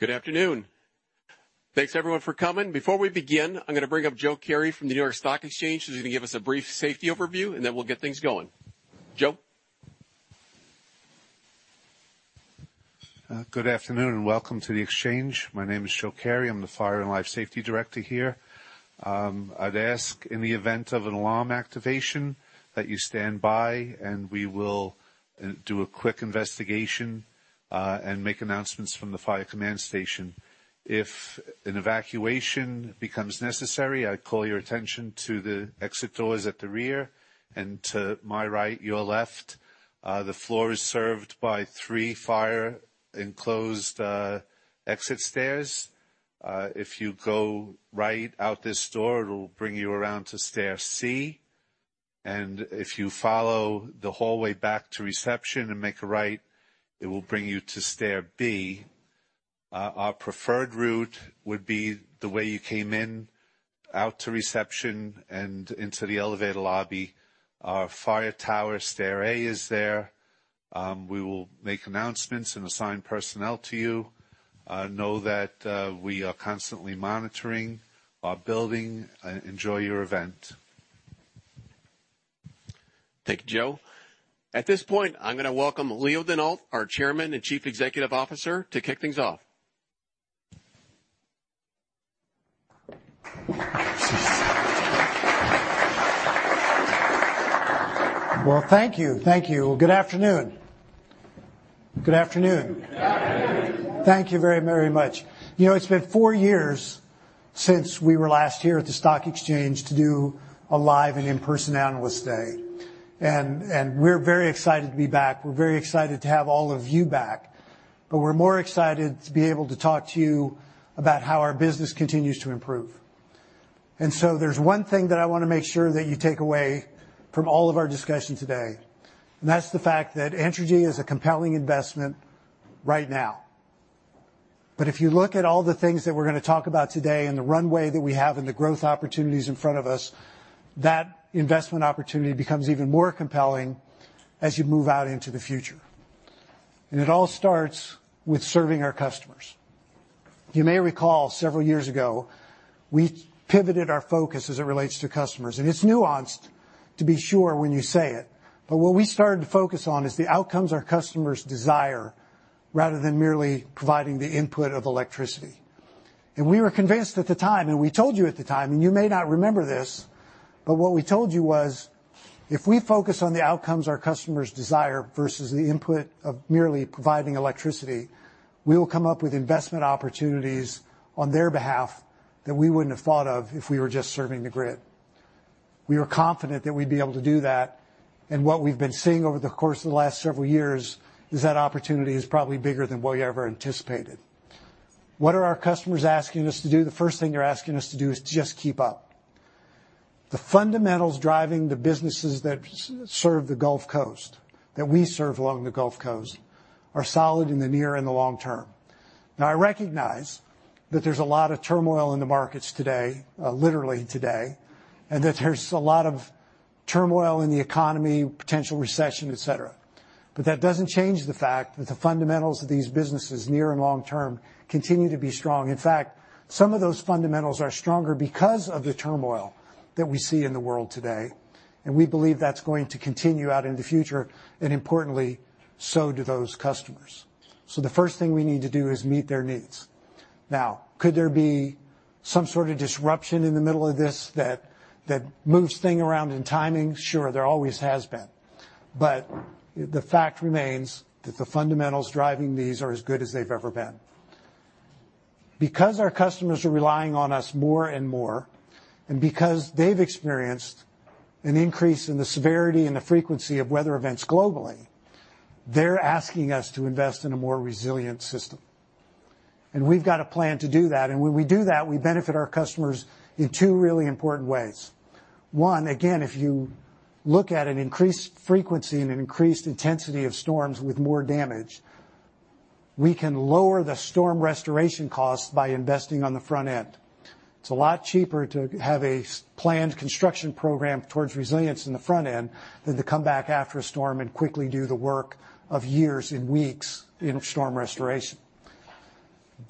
Good afternoon. Thanks, everyone, for coming. Before we begin, I'm gonna bring up Joe Carey from the New York Stock Exchange who's gonna give us a brief safety overview, and then we'll get things going. Joe. Good afternoon, and welcome to the Exchange. My name is Joe Carey. I'm the Fire and Life Safety Director here. I'd ask, in the event of an alarm activation, that you stand by and we will do a quick investigation, and make announcements from the fire command station. If an evacuation becomes necessary, I call your attention to the exit doors at the rear and to my right, your left. The floor is served by three fire-enclosed exit stairs. If you go right out this door, it'll bring you around to stair C. If you follow the hallway back to reception and make a right, it will bring you to stair B. Our preferred route would be the way you came in, out to reception and into the elevator lobby. Our fire tower stair A is there. We will make announcements and assign personnel to you. Know that we are constantly monitoring our building. Enjoy your event. Thank you, Joe. At this point, I'm gonna welcome Leo Denault, our Chairman and Chief Executive Officer, to kick things off. Well, thank you. Thank you. Good afternoon. Good afternoon. Good afternoon. Thank you very, very much. You know, it's been four years since we were last here at the Stock Exchange to do a live and in-person Analyst Day, and we're very excited to be back. We're very excited to have all of you back, but we're more excited to be able to talk to you about how our business continues to improve. There's one thing that I wanna make sure that you take away from all of our discussion today, and that's the fact that Entergy is a compelling investment right now. If you look at all the things that we're gonna talk about today and the runway that we have and the growth opportunities in front of us, that investment opportunity becomes even more compelling as you move out into the future. It all starts with serving our customers. You may recall, several years ago, we pivoted our focus as it relates to customers, and it's nuanced to be sure when you say it, but what we started to focus on is the outcomes our customers desire, rather than merely providing the input of electricity. We were convinced at the time, and we told you at the time, and you may not remember this, but what we told you was, if we focus on the outcomes our customers desire versus the input of merely providing electricity, we will come up with investment opportunities on their behalf that we wouldn't have thought of if we were just serving the grid. We were confident that we'd be able to do that, and what we've been seeing over the course of the last several years is that opportunity is probably bigger than what we ever anticipated. What are our customers asking us to do? The first thing they're asking us to do is to just keep up. The fundamentals driving the businesses that serve the Gulf Coast, that we serve along the Gulf Coast, are solid in the near and the long term. Now, I recognize that there's a lot of turmoil in the markets today, literally today, and that there's a lot of turmoil in the economy, potential recession, et cetera. But that doesn't change the fact that the fundamentals of these businesses near and long term continue to be strong. In fact, some of those fundamentals are stronger because of the turmoil that we see in the world today, and we believe that's going to continue out into the future, and importantly, so do those customers. The first thing we need to do is meet their needs. Now, could there be some sort of disruption in the middle of this that moves things around in timing? Sure. There always has been. The fact remains that the fundamentals driving these are as good as they've ever been. Because our customers are relying on us more and more, and because they've experienced an increase in the severity and the frequency of weather events globally, they're asking us to invest in a more resilient system. We've got a plan to do that. When we do that, we benefit our customers in two really important ways. One, again, if you look at an increased frequency and an increased intensity of storms with more damage, we can lower the storm restoration costs by investing on the front end. It's a lot cheaper to have a pre-planned construction program towards resilience in the front end than to come back after a storm and quickly do the work of years in weeks in storm restoration.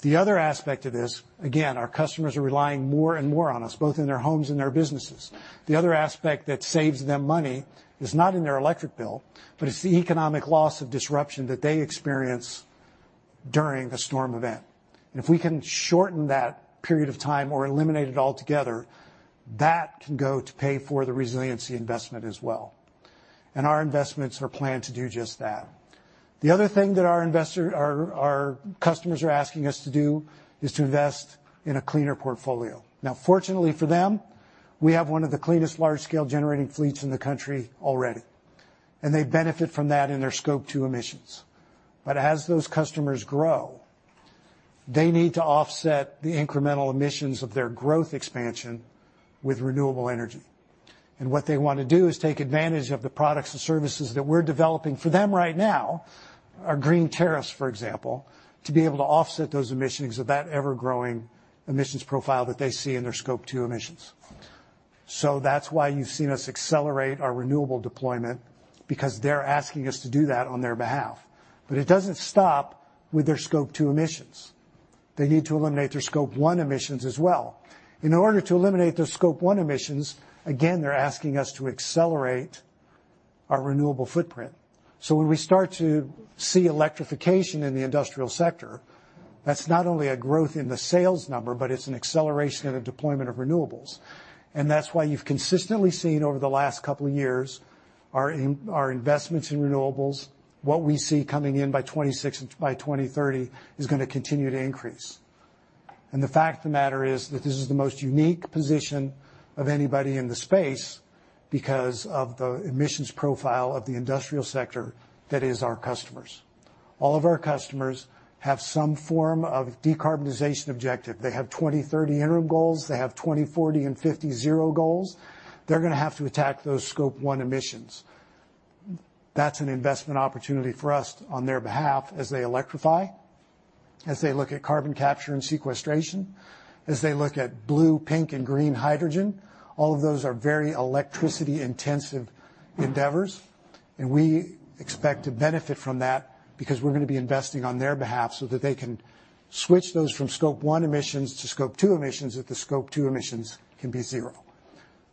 The other aspect of this, again, our customers are relying more and more on us, both in their homes and their businesses. The other aspect that saves them money is not in their electric bill, but it's the economic loss of disruption that they experience during a storm event. If we can shorten that period of time or eliminate it altogether, that can go to pay for the resiliency investment as well. Our investments are planned to do just that. The other thing that our customers are asking us to do is to invest in a cleaner portfolio. Now, fortunately for them, we have one of the cleanest large-scale generating fleets in the country already, and they benefit from that in their Scope 2 emissions. As those customers grow, they need to offset the incremental emissions of their growth expansion with renewable energy. What they want to do is take advantage of the products and services that we're developing for them right now, our green tariffs, for example, to be able to offset those emissions of that ever-growing emissions profile that they see in their Scope 2 emissions. That's why you've seen us accelerate our renewable deployment, because they're asking us to do that on their behalf. It doesn't stop with their Scope 2 emissions. They need to eliminate their Scope 1 emissions as well. In order to eliminate their Scope 1 emissions, again, they're asking us to accelerate our renewable footprint. When we start to see electrification in the industrial sector, that's not only a growth in the sales number, but it's an acceleration in the deployment of renewables. That's why you've consistently seen over the last couple of years our investments in renewables, what we see coming in by 2026 and by 2030 is gonna continue to increase. The fact of the matter is that this is the most unique position of anybody in the space because of the emissions profile of the industrial sector that is our customers. All of our customers have some form of decarbonization objective. They have 2030 interim goals. They have 2040 and 2050 zero goals. They're gonna have to attack those Scope 1 emissions. That's an investment opportunity for us on their behalf as they electrify, as they look at carbon capture and sequestration, as they look at blue, pink and green hydrogen. All of those are very electricity-intensive endeavors, and we expect to benefit from that because we're gonna be investing on their behalf so that they can switch those from Scope 1 emissions to Scope 2 emissions, that the Scope 2 emissions can be zero.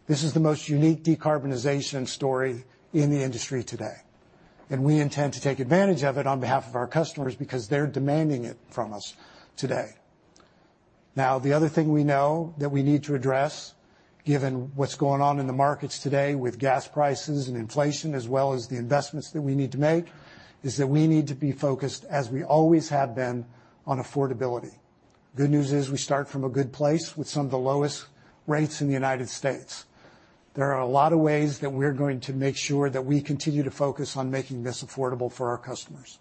This is the most unique decarbonization story in the industry today, and we intend to take advantage of it on behalf of our customers because they're demanding it from us today. Now, the other thing we know that we need to address, given what's going on in the markets today with gas prices and inflation, as well as the investments that we need to make, is that we need to be focused, as we always have been, on affordability. Good news is we start from a good place with some of the lowest rates in the United States. There are a lot of ways that we're going to make sure that we continue to focus on making this affordable for our customers.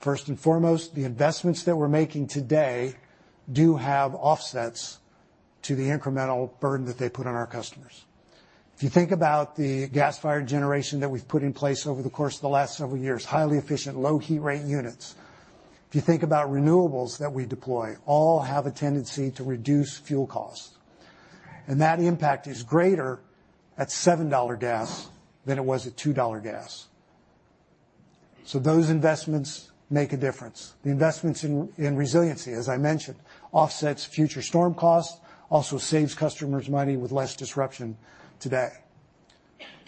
First and foremost, the investments that we're making today do have offsets to the incremental burden that they put on our customers. If you think about the gas-fired generation that we've put in place over the course of the last several years, highly efficient, low heat rate units. If you think about renewables that we deploy, all have a tendency to reduce fuel costs, and that impact is greater at $7 gas than it was at $2 gas. Those investments make a difference. The investments in resiliency, as I mentioned, offsets future storm costs, also saves customers money with less disruption today.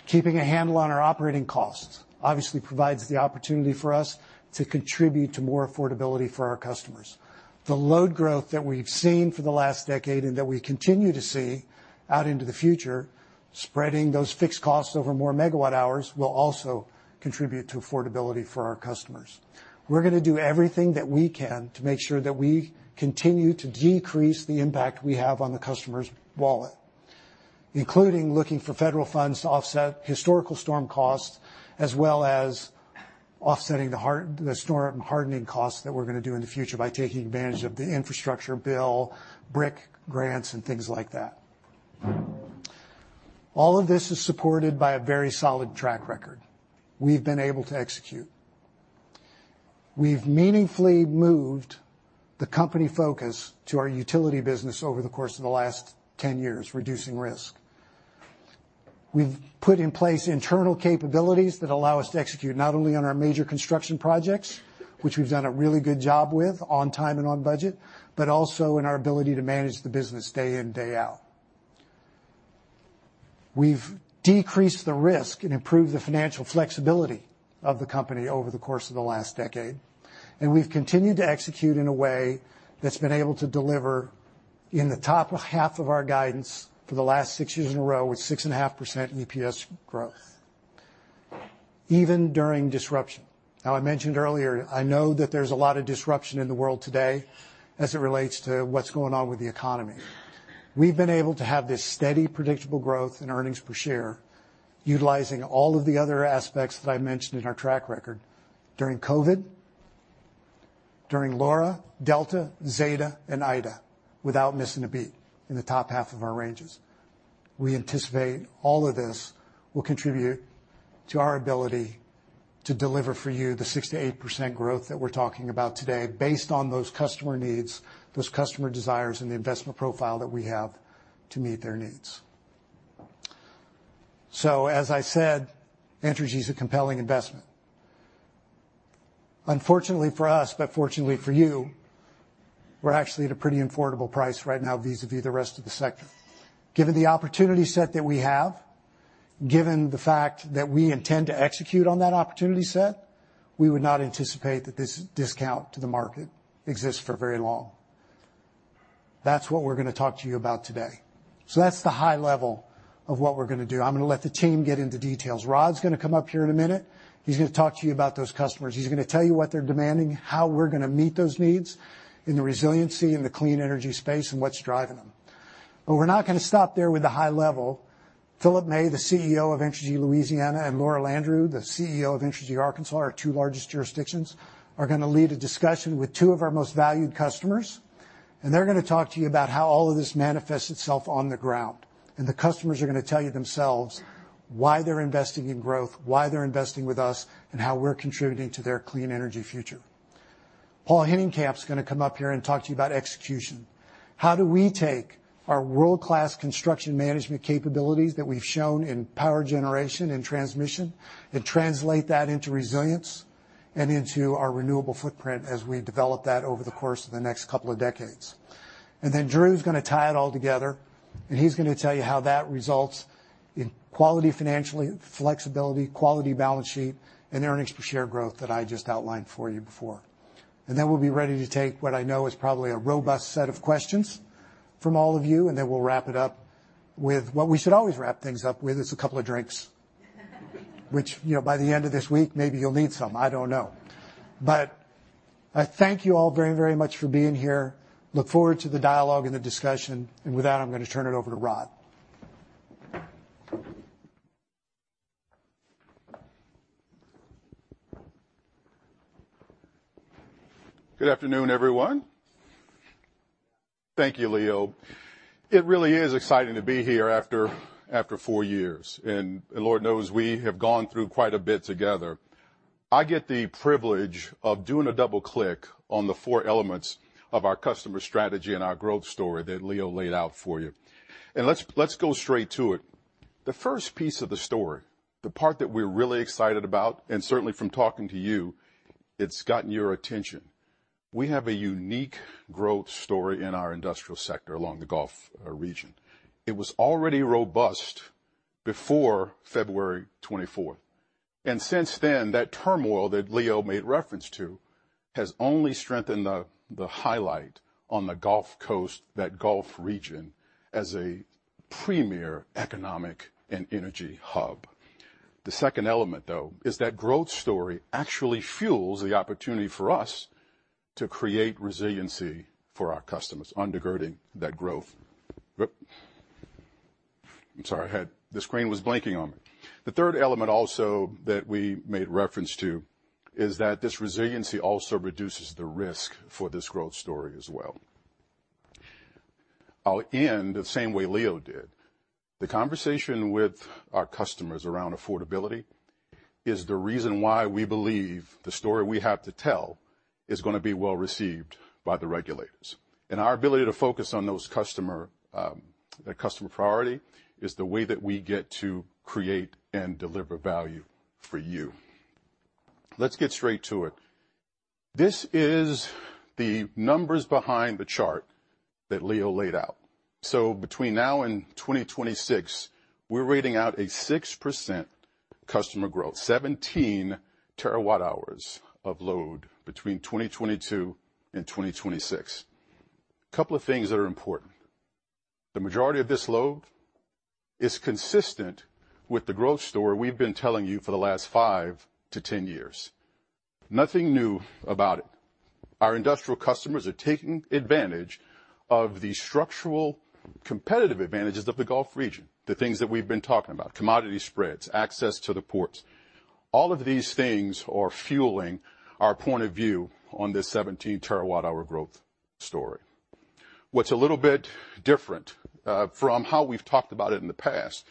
Keeping a handle on our operating costs obviously provides the opportunity for us to contribute to more affordability for our customers. The load growth that we've seen for the last decade and that we continue to see out into the future, spreading those fixed costs over more megawatt hours, will also contribute to affordability for our customers. We're gonna do everything that we can to make sure that we continue to decrease the impact we have on the customer's wallet, including looking for federal funds to offset historical storm costs, as well as offsetting the storm hardening costs that we're gonna do in the future by taking advantage of the infrastructure bill, BRIC grants and things like that. All of this is supported by a very solid track record. We've been able to execute. We've meaningfully moved the company focus to our utility business over the course of the last 10 years, reducing risk. We've put in place internal capabilities that allow us to execute not only on our major construction projects, which we've done a really good job with on time and on budget, but also in our ability to manage the business day in, day out. We've decreased the risk and improved the financial flexibility of the company over the course of the last decade, and we've continued to execute in a way that's been able to deliver in the top half of our guidance for the last six years in a row with 6.5% EPS growth, even during disruption. Now, I mentioned earlier, I know that there's a lot of disruption in the world today as it relates to what's going on with the economy. We've been able to have this steady, predictable growth in earnings per share, utilizing all of the other aspects that I mentioned in our track record during COVID, during Laura, Delta, Zeta and Ida, without missing a beat in the top half of our ranges. We anticipate all of this will contribute to our ability to deliver for you the 6%-8% growth that we're talking about today based on those customer needs, those customer desires and the investment profile that we have to meet their needs. As I said, Entergy is a compelling investment. Unfortunately for us, but fortunately for you, we're actually at a pretty affordable price right now vis-a-vis the rest of the sector. Given the opportunity set that we have, given the fact that we intend to execute on that opportunity set, we would not anticipate that this discount to the market exists for very long. That's what we're gonna talk to you about today. That's the high level of what we're gonna do. I'm gonna let the team get into details. Rod's gonna come up here in a minute. He's gonna talk to you about those customers. He's gonna tell you what they're demanding, how we're gonna meet those needs in the resiliency and the clean energy space and what's driving them. We're not gonna stop there with the high level. Phillip May, the CEO of Entergy Louisiana, and Laura Landreaux, the CEO of Entergy Arkansas, our two largest jurisdictions, are gonna lead a discussion with two of our most valued customers. They're gonna talk to you about how all of this manifests itself on the ground. The customers are gonna tell you themselves why they're investing in growth, why they're investing with us, and how we're contributing to their clean energy future. Paul Hinnenkamp's gonna come up here and talk to you about execution. How do we take our world-class construction management capabilities that we've shown in power generation and transmission, and translate that into resilience and into our renewable footprint as we develop that over the course of the next couple of decades? Then Drew's gonna tie it all together, and he's gonna tell you how that results in quality financially, flexibility, quality balance sheet, and earnings per share growth that I just outlined for you before. Then we'll be ready to take what I know is probably a robust set of questions from all of you, and then we'll wrap it up with what we should always wrap things up with, is a couple of drinks. Which, you know, by the end of this week, maybe you'll need some, I don't know. I thank you all very, very much for being here. Look forward to the dialogue and the discussion, and with that, I'm gonna turn it over to Rod. Good afternoon, everyone. Thank you, Leo. It really is exciting to be here after four years, and Lord knows we have gone through quite a bit together. I get the privilege of doing a double-click on the four elements of our customer strategy and our growth story that Leo laid out for you. Let's go straight to it. The first piece of the story, the part that we're really excited about, and certainly from talking to you, it's gotten your attention, we have a unique growth story in our industrial sector along the Gulf region. It was already robust before February 24. Since then, that turmoil that Leo made reference to has only strengthened the highlight on the Gulf Coast, that Gulf region, as a premier economic and energy hub. The second element, though, is that growth story actually fuels the opportunity for us to create resiliency for our customers undergirding that growth. The third element also that we made reference to is that this resiliency also reduces the risk for this growth story as well. I'll end the same way Leo did. The conversation with our customers around affordability is the reason why we believe the story we have to tell is gonna be well-received by the regulators. Our ability to focus on those customer, the customer priority is the way that we get to create and deliver value for you. Let's get straight to it. This is the numbers behind the chart that Leo laid out. Between now and 2026, we're reading out a 6% customer growth. 17 terawatt-hours of load between 2022 and 2026. Couple of things that are important. The majority of this load is consistent with the growth story we've been telling you for the last 5-10 years. Nothing new about it. Our industrial customers are taking advantage of the structural competitive advantages of the Gulf region, the things that we've been talking about, commodity spreads, access to the ports. All of these things are fueling our point of view on this 17 terawatt-hour growth story. What's a little bit different from how we've talked about it in the past,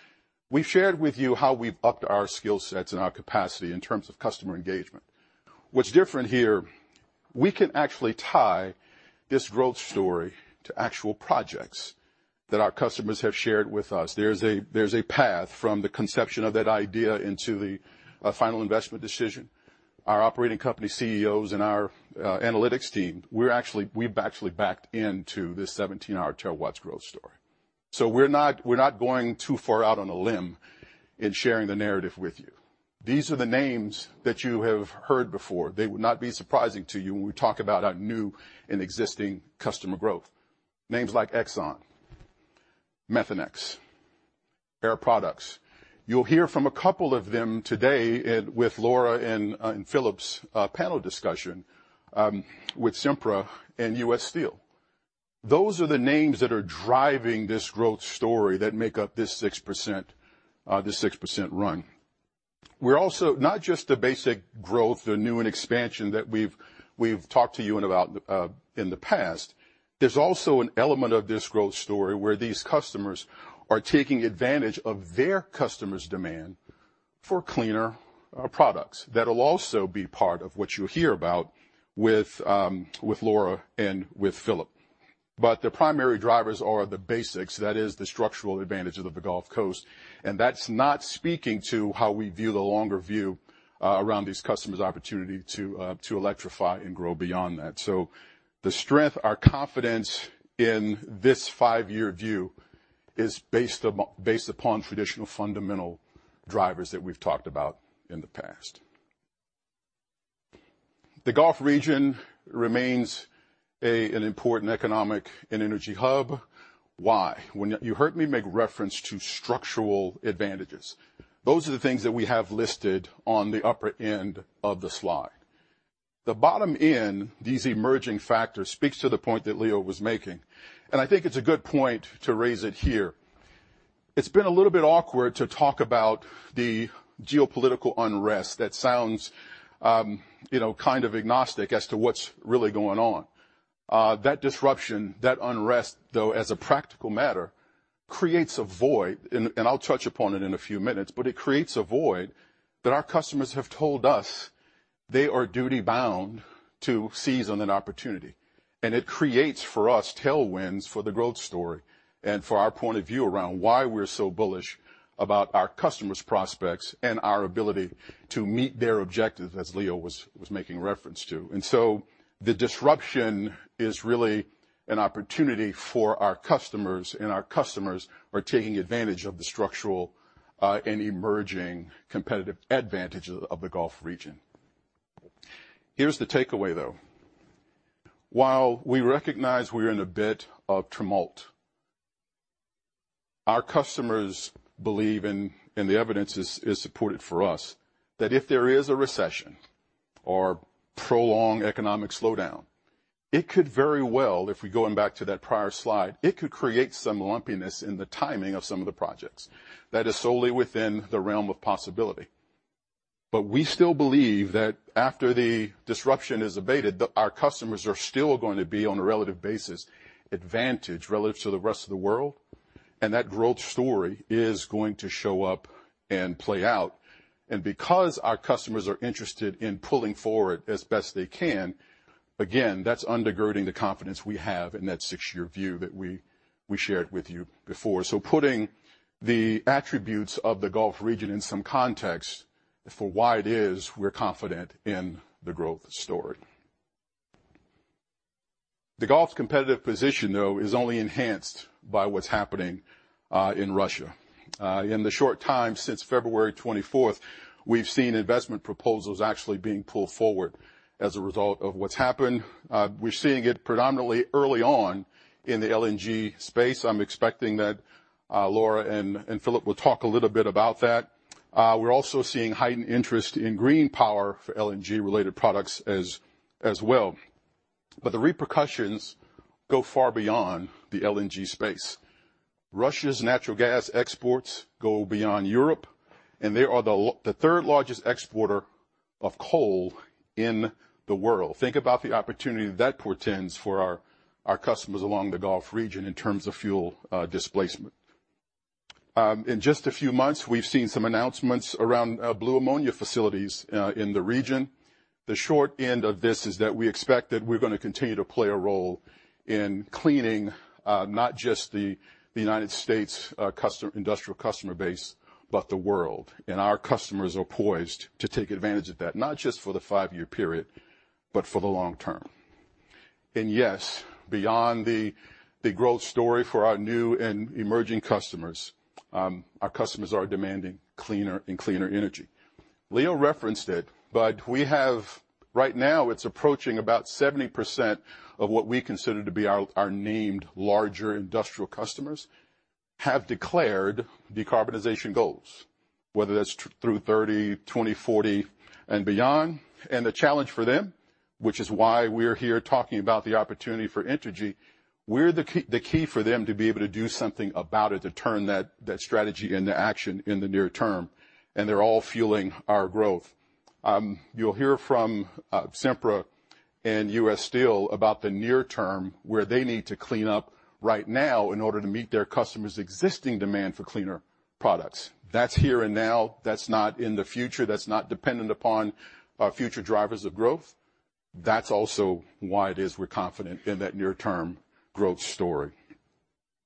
we've shared with you how we've upped our skillsets and our capacity in terms of customer engagement. What's different here, we can actually tie this growth story to actual projects that our customers have shared with us. There's a path from the conception of that idea into the final investment decision. Our operating company CEOs and our analytics team, we've actually backed into this 17 terawatt-hours growth story. We're not going too far out on a limb in sharing the narrative with you. These are the names that you have heard before. They would not be surprising to you when we talk about our new and existing customer growth. Names like Exxon, Methanex, Air Products. You'll hear from a couple of them today in with Laura and Phillip's panel discussion with Sempra and U.S. Steel. Those are the names that are driving this growth story that make up this 6% run. We're also not just the basic growth or new and expansion that we've talked to you about in the past. There's also an element of this growth story where these customers are taking advantage of their customers' demand for cleaner products. That'll also be part of what you'll hear about with Laura and with Phillip. The primary drivers are the basics, that is the structural advantages of the Gulf Coast, and that's not speaking to how we view the longer view around these customers' opportunity to electrify and grow beyond that. The strength, our confidence in this five-year view is based upon traditional fundamental drivers that we've talked about in the past. The Gulf region remains an important economic and energy hub. Why? When you heard me make reference to structural advantages, those are the things that we have listed on the upper end of the slide. The bottom end, these emerging factors, speaks to the point that Leo was making, and I think it's a good point to raise it here. It's been a little bit awkward to talk about the geopolitical unrest that sounds, you know, kind of agnostic as to what's really going on. That disruption, that unrest, though, as a practical matter, creates a void, and I'll touch upon it in a few minutes, but it creates a void that our customers have told us they are duty-bound to seize on an opportunity. It creates for us tailwinds for the growth story and for our point of view around why we're so bullish about our customers' prospects and our ability to meet their objective, as Leo was making reference to. The disruption is really an opportunity for our customers, and our customers are taking advantage of the structural and emerging competitive advantage of the Gulf region. Here's the takeaway, though. While we recognize we're in a bit of tumult, our customers believe, and the evidence is supported for us, that if there is a recession or prolonged economic slowdown, it could very well, if we're going back to that prior slide, it could create some lumpiness in the timing of some of the projects. That is solely within the realm of possibility. We still believe that after the disruption is abated, then our customers are still going to be on a relative basis advantaged relative to the rest of the world, and that growth story is going to show up and play out. Because our customers are interested in pulling forward as best they can, again, that's undergirding the confidence we have in that 6-year view that we shared with you before. Putting the attributes of the Gulf region in some context for why it is we're confident in the growth story. The Gulf's competitive position, though, is only enhanced by what's happening in Russia. In the short time since February 24, we've seen investment proposals actually being pulled forward as a result of what's happened. We're seeing it predominantly early on in the LNG space. I'm expecting that Laura and Phillip will talk a little bit about that. We're also seeing heightened interest in green power for LNG-related products as well. The repercussions go far beyond the LNG space. Russia's natural gas exports go beyond Europe, and they are the third-largest exporter of coal in the world. Think about the opportunity that portends for our customers along the Gulf region in terms of fuel displacement. In just a few months, we've seen some announcements around blue ammonia facilities in the region. The short end of this is that we expect that we're gonna continue to play a role in cleaning not just the United States customer industrial customer base, but the world. Our customers are poised to take advantage of that, not just for the 5-year period, but for the long term. Yes, beyond the growth story for our new and emerging customers, our customers are demanding cleaner and cleaner energy. Leo referenced it, but we have, right now it's approaching about 70% of what we consider to be our named larger industrial customers have declared decarbonization goals, whether that's through 2030, 2040 and beyond. The challenge for them, which is why we're here talking about the opportunity for Entergy, we're the key for them to be able to do something about it to turn that strategy into action in the near term, and they're all fueling our growth. You'll hear from Sempra and U. S. Steel about the near term where they need to clean up right now in order to meet their customers' existing demand for cleaner products. That's here and now. That's not in the future. That's not dependent upon our future drivers of growth. That's also why it is we're confident in that near-term growth story.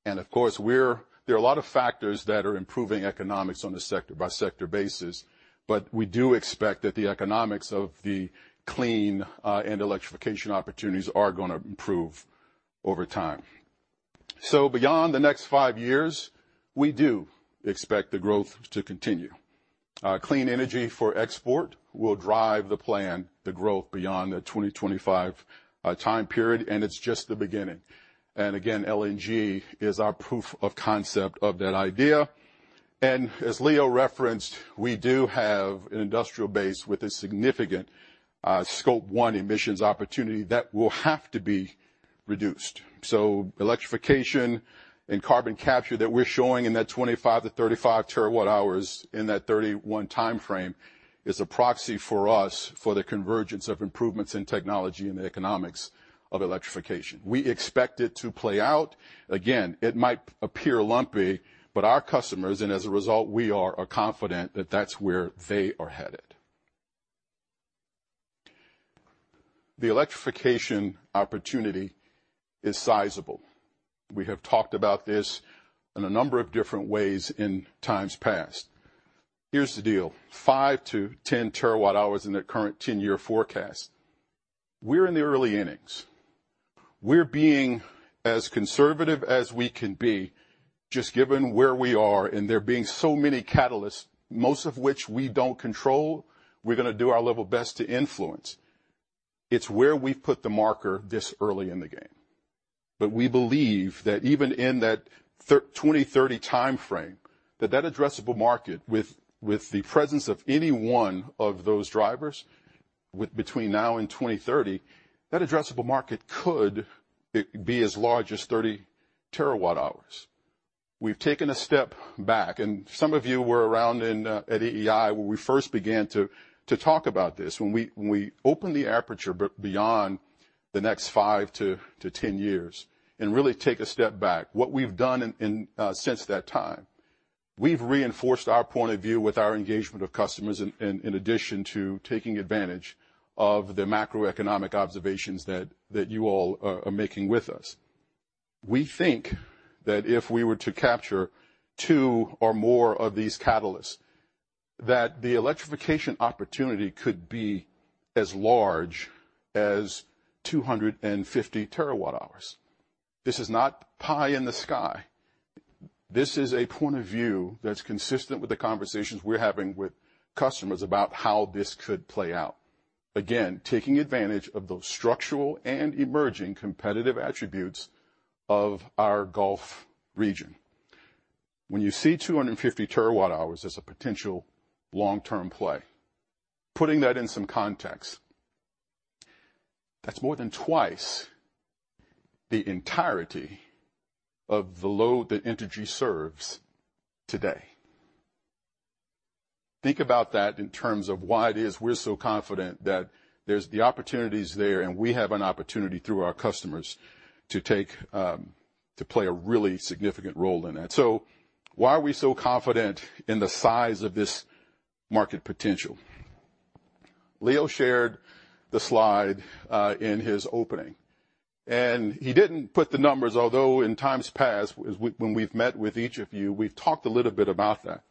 Of course, there are a lot of factors that are improving economics on a sector-by-sector basis, but we do expect that the economics of the clean and electrification opportunities are gonna improve over time. Beyond the next five years, we do expect the growth to continue. Clean energy for export will drive the plan, the growth beyond the 2025 time period, and it's just the beginning. Again, LNG is our proof of concept of that idea. As Leo referenced, we do have an industrial base with a significant Scope 1 emissions opportunity that will have to be reduced. Electrification and carbon capture that we're showing in that 25-35 terawatt hours in that 2031 timeframe is a proxy for us for the convergence of improvements in technology and the economics of electrification. We expect it to play out. Again, it might appear lumpy, but our customers, and as a result, we are confident that that's where they are headed. The electrification opportunity is sizable. We have talked about this in a number of different ways in times past. Here's the deal, 5-10 terawatt hours in the current 10-year forecast. We're in the early innings. We're being as conservative as we can be just given where we are and there being so many catalysts, most of which we don't control. We're gonna do our level best to influence. It's where we've put the marker this early in the game. We believe that even in that 2030 timeframe, that addressable market with the presence of any one of those drivers between now and 2030, that addressable market could be as large as 30 terawatt hours. We've taken a step back, and some of you were around at EEI when we first began to talk about this. When we opened the aperture beyond the next 5-10 years and really take a step back. What we've done since that time, we've reinforced our point of view with our engagement of customers in addition to taking advantage of the macroeconomic observations that you all are making with us. We think that if we were to capture two or more of these catalysts, that the electrification opportunity could be as large as 250 terawatt-hours. This is not pie in the sky. This is a point of view that's consistent with the conversations we're having with customers about how this could play out. Again, taking advantage of those structural and emerging competitive attributes of our Gulf region. When you see 250 terawatt-hours as a potential long-term play, putting that in some context, that's more than 2x the entirety of the load that Entergy serves today. Think about that in terms of why it is we're so confident that there's the opportunities there, and we have an opportunity through our customers to take, to play a really significant role in that. Why are we so confident in the size of this market potential? Leo shared the slide in his opening. He didn't put the numbers, although in times past, when we've met with each of you, we've talked a little bit about that.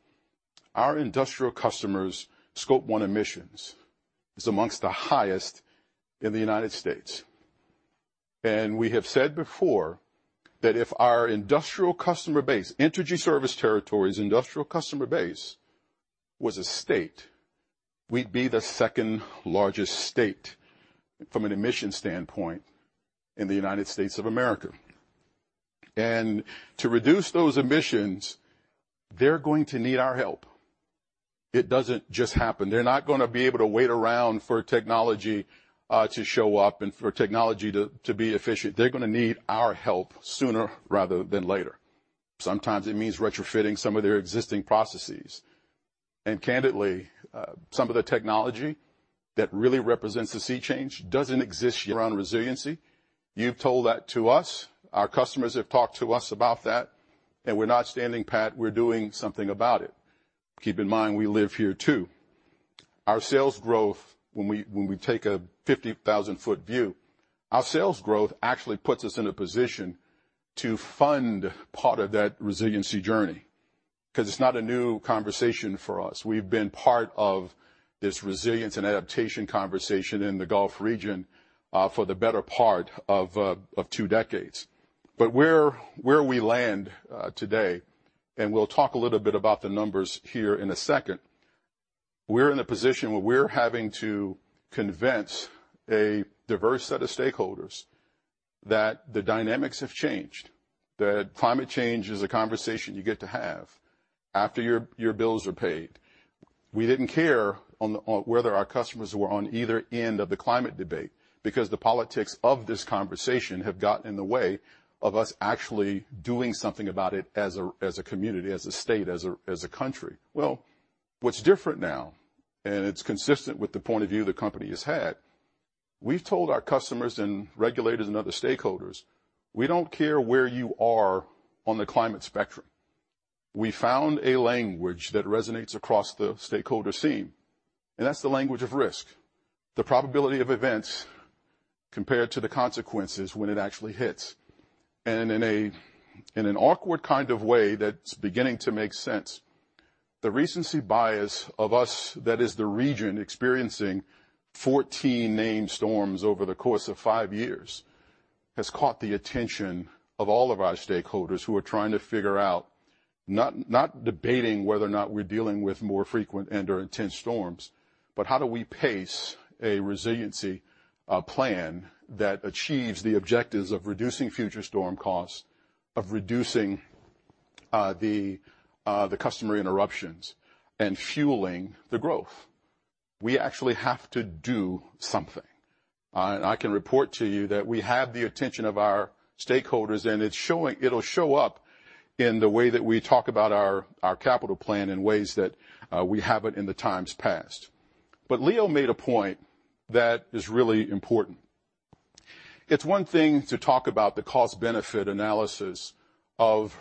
Our industrial customers' Scope 1 emissions is among the highest in the United States. We have said before that if our industrial customer base, Entergy service territories industrial customer base, was a state, we'd be the second-largest state from an emission standpoint in the United States of America. To reduce those emissions, they're going to need our help. It doesn't just happen. They're not gonna be able to wait around for technology to show up and for technology to be efficient. They're gonna need our help sooner rather than later. Sometimes it means retrofitting some of their existing processes. Candidly, some of the technology that really represents the sea change doesn't exist around resiliency. You've told that to us. Our customers have talked to us about that, and we're not standing pat. We're doing something about it. Keep in mind, we live here too. Our sales growth, when we take a 50,000-foot view, our sales growth actually puts us in a position to fund part of that resiliency journey, 'cause it's not a new conversation for us. We've been part of this resilience and adaptation conversation in the Gulf region for the better part of two decades. Where we land today, and we'll talk a little bit about the numbers here in a second, we're in a position where we're having to convince a diverse set of stakeholders that the dynamics have changed, that climate change is a conversation you get to have after your bills are paid. We didn't care on whether our customers were on either end of the climate debate because the politics of this conversation have gotten in the way of us actually doing something about it as a community, as a state, as a country. Well, what's different now, and it's consistent with the point of view the company has had, we've told our customers and regulators and other stakeholders, we don't care where you are on the climate spectrum. We found a language that resonates across the stakeholder scene, and that's the language of risk. The probability of events compared to the consequences when it actually hits. In an awkward kind of way that's beginning to make sense, the recency bias of us, that is the region experiencing 14 named storms over the course of five years, has caught the attention of all of our stakeholders who are trying to figure out, not debating whether or not we're dealing with more frequent and/or intense storms, but how do we pace a resiliency plan that achieves the objectives of reducing future storm costs, of reducing the customer interruptions and fueling the growth. We actually have to do something. I can report to you that we have the attention of our stakeholders, and it's showing. It'll show up in the way that we talk about our capital plan in ways that we haven't in the times past. Leo made a point that is really important. It's one thing to talk about the cost-benefit analysis of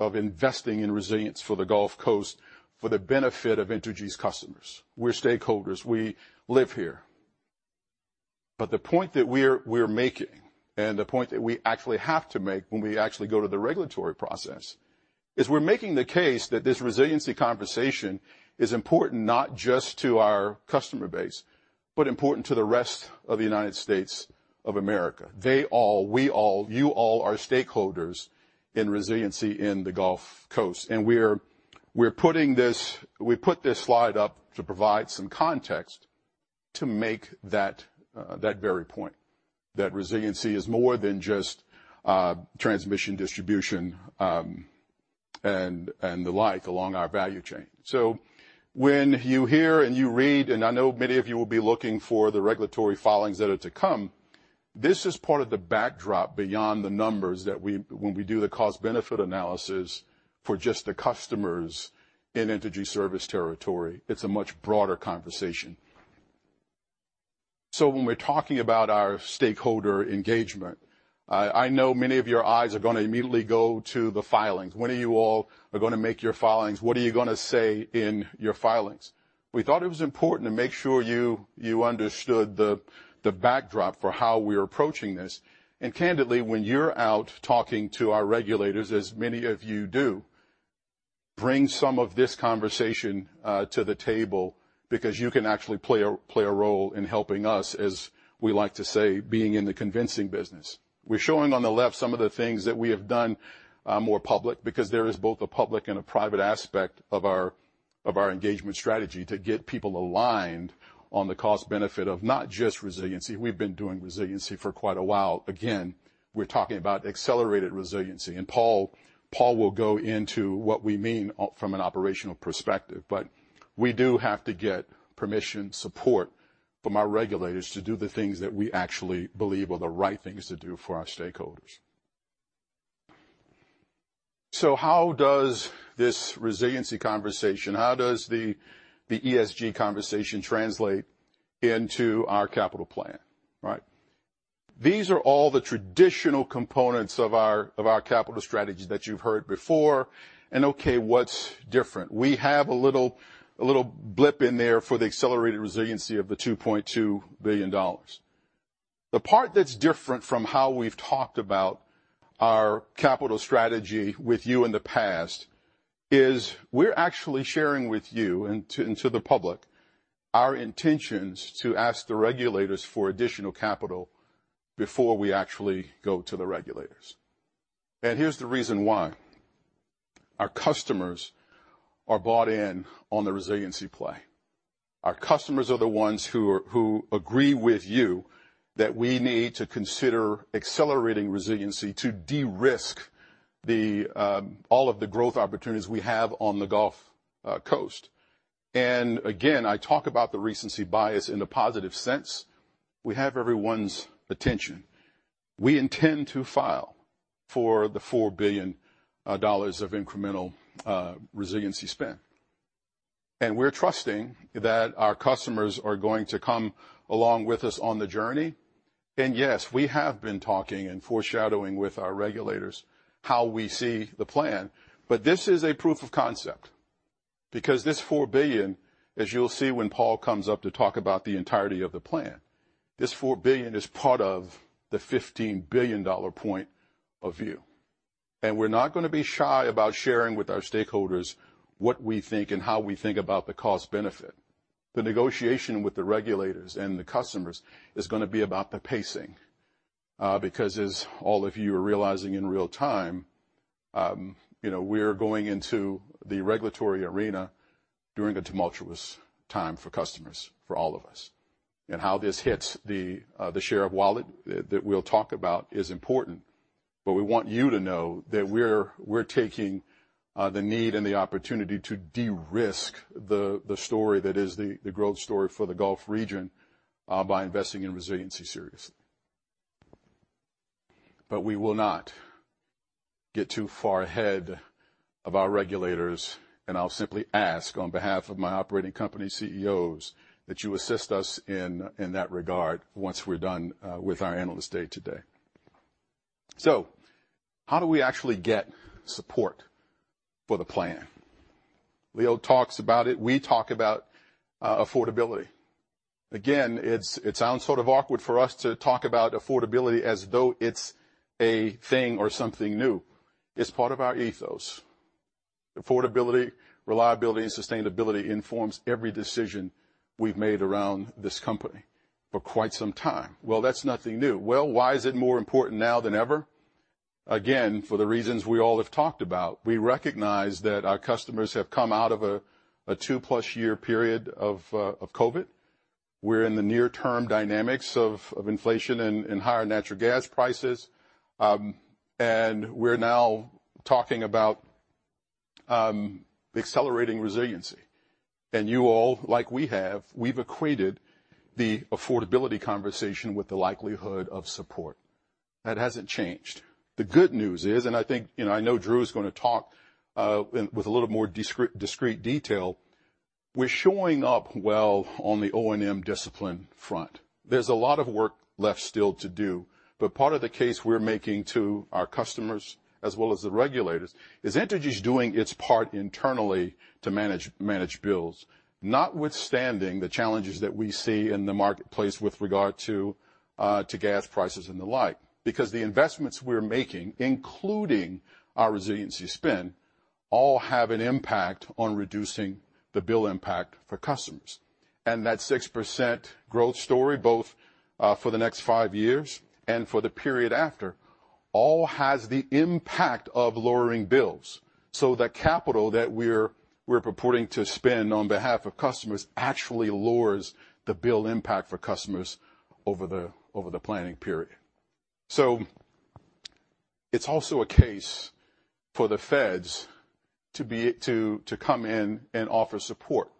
investing in resilience for the Gulf Coast for the benefit of Entergy's customers. We're stakeholders. We live here. The point that we're making, and the point that we actually have to make when we actually go to the regulatory process, is we're making the case that this resiliency conversation is important not just to our customer base, but important to the rest of the United States of America. They all, we all, you all are stakeholders in resiliency in the Gulf Coast. We're putting this slide up to provide some context to make that very point, that resiliency is more than just transmission, distribution, and the like along our value chain. When you hear and you read, and I know many of you will be looking for the regulatory filings that are to come. This is part of the backdrop beyond the numbers that we, when we do the cost-benefit analysis for just the customers in Entergy service territory, it's a much broader conversation. When we're talking about our stakeholder engagement, I know many of your eyes are gonna immediately go to the filings. When are you all gonna make your filings? What are you gonna say in your filings? We thought it was important to make sure you understood the backdrop for how we're approaching this. Candidly, when you're out talking to our regulators, as many of you do, bring some of this conversation to the table because you can actually play a role in helping us, as we like to say, being in the convincing business. We're showing on the left some of the things that we have done more public because there is both a public and a private aspect of our engagement strategy to get people aligned on the cost benefit of not just resiliency. We've been doing resiliency for quite a while. Again, we're talking about accelerated resiliency, and Paul will go into what we mean from an operational perspective. But we do have to get permission, support from our regulators to do the things that we actually believe are the right things to do for our stakeholders. How does this resiliency conversation, how does the ESG conversation translate into our capital plan, right? These are all the traditional components of our capital strategy that you've heard before, okay, what's different? We have a little blip in there for the accelerated resiliency of $2.2 billion. The part that's different from how we've talked about our capital strategy with you in the past is we're actually sharing with you and to the public our intentions to ask the regulators for additional capital before we actually go to the regulators. Here's the reason why. Our customers are bought in on the resiliency play. Our customers are the ones who agree with you that we need to consider accelerating resiliency to de-risk all of the growth opportunities we have on the Gulf Coast. I talk about the recency bias in a positive sense. We have everyone's attention. We intend to file for the $4 billion of incremental resiliency spend. We're trusting that our customers are going to come along with us on the journey, and yes, we have been talking and foreshadowing with our regulators how we see the plan. This is a proof of concept because this $4 billion, as you'll see when Paul comes up to talk about the entirety of the plan, this $4 billion is part of the $15 billion point of view. We're not gonna be shy about sharing with our stakeholders what we think and how we think about the cost benefit. The negotiation with the regulators and the customers is gonna be about the pacing, because as all of you are realizing in real time, you know, we're going into the regulatory arena during a tumultuous time for customers, for all of us. How this hits the share of wallet that we'll talk about is important, but we want you to know that we're taking the need and the opportunity to de-risk the story that is the growth story for the Gulf region by investing in resiliency seriously. We will not get too far ahead of our regulators, and I'll simply ask on behalf of my operating company CEOs that you assist us in that regard once we're done with our analyst day today. How do we actually get support for the plan? Leo talks about it. We talk about affordability. Again, it sounds sort of awkward for us to talk about affordability as though it's a thing or something new. It's part of our ethos. Affordability, reliability, and sustainability informs every decision we've made around this company for quite some time. Well, that's nothing new. Well, why is it more important now than ever? Again, for the reasons we all have talked about. We recognize that our customers have come out of a 2-plus year period of COVID. We're in the near-term dynamics of inflation and higher natural gas prices. We're now talking about accelerating resiliency. You all, like we have, we've equated the affordability conversation with the likelihood of support. That hasn't changed. The good news is, and I think, and I know Drew is gonna talk with a little more discrete detail, we're showing up well on the O&M discipline front. There's a lot of work left still to do, but part of the case we're making to our customers as well as the regulators is Entergy's doing its part internally to manage bills, notwithstanding the challenges that we see in the marketplace with regard to gas prices and the like. Because the investments we're making, including our resiliency spend, all have an impact on reducing the bill impact for customers. That 6% growth story, both for the next five years and for the period after, all has the impact of lowering bills. The capital that we're purporting to spend on behalf of customers actually lowers the bill impact for customers over the planning period. It's also a case for the feds to come in and offer support.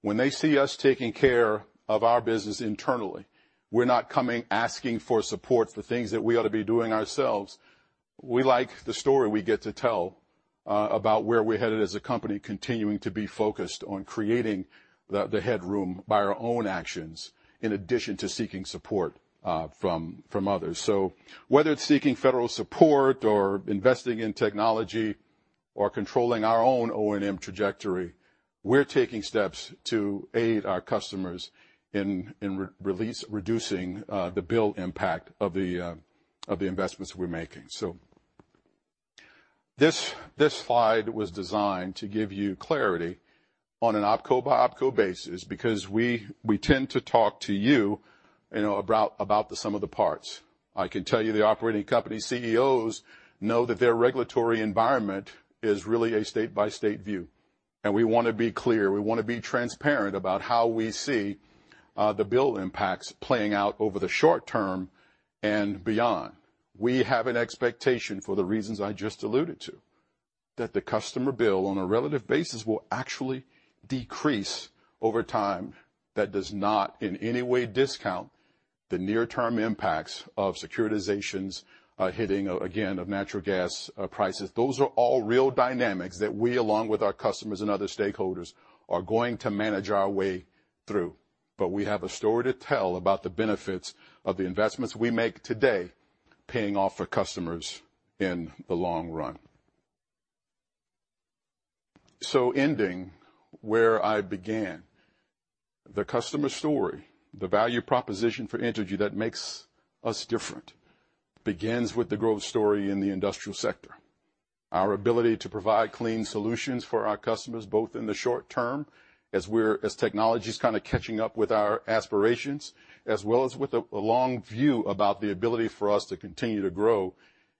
When they see us taking care of our business internally, we're not coming asking for support for things that we ought to be doing ourselves. We like the story we get to tell about where we're headed as a company, continuing to be focused on creating the headroom by our own actions in addition to seeking support from others. Whether it's seeking federal support or investing in technology or controlling our own O&M trajectory, we're taking steps to aid our customers in reducing the bill impact of the investments we're making. This slide was designed to give you clarity on an opco by opco basis because we tend to talk to you know, about the sum of the parts. I can tell you the operating company CEOs know that their regulatory environment is really a state-by-state view, and we wanna be clear, we wanna be transparent about how we see the bill impacts playing out over the short term and beyond. We have an expectation for the reasons I just alluded to, that the customer bill on a relative basis will actually decrease over time. That does not in any way discount the near term impacts of securitizations, hitting again, of natural gas prices. Those are all real dynamics that we, along with our customers and other stakeholders, are going to manage our way through. We have a story to tell about the benefits of the investments we make today, paying off for customers in the long run. Ending where I began. The customer story, the value proposition for Entergy that makes us different begins with the growth story in the industrial sector. Our ability to provide clean solutions for our customers, both in the short term as technology's kind of catching up with our aspirations, as well as with a long view about the ability for us to continue to grow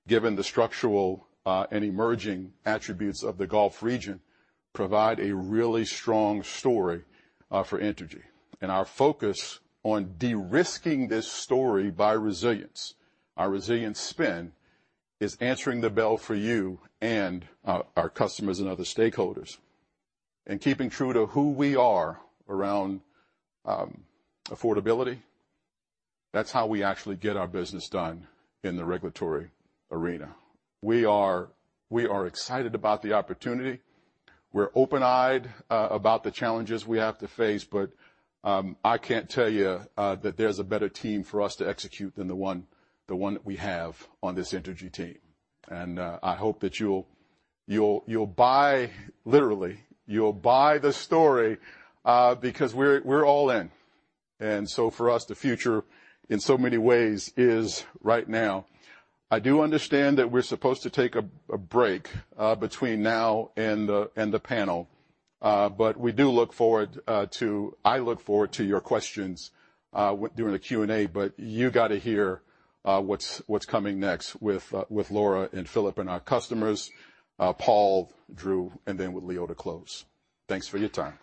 given the structural and emerging attributes of the Gulf region, provide a really strong story for Entergy. Our focus on de-risking this story by resilience, our resilience spend, is answering the bell for you and our customers and other stakeholders. Keeping true to who we are around affordability, that's how we actually get our business done in the regulatory arena. We are excited about the opportunity. We're open-eyed about the challenges we have to face, but I can't tell you that there's a better team for us to execute than the one that we have on this Entergy team. I hope that you'll buy, literally, you'll buy the story because we're all in. For us, the future in so many ways is right now. I do understand that we're supposed to take a break between now and the panel. I look forward to your questions during the Q&A, but you gotta hear what's coming next with Laura and Phillip and our customers, Paul, Drew, and then with Leo to close. Thanks for your time.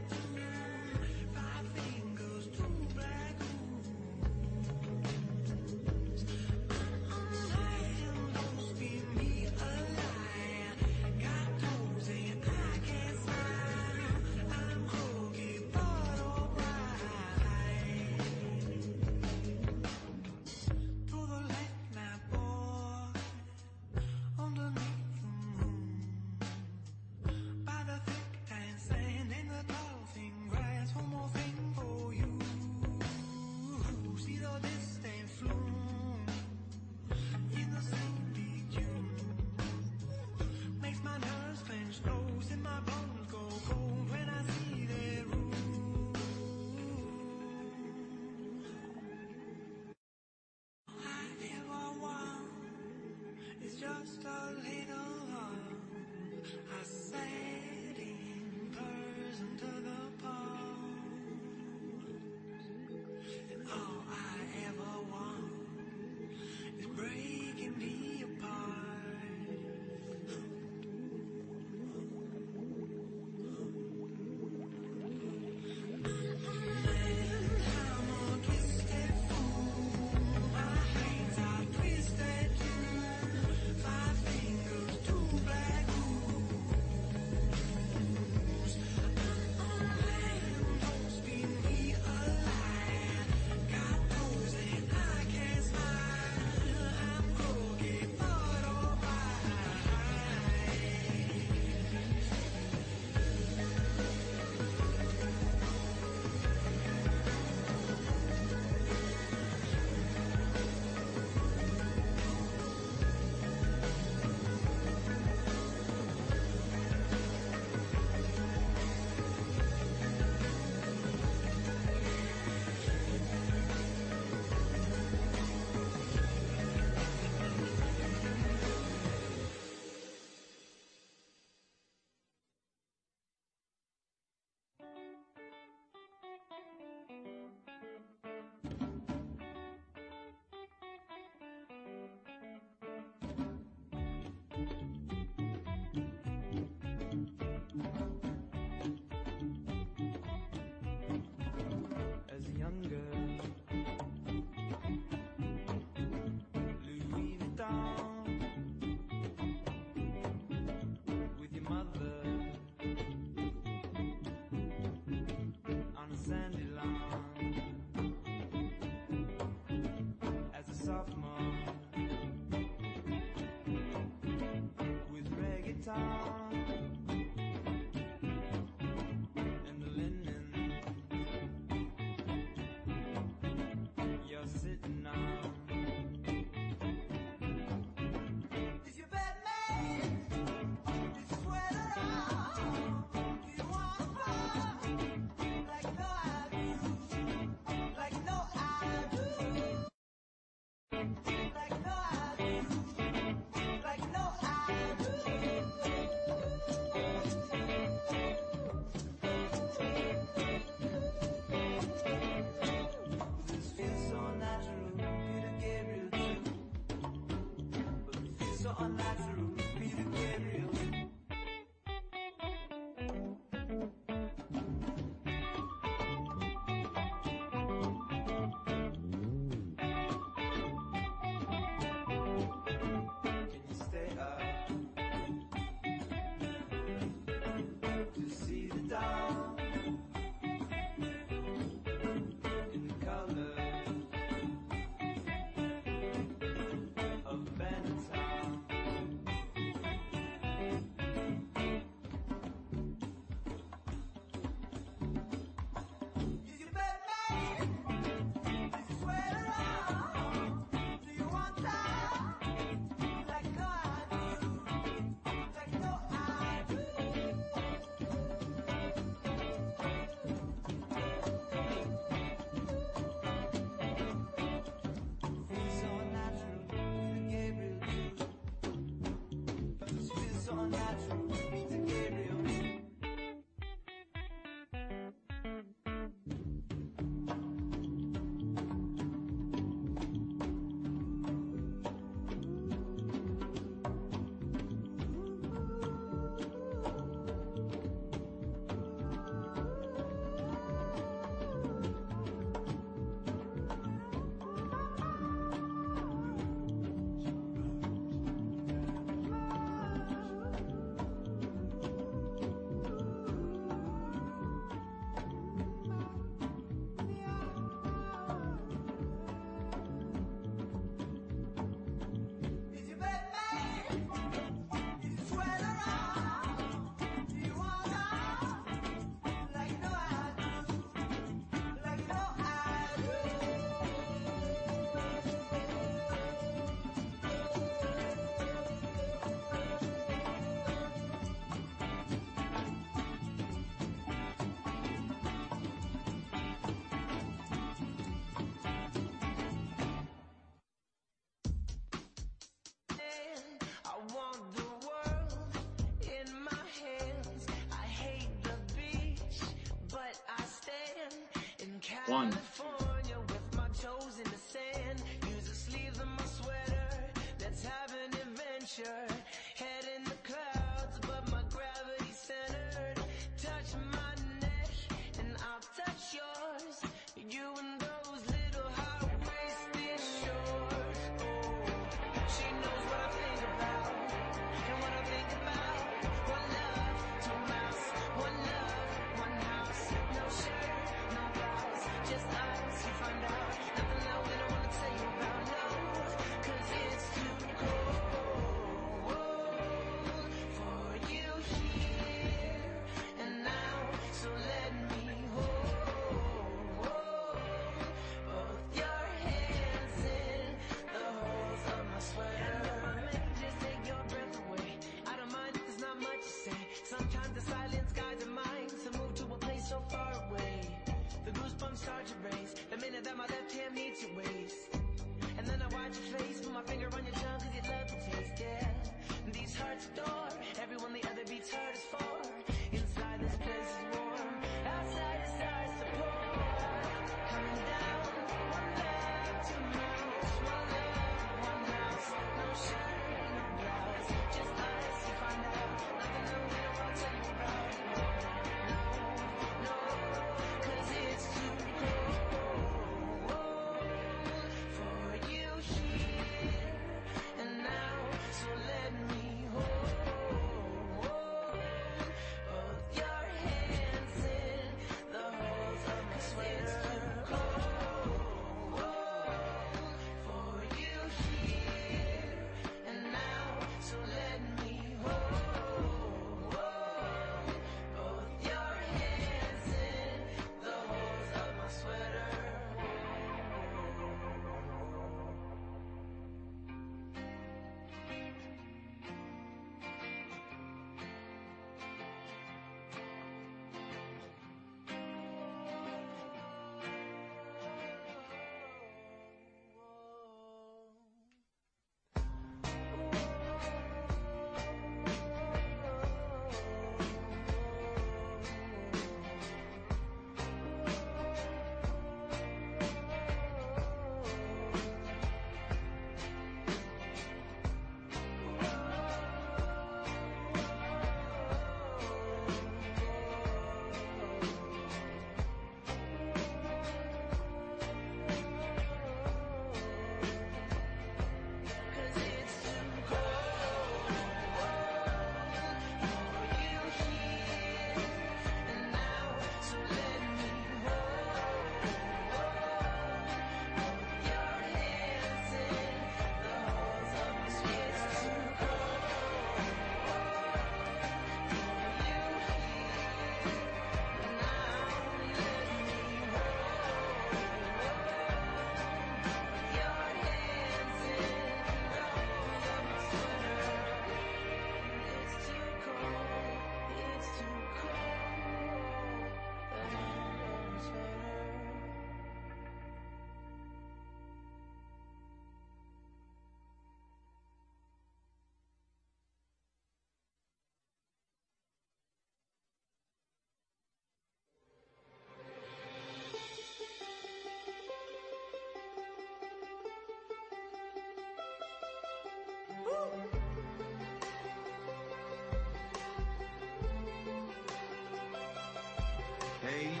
Okay,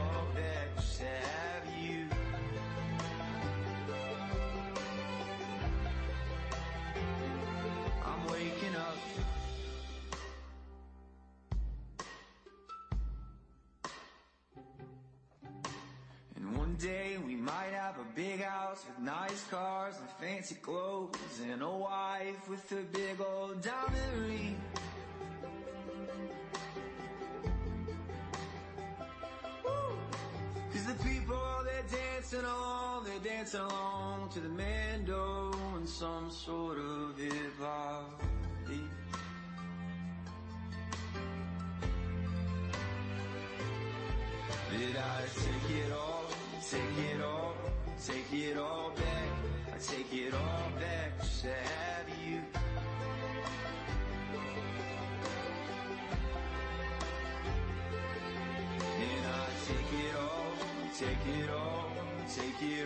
that works. We're actually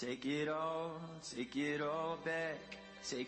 gonna. Yes, there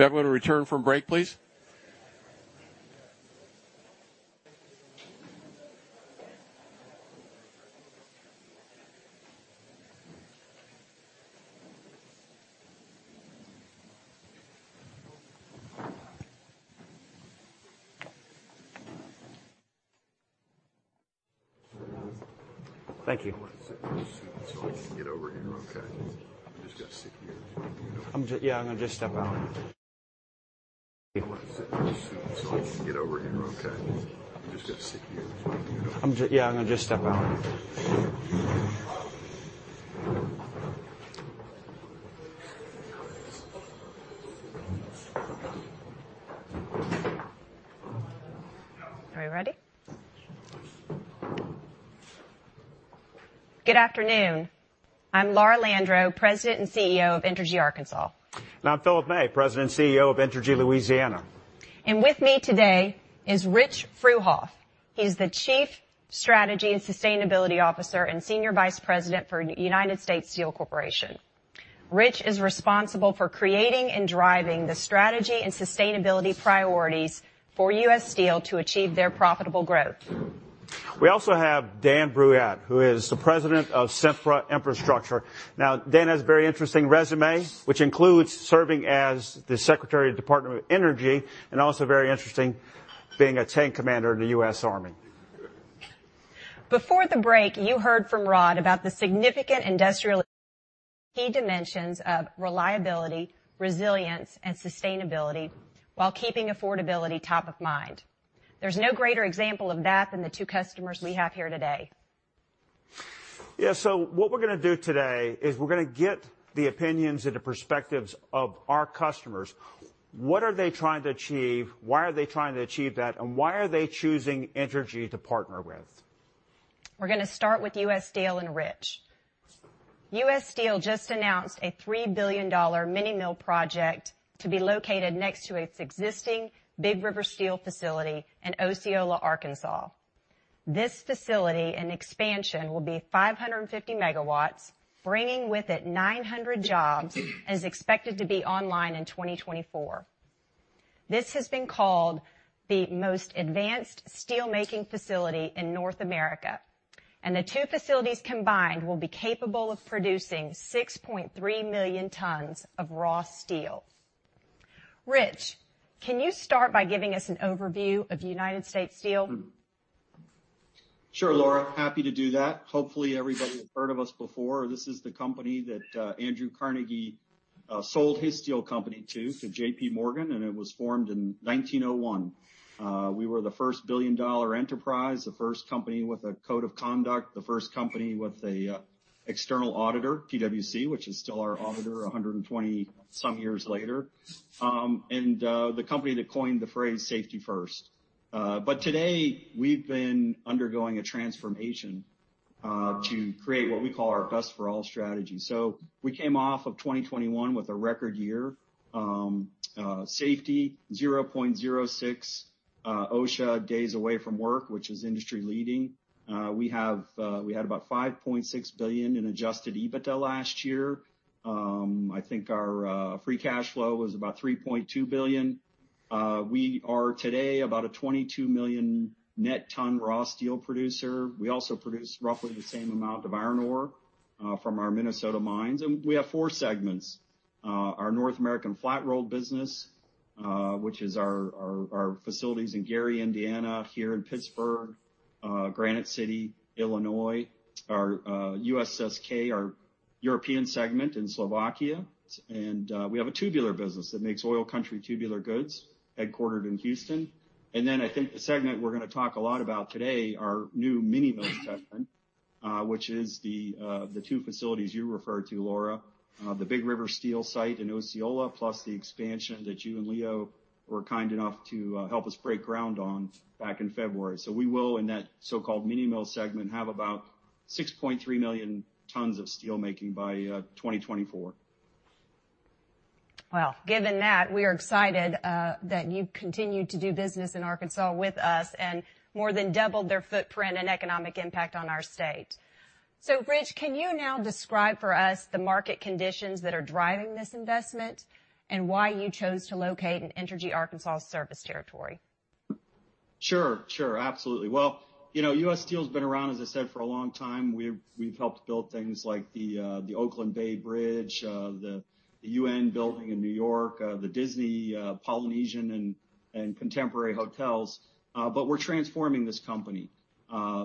is. There's definitely the end of the term. If everyone would return from break, please. Thank you. Are we ready? Good afternoon. I'm Laura Landreaux, President and CEO of Entergy Arkansas. I'm Phillip May, President and CEO of Entergy Louisiana. With me today is Rich Fruehauf. He's the Chief Strategy and Sustainability Officer and Senior Vice President for United States Steel Corporation. Rich is responsible for creating and driving the strategy and sustainability priorities for U.S. Steel to achieve their profitable growth. We also have Dan Brouillette, who is the President of Sempra Infrastructure. Now, Dan has a very interesting resume, which includes serving as the Secretary of the United States Department of Energy and also very interesting, being a tank commander in the U.S. Army. Before the break, you heard from Rod about the significant industrial key dimensions of reliability, resilience, and sustainability while keeping affordability top of mind. There's no greater example of that than the two customers we have here today. Yeah. What we're gonna do today is we're gonna get the opinions and the perspectives of our customers. What are they trying to achieve? Why are they trying to achieve that? And why are they choosing Entergy to partner with? We're gonna start with U.S. Steel and Rich. U.S. Steel just announced a $3 billion mini mill project to be located next to its existing Big River Steel facility in Osceola, Arkansas. This facility and expansion will be 550 megawatts, bringing with it 900 jobs, and is expected to be online in 2024. This has been called the most advanced steelmaking facility in North America, and the two facilities combined will be capable of producing 6.3 million tons of raw steel. Rich, can you start by giving us an overview of United States Steel? Sure, Laura. Happy to do that. Hopefully, everybody has heard of us before. This is the company that Andrew Carnegie sold his steel company to JP Morgan, and it was formed in 1901. We were the first billion-dollar enterprise, the first company with a code of conduct, the first company with an external auditor, PwC, which is still our auditor 120-some years later, and the company that coined the phrase, "Safety first." Today, we've been undergoing a transformation to create what we call our Best for All strategy. We came off of 2021 with a record year. Safety, 0.06 OSHA days away from work, which is industry-leading. We had about $5.6 billion in adjusted EBITDA last year. I think our free cash flow was about $3.2 billion. We are today about a 22 million net ton raw steel producer. We also produce roughly the same amount of iron ore from our Minnesota mines. We have four segments. Our North American flat-rolled business, which is our facilities in Gary, Indiana, here in Pittsburgh, Granite City, Illinois. Our USSK, our European segment in Slovakia. We have a tubular business that makes oil country tubular goods, headquartered in Houston. I think the segment we're gonna talk a lot about today, our new mini mill segment, which is the two facilities you referred to, Laura. The Big River Steel site in Osceola, plus the expansion that you and Leo were kind enough to help us break ground on back in February. We will, in that so-called mini mill segment, have about 6.3 million tons of steelmaking by 2024. Given that, we are excited that you've continued to do business in Arkansas with us and more than doubled their footprint and economic impact on our state. Rich, can you now describe for us the market conditions that are driving this investment and why you chose to locate in Entergy Arkansas service territory? Sure, sure. Absolutely. Well, you know, U.S. Steel's been around, as I said, for a long time. We've helped build things like the Oakland Bay Bridge, the UN building in New York, the Disney Polynesian and Contemporary Hotels. We're transforming this company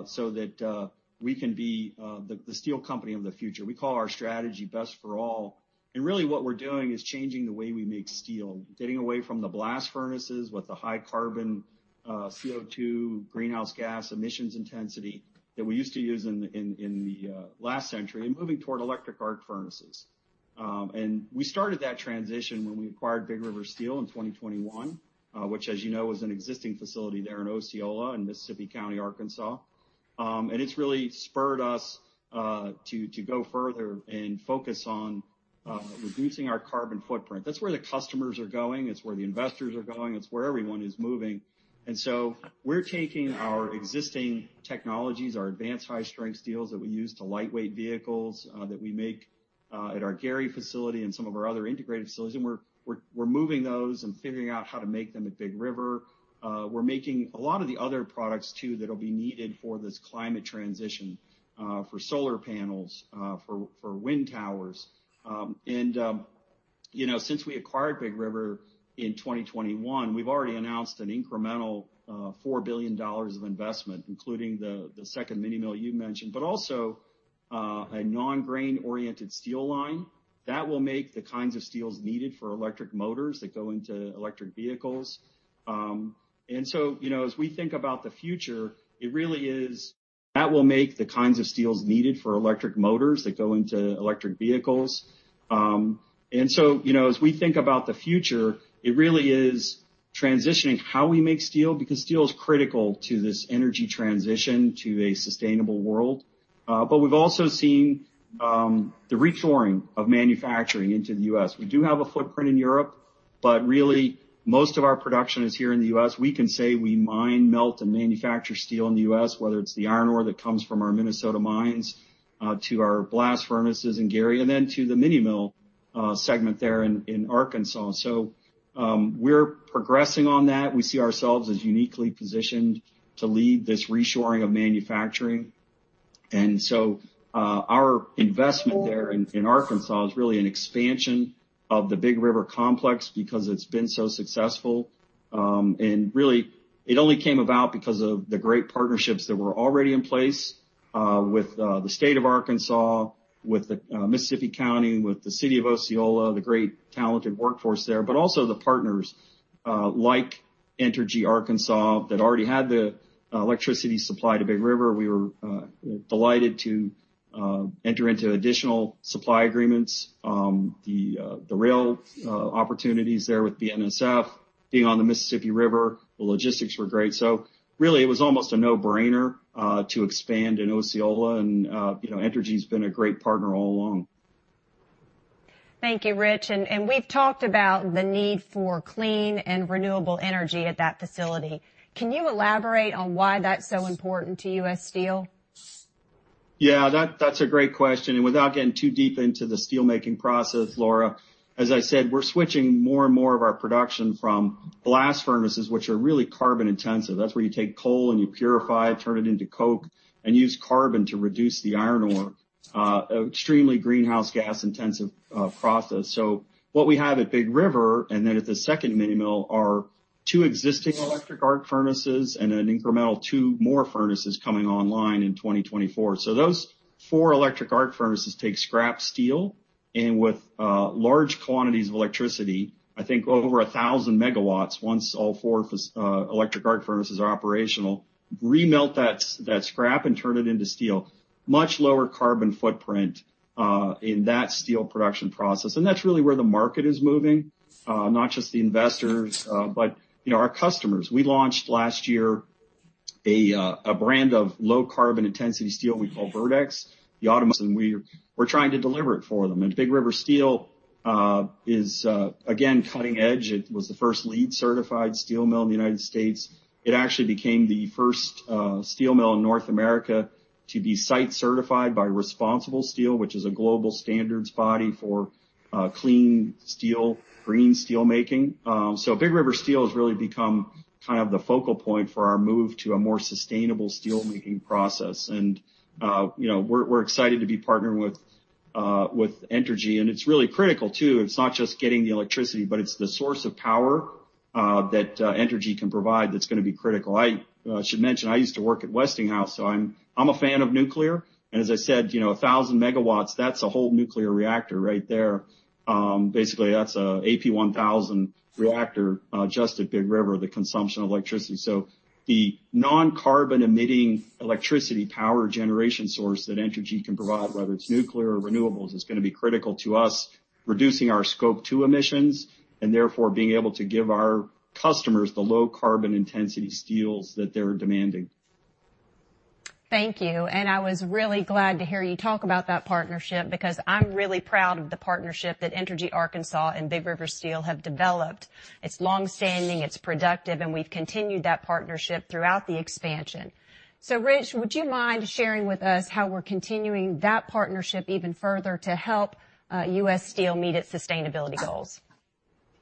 so that we can be the steel company of the future. We call our strategy Best for All. Really what we're doing is changing the way we make steel, getting away from the blast furnaces with the high carbon CO2 greenhouse gas emissions intensity that we used to use in the last century and moving toward electric arc furnaces. We started that transition when we acquired Big River Steel in 2021, which, as you know, is an existing facility there in Osceola in Mississippi County, Arkansas. It's really spurred us to go further and focus on reducing our carbon footprint. That's where the customers are going. It's where the investors are going. It's where everyone is moving. We're taking our existing technologies, our advanced high-strength steels that we use to lightweight vehicles that we make at our Gary facility and some of our other integrated facilities, and we're moving those and figuring out how to make them at Big River. We're making a lot of the other products too that'll be needed for this climate transition, for solar panels, for wind towers. You know, since we acquired Big River Steel in 2021, we've already announced an incremental $4 billion of investment, including the second mini mill you mentioned, but also a non-grain-oriented steel line that will make the kinds of steels needed for electric motors that go into electric vehicles. You know, as we think about the future, it really is transitioning how we make steel, because steel is critical to this energy transition to a sustainable world. We've also seen the reshoring of manufacturing into the U.S. We do have a footprint in Europe, but really most of our production is here in the U.S. We can say we mine, melt, and manufacture steel in the U.S., whether it's the iron ore that comes from our Minnesota mines to our blast furnaces in Gary, and then to the mini mill segment there in Arkansas. We're progressing on that. We see ourselves as uniquely positioned to lead this reshoring of manufacturing. Our investment there in Arkansas is really an expansion of the Big River complex because it's been so successful. Really, it only came about because of the great partnerships that were already in place with the state of Arkansas, with the Mississippi County, with the city of Osceola, the great talented workforce there, but also the partners like Entergy Arkansas that already had the electricity supply to Big River. We were delighted to enter into additional supply agreements. The rail opportunities there with BNSF, being on the Mississippi River, the logistics were great. Really it was almost a no-brainer to expand in Osceola. You know, Entergy's been a great partner all along. Thank you, Rich. We've talked about the need for clean and renewable energy at that facility. Can you elaborate on why that's so important to U.S. Steel? That's a great question. Without getting too deep into the steel-making process, Laura, as I said, we're switching more and more of our production from blast furnaces, which are really carbon intensive. That's where you take coal and you purify it, turn it into coke, and use carbon to reduce the iron ore. Extremely greenhouse gas intensive process. What we have at Big River, and then at the second mini mill, are two existing electric arc furnaces and an incremental two more furnaces coming online in 2024. Those four electric arc furnaces take scrap steel and with large quantities of electricity, I think over 1,000 megawatts once all four electric arc furnaces are operational, remelt that scrap and turn it into steel. Much lower carbon footprint in that steel production process. That's really where the market is moving. Not just the investors, but you know, our customers. We launched last year a brand of low carbon intensity steel we call verdeX. We're trying to deliver it for them. Big River Steel is again cutting edge. It was the first LEED certified steel mill in the United States. It actually became the first steel mill in North America to be site certified by ResponsibleSteel, which is a global standards body for clean steel, green steel making. Big River Steel has really become kind of the focal point for our move to a more sustainable steelmaking process. You know, we're excited to be partnering with Entergy. It's really critical too. It's not just getting the electricity, but it's the source of power that Entergy can provide that's gonna be critical. I should mention, I used to work at Westinghouse, so I'm a fan of nuclear. As I said, you know, 1,000 megawatts, that's a whole nuclear reactor right there. Basically that's an AP1000 reactor just at Big River, the consumption of electricity. The non-carbon emitting electricity power generation source that Entergy can provide, whether it's nuclear or renewables, is gonna be critical to us reducing our Scope 2 emissions and therefore being able to give our customers the low carbon intensity steels that they're demanding. Thank you. I was really glad to hear you talk about that partnership because I'm really proud of the partnership that Entergy Arkansas and Big River Steel have developed. It's longstanding, it's productive, and we've continued that partnership throughout the expansion. Rich, would you mind sharing with us how we're continuing that partnership even further to help U. S. Steel meet its sustainability goals?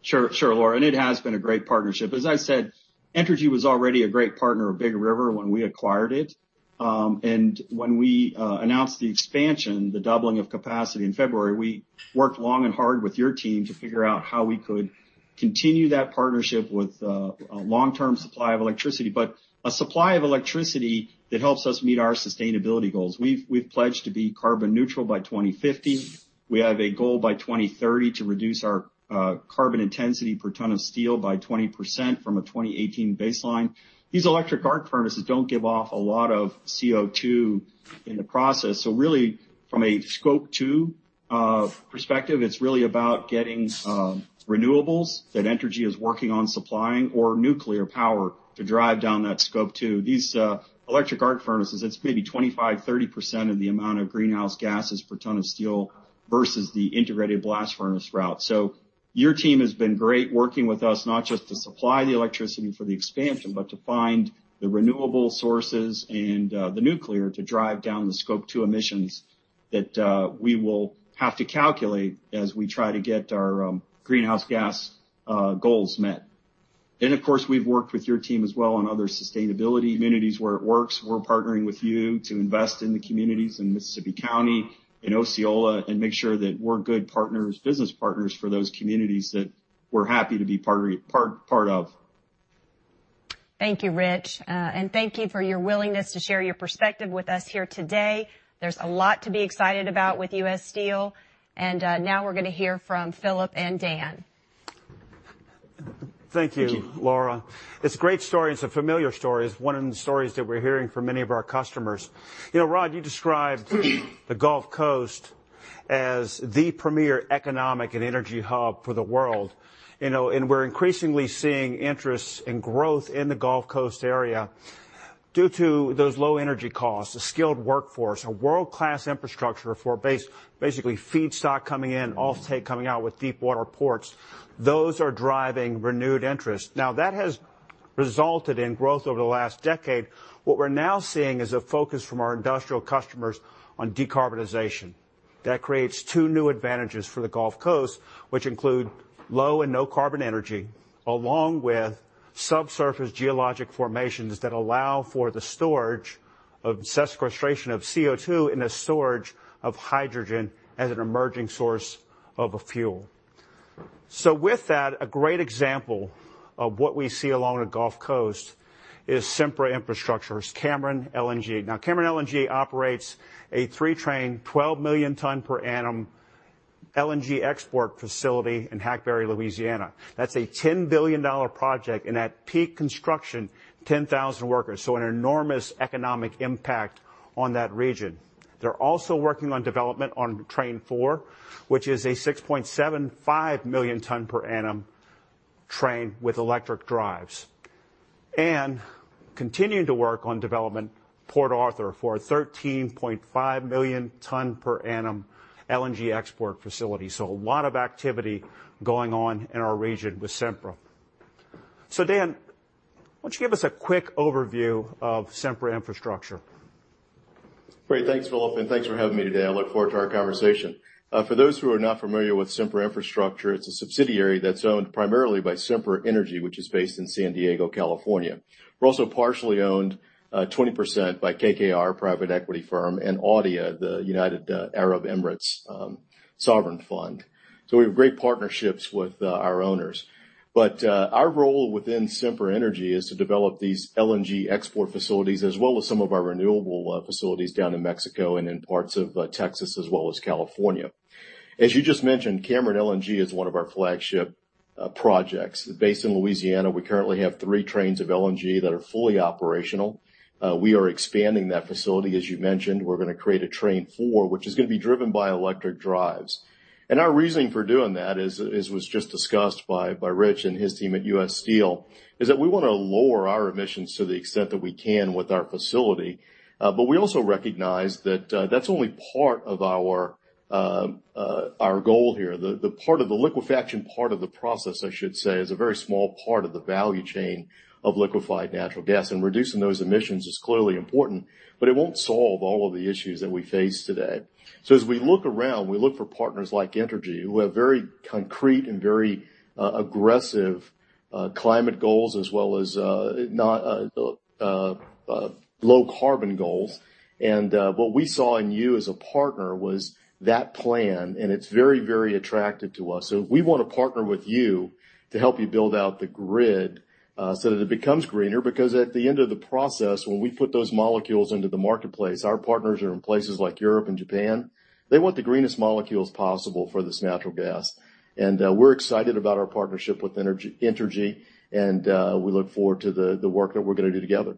Sure. Sure, Laura. It has been a great partnership. As I said, Entergy was already a great partner of Big River when we acquired it. When we announced the expansion, the doubling of capacity in February, we worked long and hard with your team to figure out how we could continue that partnership with a long-term supply of electricity, but a supply of electricity that helps us meet our sustainability goals. We've pledged to be carbon neutral by 2050. We have a goal by 2030 to reduce our carbon intensity per ton of steel by 20% from a 2018 baseline. These electric arc furnaces don't give off a lot of CO2 in the process. Really from a Scope 2 perspective, it's really about getting renewables that Entergy is working on supplying or nuclear power to drive down that Scope 2. These electric arc furnaces, it's maybe 25%-30% of the amount of greenhouse gases per ton of steel versus the integrated blast furnace route. Your team has been great working with us not just to supply the electricity for the expansion, but to find the renewable sources and the nuclear to drive down the Scope 2 emissions that we will have to calculate as we try to get our greenhouse gas goals met. Of course, we've worked with your team as well on other sustainability initiatives where it works. We're partnering with you to invest in the communities in Mississippi County, in Osceola, and make sure that we're good partners, business partners for those communities that we're happy to be part of. Thank you, Rich. Thank you for your willingness to share your perspective with us here today. There's a lot to be excited about with U.S. Steel, and now we're gonna hear from Phillip and Dan. Thank you, Laura. Thank you. It's a great story. It's a familiar story. It's one of the stories that we're hearing from many of our customers. You know, Rod, you described the Gulf Coast as the premier economic and energy hub for the world. You know, we're increasingly seeing interest and growth in the Gulf Coast area due to those low energy costs, the skilled workforce, a world-class infrastructure for basically feedstock coming in, off-take coming out with deep water ports. Those are driving renewed interest. Now, that has resulted in growth over the last decade. What we're now seeing is a focus from our industrial customers on decarbonization. That creates two new advantages for the Gulf Coast, which include low and no carbon energy, along with subsurface geologic formations that allow for the storage of sequestration of CO2 and the storage of hydrogen as an emerging source of a fuel. With that, a great example of what we see along the Gulf Coast is Sempra Infrastructure's Cameron LNG. Now, Cameron LNG operates a 3-train, 12 million ton per annum LNG export facility in Hackberry, Louisiana. That's a $10 billion project and at peak construction, 10,000 workers. An enormous economic impact on that region. They're also working on development on Train 4, which is a 6.75 million ton per annum train with electric drives. Continuing to work on development Port Arthur for a 13.5 million ton per annum LNG export facility. A lot of activity going on in our region with Sempra. Dan, why don't you give us a quick overview of Sempra Infrastructure? Great. Thanks, Phillip, and thanks for having me today. I look forward to our conversation. For those who are not familiar with Sempra Infrastructure, it's a subsidiary that's owned primarily by Sempra Energy, which is based in San Diego, California. We're also partially owned, 20% by KKR, private equity firm, and ADIA, the United Arab Emirates sovereign fund. We have great partnerships with our owners. Our role within Sempra Energy is to develop these LNG export facilities as well as some of our renewable facilities down in Mexico and in parts of Texas as well as California. As you just mentioned, Cameron LNG is one of our flagship projects. Based in Louisiana, we currently have three trains of LNG that are fully operational. We are expanding that facility, as you mentioned. We're gonna create a train four, which is gonna be driven by electric drives. Our reasoning for doing that is, as was just discussed by Rich and his team at U.S. Steel, that we wanna lower our emissions to the extent that we can with our facility. We also recognize that that's only part of our goal here. The liquefaction part of the process, I should say, is a very small part of the value chain of liquefied natural gas, and reducing those emissions is clearly important, but it won't solve all of the issues that we face today. We look around. We look for partners like Entergy, who have very concrete and very aggressive climate goals as well as low carbon goals. What we saw in you as a partner was that plan, and it's very, very attractive to us. We wanna partner with you to help you build out the grid, so that it becomes greener. Because at the end of the process, when we put those molecules into the marketplace, our partners are in places like Europe and Japan, they want the greenest molecules possible for this natural gas. We're excited about our partnership with Entergy, and we look forward to the work that we're gonna do together.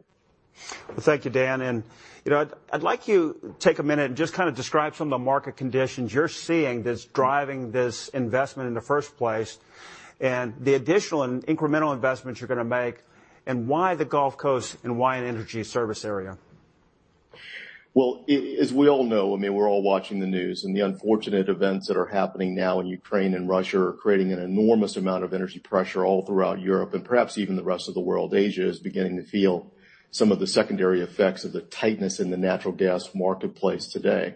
Well, thank you, Dan. You know, I'd like you to take a minute and just kind of describe some of the market conditions you're seeing that's driving this investment in the first place and the additional and incremental investments you're gonna make and why the Gulf Coast and why in Entergy service area? Well, as we all know, I mean, we're all watching the news, and the unfortunate events that are happening now in Ukraine and Russia are creating an enormous amount of energy pressure all throughout Europe, and perhaps even the rest of the world. Asia is beginning to feel some of the secondary effects of the tightness in the natural gas marketplace today.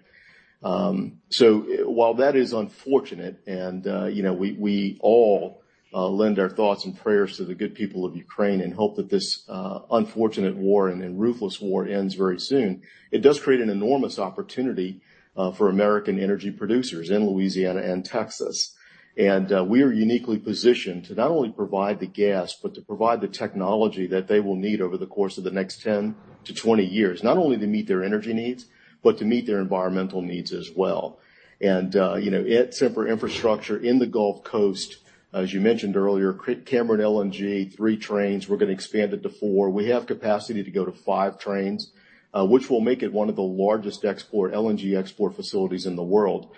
While that is unfortunate and, you know, we all lend our thoughts and prayers to the good people of Ukraine and hope that this unfortunate war and then ruthless war ends very soon, it does create an enormous opportunity for American energy producers in Louisiana and Texas. We are uniquely positioned to not only provide the gas, but to provide the technology that they will need over the course of the next 10-20 years, not only to meet their energy needs, but to meet their environmental needs as well. You know, at Sempra Infrastructure in the Gulf Coast, as you mentioned earlier, Cameron LNG, three trains, we're gonna expand it to four. We have capacity to go to five trains, which will make it one of the largest LNG export facilities in the world.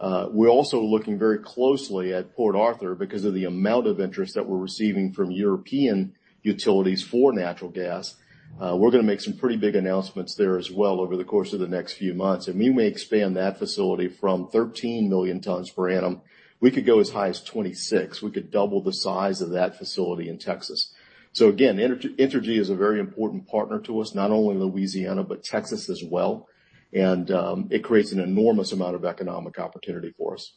We're also looking very closely at Port Arthur because of the amount of interest that we're receiving from European utilities for natural gas. We're gonna make some pretty big announcements there as well over the course of the next few months, and we may expand that facility from 13 million tons per annum. We could go as high as 26. We could double the size of that facility in Texas. Again, Entergy is a very important partner to us, not only Louisiana, but Texas as well. It creates an enormous amount of economic opportunity for us.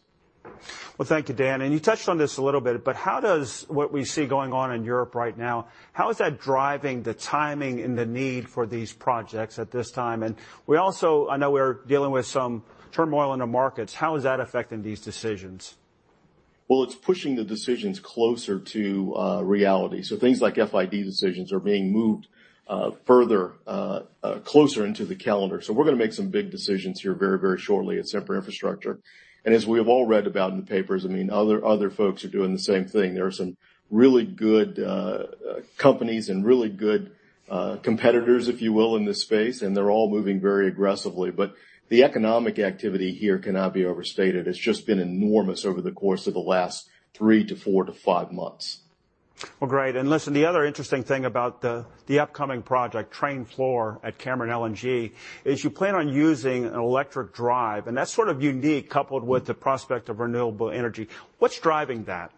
Well, thank you, Dan. You touched on this a little bit, but how does what we see going on in Europe right now, how is that driving the timing and the need for these projects at this time? We also, I know, we're dealing with some turmoil in the markets. How is that affecting these decisions? Well, it's pushing the decisions closer to reality. Things like FID decisions are being moved further closer into the calendar. We're gonna make some big decisions here very, very shortly at Sempra Infrastructure. As we have all read about in the papers, I mean, other folks are doing the same thing. There are some really good companies and really good competitors, if you will, in this space, and they're all moving very aggressively. The economic activity here cannot be overstated. It's just been enormous over the course of the last three to four to five months. Well, great. Listen, the other interesting thing about the upcoming project Train 4 at Cameron LNG is you plan on using an electric drive, and that's sort of unique coupled with the prospect of renewable energy. What's driving that?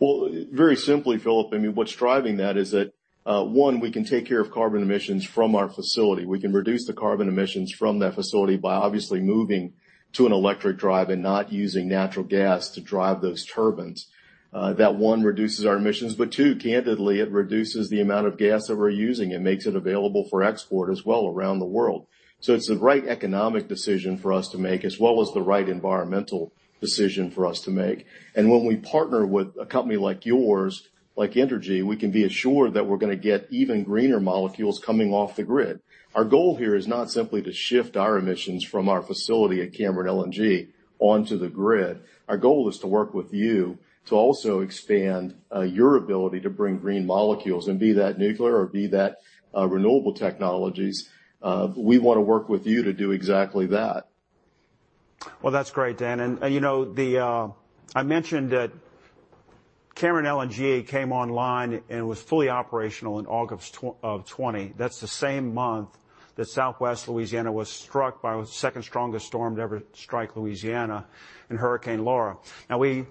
Well, very simply, Phillip, I mean, what's driving that is that, one, we can take care of carbon emissions from our facility. We can reduce the carbon emissions from that facility by obviously moving to an electric drive and not using natural gas to drive those turbines. That one reduces our emissions, but two, candidly, it reduces the amount of gas that we're using and makes it available for export as well around the world. So it's the right economic decision for us to make as well as the right environmental decision for us to make. When we partner with a company like yours, like Entergy, we can be assured that we're gonna get even greener molecules coming off the grid. Our goal here is not simply to shift our emissions from our facility at Cameron LNG onto the grid. Our goal is to work with you to also expand your ability to bring green molecules and be that nuclear or be that renewable technologies. We wanna work with you to do exactly that. Well, that's great, Dan. You know, I mentioned that Cameron LNG came online and was fully operational in August of 2020. That's the same month that Southwest Louisiana was struck by the second strongest storm to ever strike Louisiana in Hurricane Laura. Now, we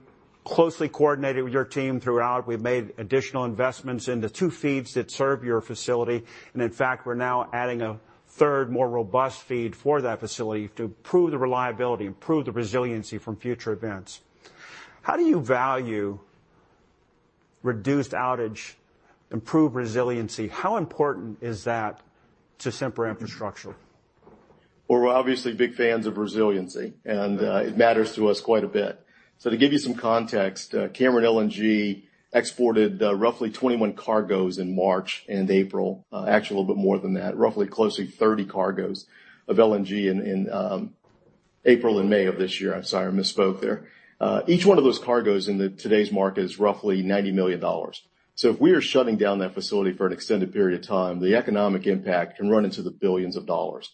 closely coordinated with your team throughout. We've made additional investments in the two feeds that serve your facility. In fact, we're now adding a third, more robust feed for that facility to improve the reliability, improve the resiliency from future events. How do you value reduced outage, improved resiliency? How important is that to Sempra Infrastructure? Well, we're obviously big fans of resiliency, and it matters to us quite a bit. To give you some context, Cameron LNG exported roughly 21 cargos in March and April. Actually, a little bit more than that, roughly close to 30 cargos of LNG in April and May of this year. I'm sorry, I misspoke there. Each one of those cargos in today's market is roughly $90 million. If we are shutting down that facility for an extended period of time, the economic impact can run into the billions of dollars.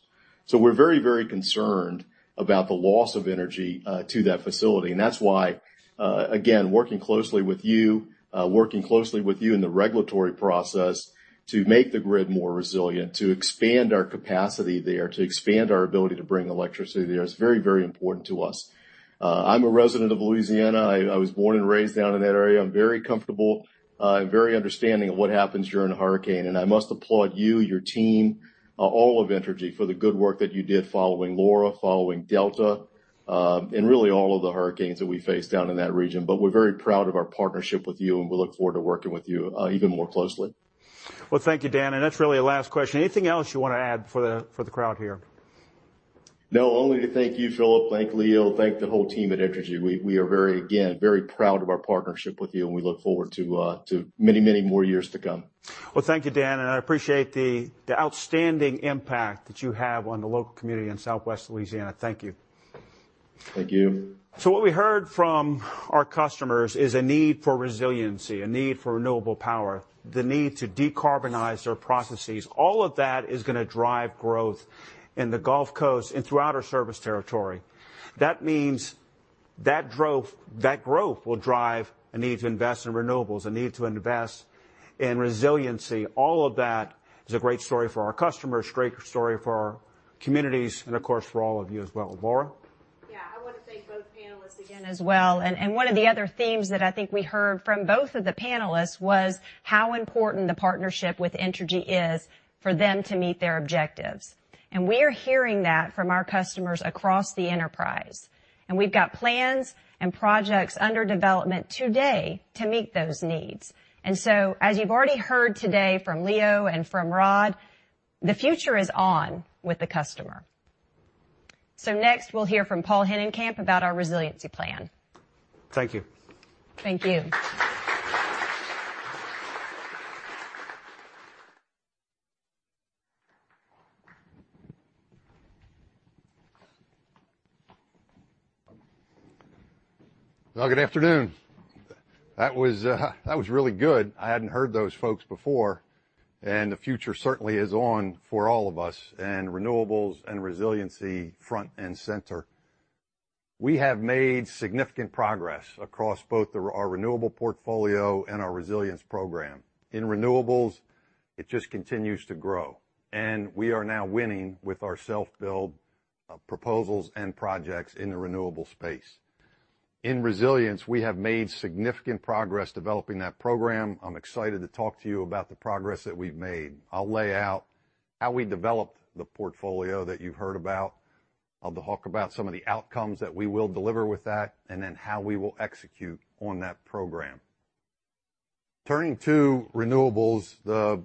We're very, very concerned about the loss of energy to that facility. That's why, again, working closely with you in the regulatory process to make the grid more resilient, to expand our capacity there, to expand our ability to bring electricity there is very, very important to us. I'm a resident of Louisiana. I was born and raised down in that area. I'm very comfortable, and very understanding of what happens during a hurricane. I must applaud you, your team, all of Entergy for the good work that you did following Laura, following Delta, and really all of the hurricanes that we face down in that region. We're very proud of our partnership with you, and we look forward to working with you, even more closely. Well, thank you, Dan. That's really a last question. Anything else you wanna add for the crowd here? No, only to thank you, Phillip, thank Leo, thank the whole team at Entergy. We are very, again, very proud of our partnership with you, and we look forward to many, many more years to come. Well, thank you, Dan, and I appreciate the outstanding impact that you have on the local community in Southwest Louisiana. Thank you. Thank you. What we heard from our customers is a need for resiliency, a need for renewable power, the need to decarbonize their processes. All of that is gonna drive growth in the Gulf Coast and throughout our service territory. That growth will drive a need to invest in renewables, a need to invest in resiliency. All of that is a great story for our customers, great story for our communities, and of course, for all of you as well. Laura? Yeah. I wanna thank both panelists again as well. One of the other themes that I think we heard from both of the panelists was how important the partnership with Entergy is for them to meet their objectives. We're hearing that from our customers across the enterprise. We've got plans and projects under development today to meet those needs. As you've already heard today from Leo and from Rod, the future is on with the customer. Next, we'll hear from Paul Hinnenkamp about our resiliency plan. Thank you. Thank you. Well, good afternoon. That was really good. I hadn't heard those folks before. The future certainly is on for all of us in renewables and resiliency, front and center. We have made significant progress across both our renewable portfolio and our resilience program. In renewables, it just continues to grow, and we are now winning with our self-build proposals and projects in the renewable space. In resilience, we have made significant progress developing that program. I'm excited to talk to you about the progress that we've made. I'll lay out how we developed the portfolio that you've heard about. I'll talk about some of the outcomes that we will deliver with that, and then how we will execute on that program. Turning to renewables, the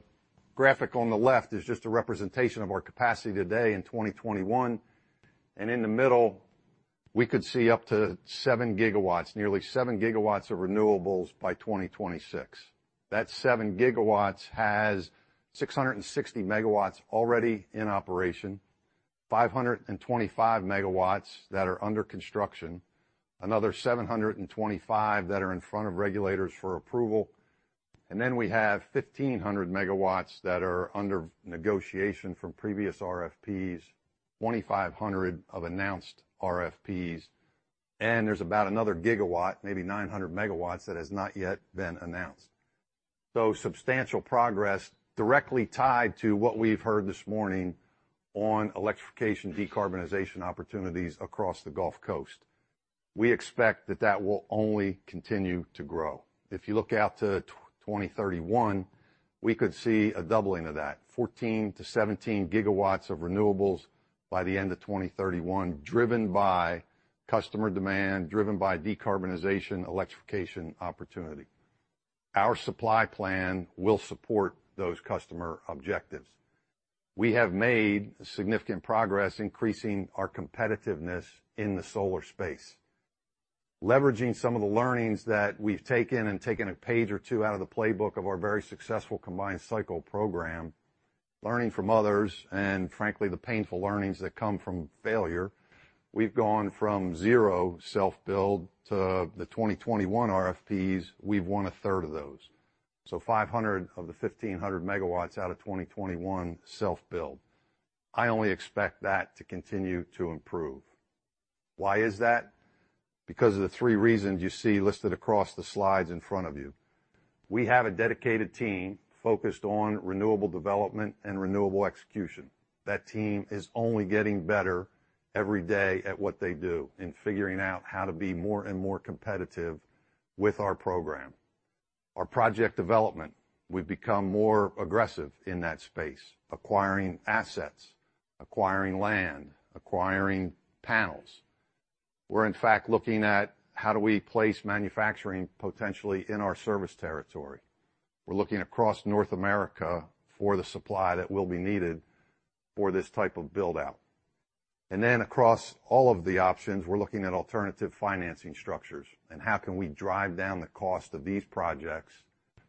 graphic on the left is just a representation of our capacity today in 2021. In the middle, we could see up to 7 GW, nearly 7 GW of renewables by 2026. That 7 GW has 660 MW already in operation, 525 MW that are under construction, another 725 MW that are in front of regulators for approval. We have 1,500 MW that are under negotiation from previous RFPs, 2,500 of announced RFPs, and there's about another 1 GW, maybe 900 MW that has not yet been announced. Substantial progress directly tied to what we've heard this morning on electrification, decarbonization opportunities across the Gulf Coast. We expect that will only continue to grow. If you look out to 2031, we could see a doubling of that, 14-17 GW of renewables by the end of 2031, driven by customer demand, driven by decarbonization, electrification opportunity. Our supply plan will support those customer objectives. We have made significant progress increasing our competitiveness in the solar space. Leveraging some of the learnings that we've taken a page or two out of the playbook of our very successful combined cycle program, learning from others, and frankly, the painful learnings that come from failure, we've gone from zero self-build to the 2021 RFPs, we've won 1/3 of those. 500 MW of the 1,500 MW out of 2021 self-build. I only expect that to continue to improve. Why is that? Because of the three reasons you see listed across the slides in front of you. We have a dedicated team focused on renewable development and renewable execution. That team is only getting better every day at what they do in figuring out how to be more and more competitive with our program. Our project development, we've become more aggressive in that space, acquiring assets, acquiring land, acquiring panels. We're in fact looking at how do we place manufacturing potentially in our service territory. We're looking across North America for the supply that will be needed for this type of build-out. Across all of the options, we're looking at alternative financing structures, and how can we drive down the cost of these projects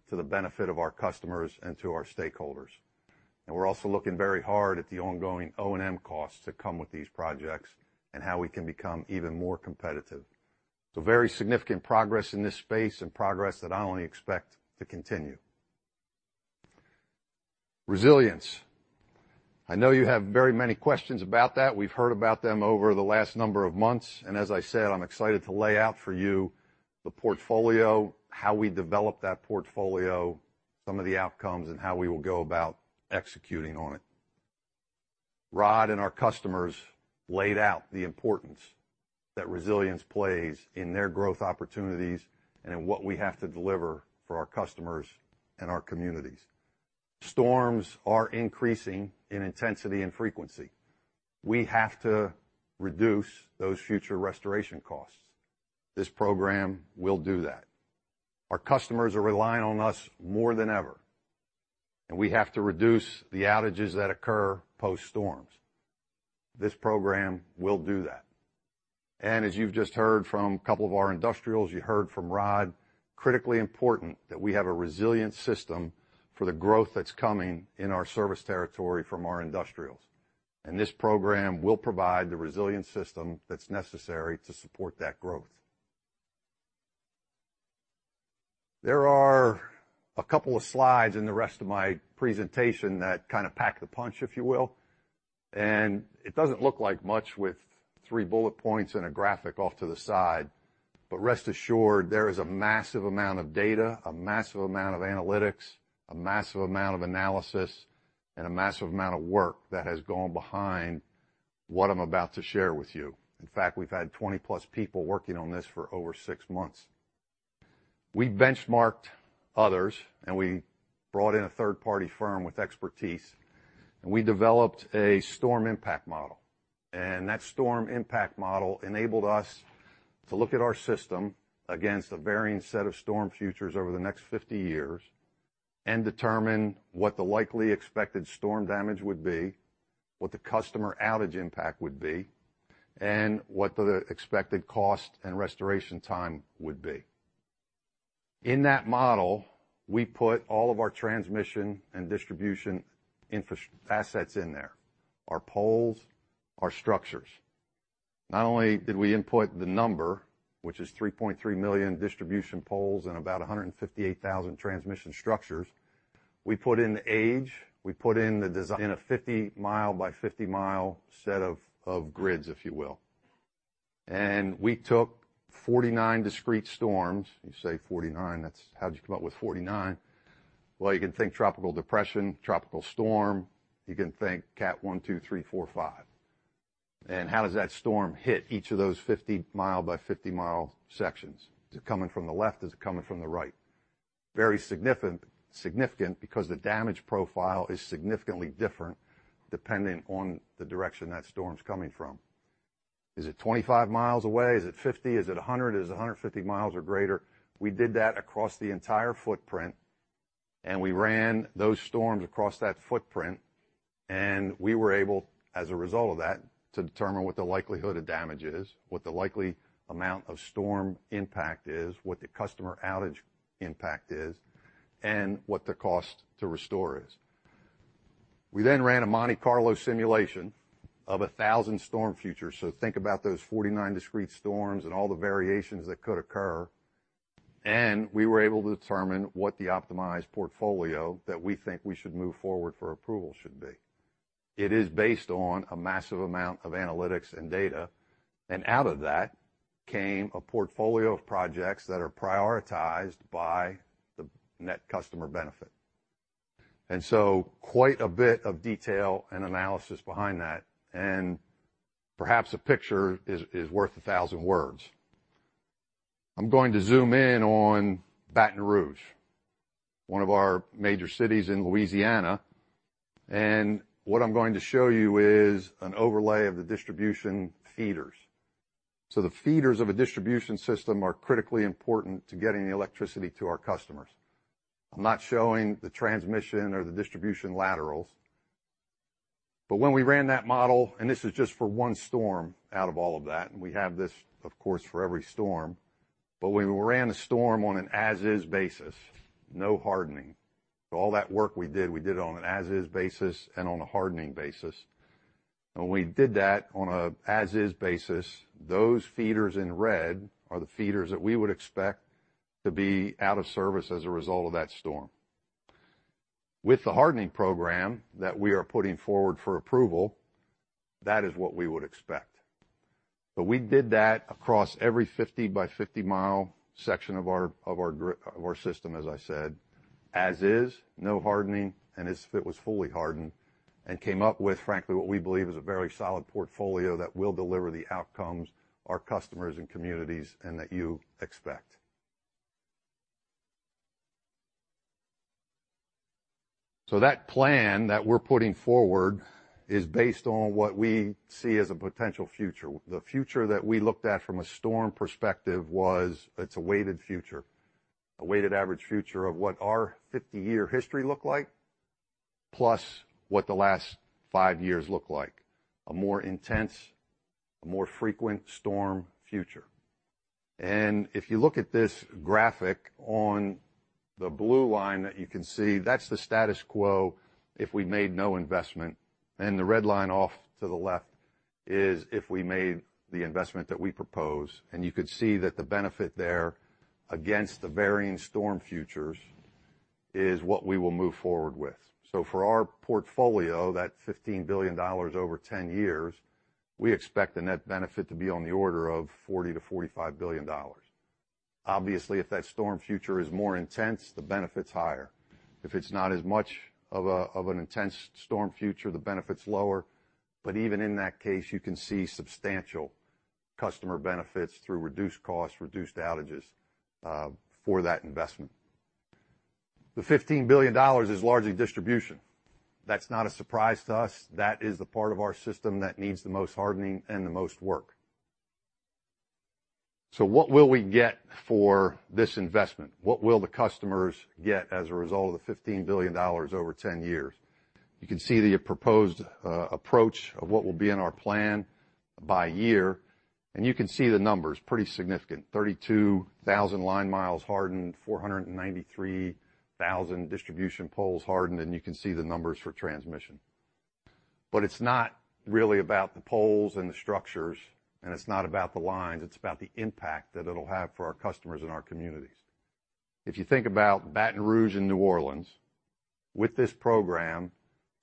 to the benefit of our customers and to our stakeholders. We're also looking very hard at the ongoing O&M costs that come with these projects and how we can become even more competitive. Very significant progress in this space and progress that I only expect to continue. Resilience. I know you have very many questions about that. We've heard about them over the last number of months, and as I said, I'm excited to lay out for you the portfolio, how we develop that portfolio, some of the outcomes, and how we will go about executing on it. Rod and our customers laid out the importance that resilience plays in their growth opportunities and in what we have to deliver for our customers and our communities. Storms are increasing in intensity and frequency. We have to reduce those future restoration costs. This program will do that. Our customers are relying on us more than ever, and we have to reduce the outages that occur post-storms. This program will do that. As you've just heard from a couple of our industrials, you heard from Rod, critically important that we have a resilient system for the growth that's coming in our service territory from our industrials. This program will provide the resilient system that's necessary to support that growth. There are a couple of slides in the rest of my presentation that kind of pack the punch, if you will. It doesn't look like much with three bullet points and a graphic off to the side, but rest assured, there is a massive amount of data, a massive amount of analytics, a massive amount of analysis, and a massive amount of work that has gone behind what I'm about to share with you. In fact, we've had 20+ people working on this for over six months. We benchmarked others, and we brought in a third-party firm with expertise, and we developed a storm impact model. That storm impact model enabled us to look at our system against a varying set of storm futures over the next 50 years and determine what the likely expected storm damage would be, what the customer outage impact would be, and what the expected cost and restoration time would be. In that model, we put all of our transmission and distribution assets in there, our poles, our structures. Not only did we input the number, which is 3.3 million distribution poles and about 158,000 transmission structures, we put in the age, we put in in a 50-mile-by-50-mile set of grids, if you will. We took 49 discrete storms. You say 49, that's. How did you come up with 49? Well, you can think tropical depression, tropical storm. You can think cat one, two, three, four, five. How does that storm hit each of those 50-mile-by-50-mile sections? Is it coming from the left? Is it coming from the right? Very significant because the damage profile is significantly different depending on the direction that storm's coming from. Is it 25 miles away? Is it 50? Is it 100? Is it 150 miles or greater? We did that across the entire footprint, and we ran those storms across that footprint, and we were able, as a result of that, to determine what the likelihood of damage is, what the likely amount of storm impact is, what the customer outage impact is, and what the cost to restore is. We then ran a Monte Carlo simulation of 1,000 storm futures. Think about those 49 discrete storms and all the variations that could occur, and we were able to determine what the optimized portfolio that we think we should move forward for approval should be. It is based on a massive amount of analytics and data, and out of that came a portfolio of projects that are prioritized by the net customer benefit. Quite a bit of detail and analysis behind that, and perhaps a picture is worth a thousand words. I'm going to zoom in on Baton Rouge, one of our major cities in Louisiana. What I'm going to show you is an overlay of the distribution feeders. The feeders of a distribution system are critically important to getting the electricity to our customers. I'm not showing the transmission or the distribution laterals. When we ran that model, and this is just for one storm out of all of that, and we have this, of course, for every storm. When we ran a storm on an as-is basis, no hardening. All that work we did, we did it on an as-is basis and on a hardening basis. When we did that on a as-is basis, those feeders in red are the feeders that we would expect to be out of service as a result of that storm. With the hardening program that we are putting forward for approval, that is what we would expect. We did that across every 50-by-50-mile section of our system, as I said, as is, no hardening, and as if it was fully hardened, and came up with, frankly, what we believe is a very solid portfolio that will deliver the outcomes our customers and communities and that you expect. That plan that we're putting forward is based on what we see as a potential future. The future that we looked at from a storm perspective was, it's a weighted future, a weighted average future of what our 50-year history looked like, plus what the last five years look like. A more intense, a more frequent storm future. If you look at this graphic on the blue line that you can see, that's the status quo if we made no investment. The red line off to the left is if we made the investment that we propose. You could see that the benefit there against the varying storm futures is what we will move forward with. For our portfolio, that $15 billion over 10 years, we expect the net benefit to be on the order of $40 billion-$45 billion. Obviously, if that storm future is more intense, the benefit's higher. If it's not as much of an intense storm future, the benefit's lower. Even in that case, you can see substantial customer benefits through reduced costs, reduced outages, for that investment. The $15 billion is largely distribution. That's not a surprise to us. That is the part of our system that needs the most hardening and the most work. What will we get for this investment? What will the customers get as a result of the $15 billion over 10 years? You can see the proposed approach of what will be in our plan by year, and you can see the numbers, pretty significant. 32,000 line miles hardened, 493,000 distribution poles hardened, and you can see the numbers for transmission. It's not really about the poles and the structures, and it's not about the lines, it's about the impact that it'll have for our customers and our communities. If you think about Baton Rouge and New Orleans, with this program,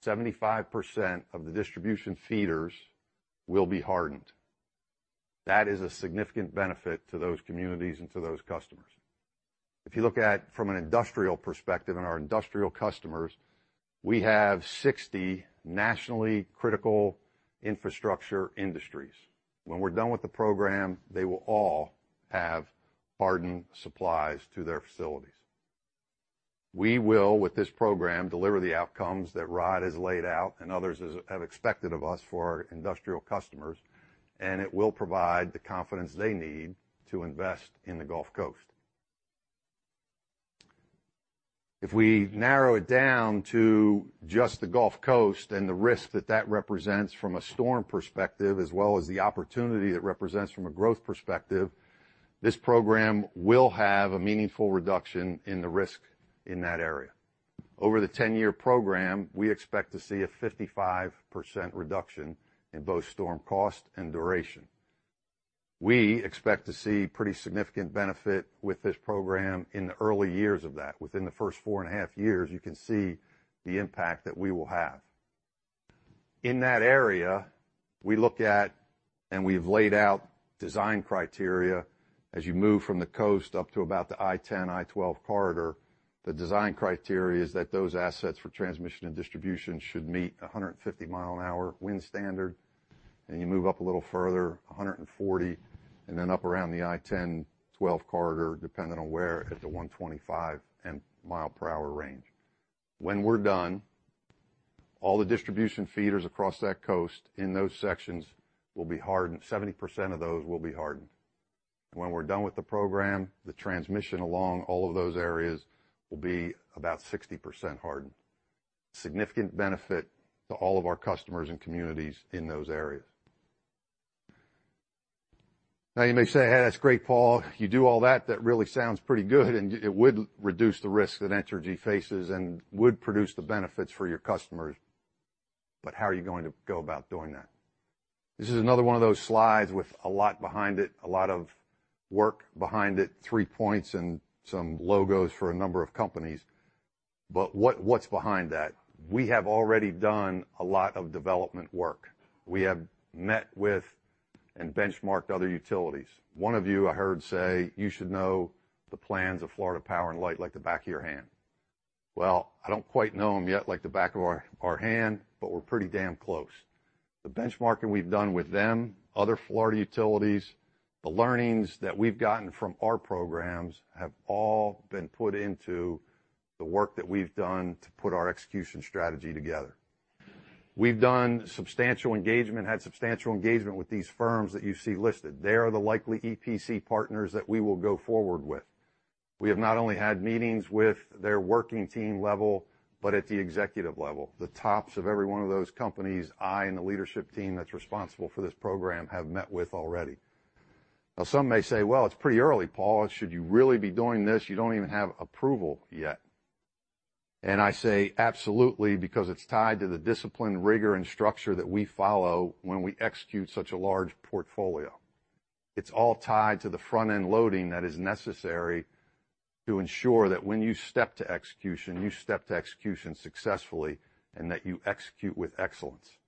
75% of the distribution feeders will be hardened. That is a significant benefit to those communities and to those customers. If you look at from an industrial perspective and our industrial customers, we have 60 nationally critical infrastructure industries. When we're done with the program, they will all have hardened supplies to their facilities. We will, with this program, deliver the outcomes that Rod has laid out and others have expected of us for our industrial customers, and it will provide the confidence they need to invest in the Gulf Coast. If we narrow it down to just the Gulf Coast and the risk that that represents from a storm perspective, as well as the opportunity that represents from a growth perspective, this program will have a meaningful reduction in the risk in that area. Over the 10-year program, we expect to see a 55% reduction in both storm cost and duration. We expect to see pretty significant benefit with this program in the early years of that. Within the first 4.5 years, you can see the impact that we will have. In that area, we look at, and we've laid out design criteria. As you move from the coast up to about the I-10/I-12 corridor, the design criteria is that those assets for transmission and distribution should meet a 150-mile-an-hour wind standard. You move up a little further, 140, and then up around the I-10/I-12 corridor, depending on where at the 125-mile-per-hour range. When we're done, all the distribution feeders across that coast in those sections will be hardened. 70% of those will be hardened. When we're done with the program, the transmission along all of those areas will be about 60% hardened. Significant benefit to all of our customers and communities in those areas. Now you may say, "Hey, that's great, Paul. You do all that really sounds pretty good, and it would reduce the risk that Entergy faces and would produce the benefits for your customers, but how are you going to go about doing that?" This is another one of those slides with a lot behind it, a lot of work behind it, three points and some logos for a number of companies. What's behind that? We have already done a lot of development work. We have met with and benchmarked other utilities. One of you I heard say, "You should know the plans of Florida Power & Light like the back of your hand." Well, I don't quite know them yet like the back of our hand, but we're pretty damn close. The benchmarking we've done with them, other Florida utilities, the learnings that we've gotten from our programs have all been put into the work that we've done to put our execution strategy together. We've done substantial engagement, had substantial engagement with these firms that you see listed. They are the likely EPC partners that we will go forward with. We have not only had meetings with their working team level, but at the executive level. The tops of every one of those companies, I and the leadership team that's responsible for this program have met with already. Now, some may say, "Well, it's pretty early, Paul. Should you really be doing this? You don't even have approval yet." I say, "Absolutely, because it's tied to the discipline, rigor, and structure that we follow when we execute such a large portfolio." It's all tied to the front-end loading that is necessary to ensure that when you step to execution successfully and that you execute with excellence.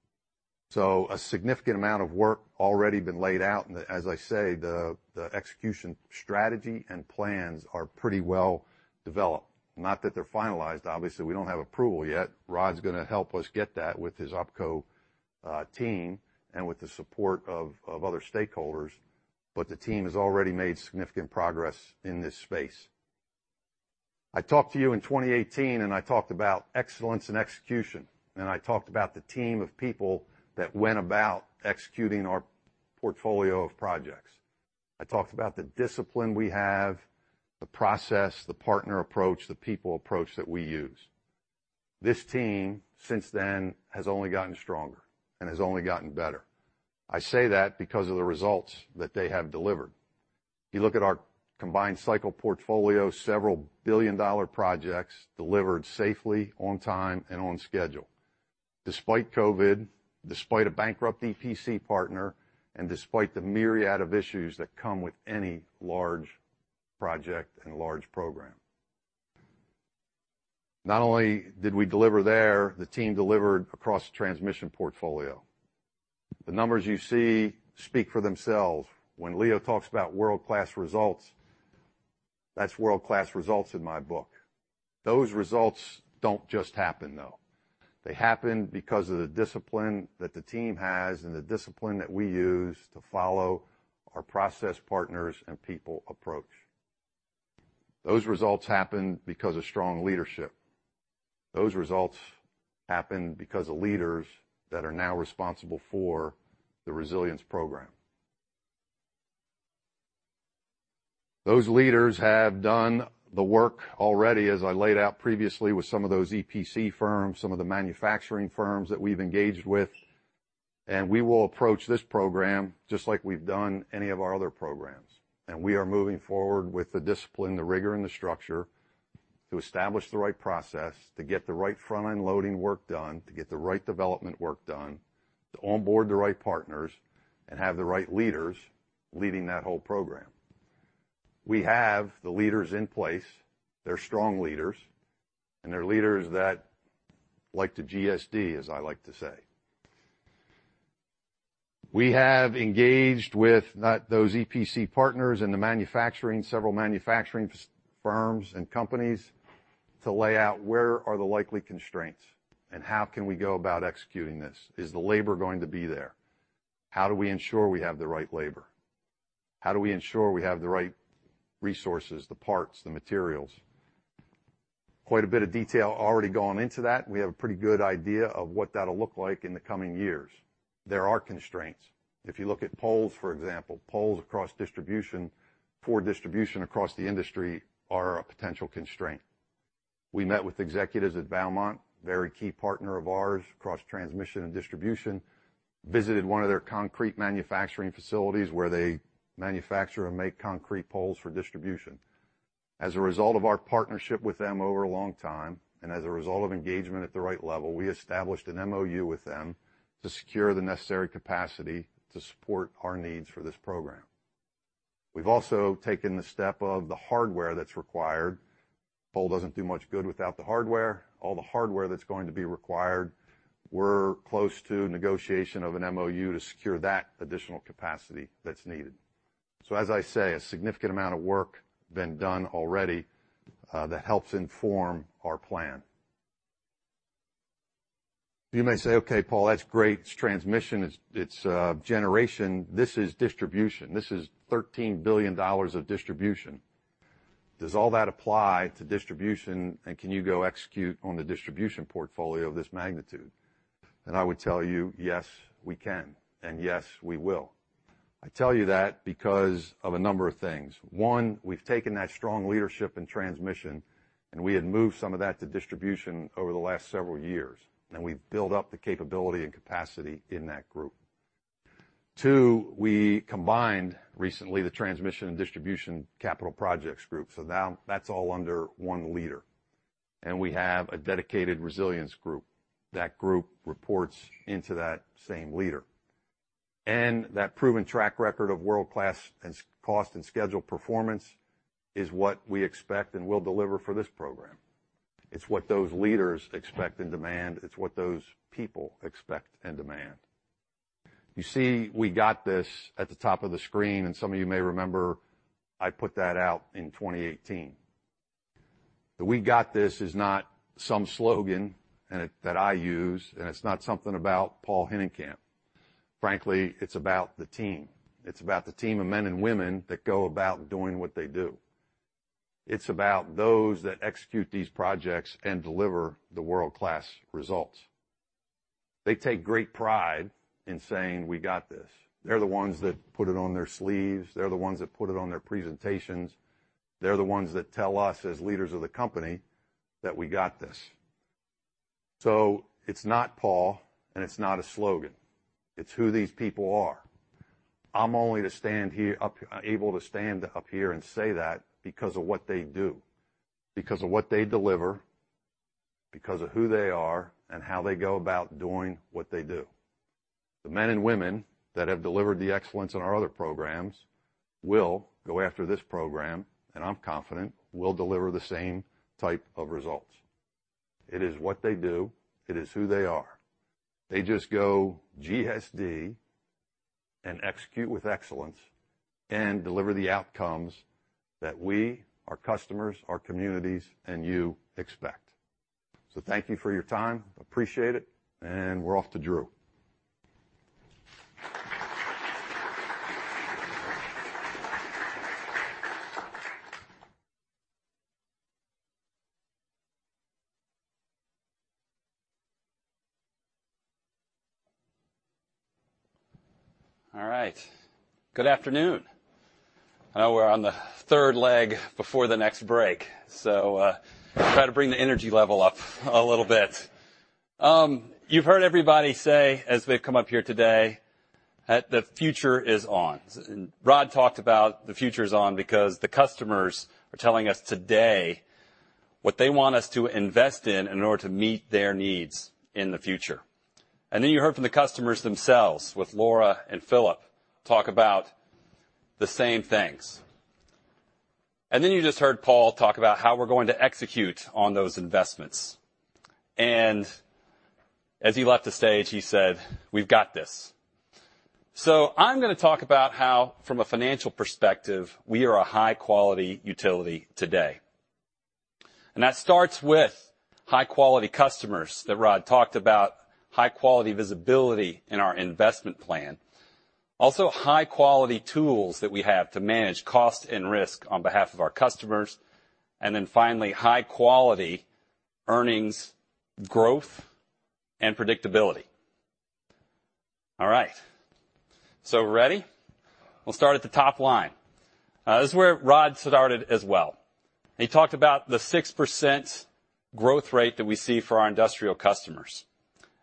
A significant amount of work already been laid out. As I say, the execution strategy and plans are pretty well developed. Not that they're finalized. Obviously, we don't have approval yet. Rod's gonna help us get that with his OpCo team and with the support of other stakeholders, but the team has already made significant progress in this space. I talked to you in 2018, and I talked about excellence and execution. I talked about the team of people that went about executing our portfolio of projects. I talked about the discipline we have, the process, the partner approach, the people approach that we use. This team, since then, has only gotten stronger and has only gotten better. I say that because of the results that they have delivered. If you look at our combined cycle portfolio, several billion-dollar projects delivered safely, on time, and on schedule. Despite COVID, despite a bankrupt EPC partner, and despite the myriad of issues that come with any large project and large program. Not only did we deliver there, the team delivered across the transmission portfolio. The numbers you see speak for themselves. When Leo talks about world-class results, that's world-class results in my book. Those results don't just happen, though. They happen because of the discipline that the team has and the discipline that we use to follow our process, partners, and people approach. Those results happen because of strong leadership. Those results happen because of leaders that are now responsible for the resilience program. Those leaders have done the work already, as I laid out previously, with some of those EPC firms, some of the manufacturing firms that we've engaged with. We will approach this program just like we've done any of our other programs. We are moving forward with the discipline, the rigor, and the structure to establish the right process, to get the right front-end loading work done, to get the right development work done, to onboard the right partners, and have the right leaders leading that whole program. We have the leaders in place. They're strong leaders, and they're leaders that like to GSD, as I like to say. We have engaged with those EPC partners in the manufacturing, several manufacturing firms and companies to lay out where are the likely constraints, and how can we go about executing this. Is the labor going to be there? How do we ensure we have the right labor? How do we ensure we have the right resources, the parts, the materials? Quite a bit of detail already gone into that. We have a pretty good idea of what that'll look like in the coming years. There are constraints. If you look at poles, for example, poles across distribution for distribution across the industry are a potential constraint. We met with executives at Valmont, a very key partner of ours across transmission and distribution. Visited one of their concrete manufacturing facilities where they manufacture and make concrete poles for distribution. As a result of our partnership with them over a long time, and as a result of engagement at the right level, we established an MoU with them to secure the necessary capacity to support our needs for this program. We've also taken the step of the hardware that's required. Pole doesn't do much good without the hardware. All the hardware that's going to be required, we're close to negotiation of an MoU to secure that additional capacity that's needed. As I say, a significant amount of work been done already, that helps inform our plan. You may say, "Okay, Paul, that's great. It's transmission, it's generation." This is distribution. This is $13 billion of distribution. Does all that apply to distribution, and can you go execute on the distribution portfolio of this magnitude? I would tell you, yes, we can and, yes, we will. I tell you that because of a number of things. One, we've taken that strong leadership in transmission, and we had moved some of that to distribution over the last several years, and we've built up the capability and capacity in that group. Two, we combined recently the transmission and distribution capital projects group, so now that's all under one leader. We have a dedicated resilience group. That group reports into that same leader. That proven track record of world-class safety, cost, and schedule performance is what we expect and will deliver for this program. It's what those leaders expect and demand. It's what those people expect and demand. You see "We got this" at the top of the screen, and some of you may remember I put that out in 2018. The "We got this" is not some slogan that I use, and it's not something about Paul Hinnenkamp. Frankly, it's about the team. It's about the team of men and women that go about doing what they do. It's about those that execute these projects and deliver the world-class results. They take great pride in saying, "We got this." They're the ones that put it on their sleeves. They're the ones that put it on their presentations. They're the ones that tell us as leaders of the company that we got this. It's not Paul, and it's not a slogan. It's who these people are. I'm only able to stand up here and say that because of what they do, because of what they deliver, because of who they are and how they go about doing what they do. The men and women that have delivered the excellence in our other programs will go after this program, and I'm confident will deliver the same type of results. It is what they do. It is who they are. They just go GSD and execute with excellence and deliver the outcomes that we, our customers, our communities, and you expect. Thank you for your time. Appreciate it, and we're off to Drew. All right. Good afternoon. I know we're on the third leg before the next break, so, try to bring the energy level up a little bit. You've heard everybody say, as they've come up here today, that the future is on. Rod talked about the future's on because the customers are telling us today what they want us to invest in in order to meet their needs in the future. Then you heard from the customers themselves, with Laura and Phillip, talk about the same things. Then you just heard Paul talk about how we're going to execute on those investments. As he left the stage, he said, "We've got this." I'm gonna talk about how, from a financial perspective, we are a high-quality utility today. That starts with high-quality customers that Rod talked about, high-quality visibility in our investment plan, also high-quality tools that we have to manage cost and risk on behalf of our customers and then finally, high-quality earnings growth and predictability. All right. Ready? This is where Rod started as well. He talked about the 6% growth rate that we see for our industrial customers.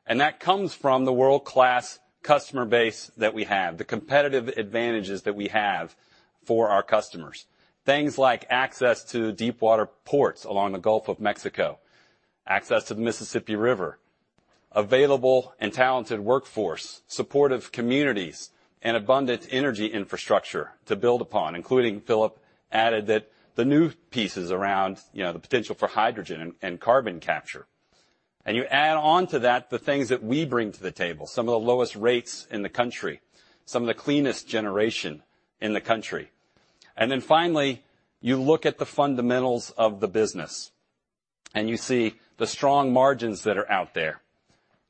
That comes from the world-class customer base that we have, the competitive advantages that we have for our customers. Things like access to deepwater ports along the Gulf of Mexico, access to the Mississippi River, available and talented workforce, supportive communities, and abundant energy infrastructure to build upon, including Phillip added that the new pieces around, you know, the potential for hydrogen and carbon capture. You add on to that the things that we bring to the table, some of the lowest rates in the country, some of the cleanest generation in the country. Finally, you look at the fundamentals of the business, and you see the strong margins that are out there.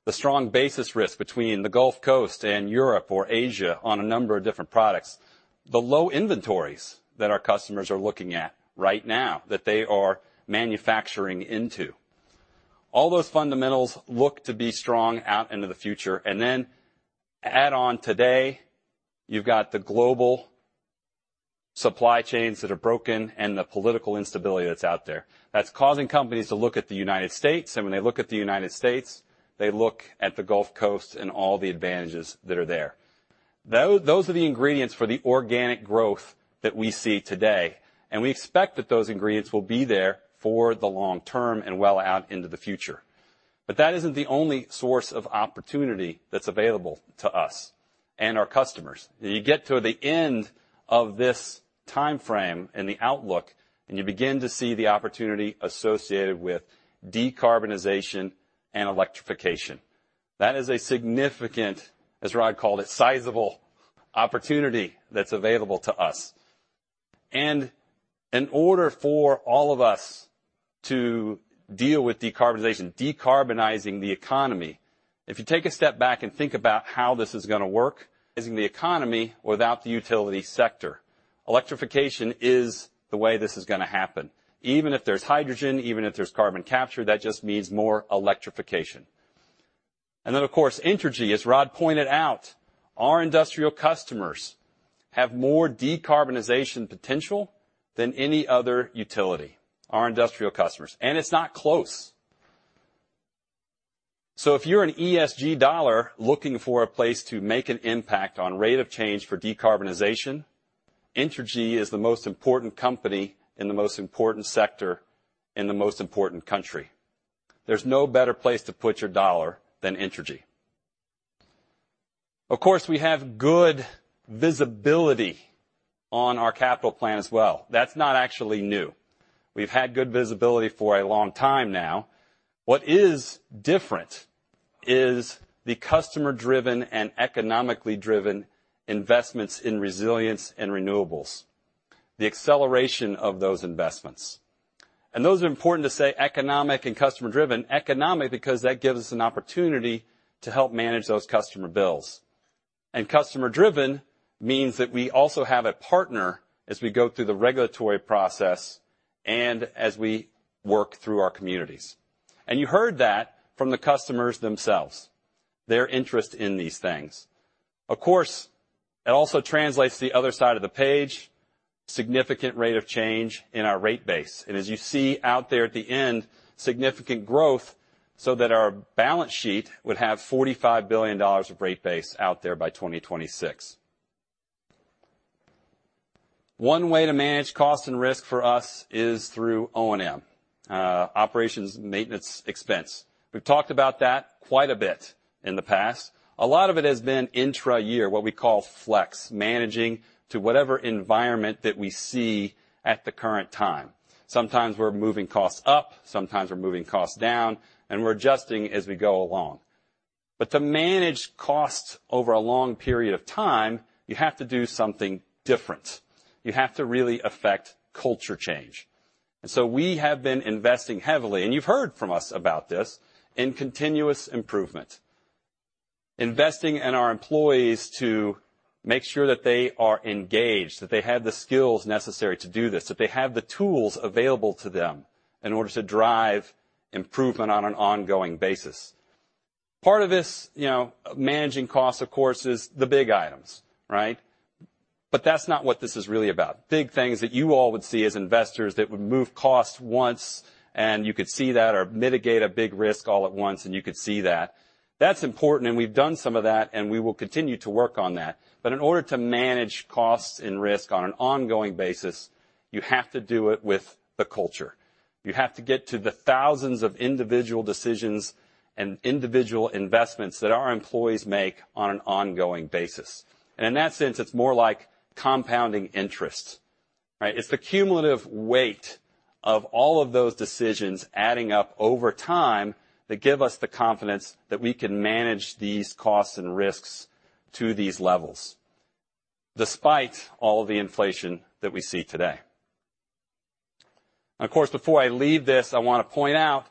The strong basis risk between the Gulf Coast and Europe or Asia on a number of different products. The low inventories that our customers are looking at right now that they are manufacturing into. All those fundamentals look to be strong out into the future. Add on today, you've got the global supply chains that are broken and the political instability that's out there. That's causing companies to look at the United States, and when they look at the United States, they look at the Gulf Coast and all the advantages that are there. Those are the ingredients for the organic growth that we see today, and we expect that those ingredients will be there for the long term and well out into the future. That isn't the only source of opportunity that's available to us and our customers. You get to the end of this timeframe in the outlook, and you begin to see the opportunity associated with decarbonization and electrification. That is a significant, as Rod called it, sizable opportunity that's available to us. In order for all of us to deal with decarbonization, decarbonizing the economy, if you take a step back and think about how this is gonna work, is in the economy without the utility sector. Electrification is the way this is gonna happen. Even if there's hydrogen, even if there's carbon capture, that just means more electrification. Of course, Entergy, as Rod pointed out, our industrial customers have more decarbonization potential than any other utility. It's not close. If you're an ESG dollar looking for a place to make an impact on rate of change for decarbonization, Entergy is the most important company in the most important sector in the most important country. There's no better place to put your dollar than Entergy. Of course, we have good visibility on our capital plan as well. That's not actually new. We've had good visibility for a long time now. What is different is the customer-driven and economically driven investments in resilience and renewables, the acceleration of those investments. Those are important to say economic and customer driven. Economic because that gives us an opportunity to help manage those customer bills. Customer driven means that we also have a partner as we go through the regulatory process and as we work through our communities. You heard that from the customers themselves, their interest in these things. Of course, it also translates to the other side of the page, significant rate of change in our rate base. As you see out there at the end, significant growth so that our balance sheet would have $45 billion of rate base out there by 2026. One way to manage cost and risk for us is through O&M, operations maintenance expense. We've talked about that quite a bit in the past. A lot of it has been intra-year, what we call flex, managing to whatever environment that we see at the current time. Sometimes we're moving costs up, sometimes we're moving costs down, and we're adjusting as we go along. To manage costs over a long period of time, you have to do something different. You have to really affect culture change. We have been investing heavily, and you've heard from us about this, in continuous improvement. Investing in our employees to make sure that they are engaged, that they have the skills necessary to do this, that they have the tools available to them in order to drive improvement on an ongoing basis. Part of this, you know, managing costs, of course, is the big items, right? That's not what this is really about. Big things that you all would see as investors that would move costs once, and you could see that or mitigate a big risk all at once, and you could see that. That's important, and we've done some of that, and we will continue to work on that. In order to manage costs and risk on an ongoing basis, you have to do it with the culture. You have to get to the thousands of individual decisions and individual investments that our employees make on an ongoing basis. In that sense, it's more like compounding interest, right? It's the cumulative weight of all of those decisions adding up over time that give us the confidence that we can manage these costs and risks to these levels despite all of the inflation that we see today. Of course, before I leave this, I want to point out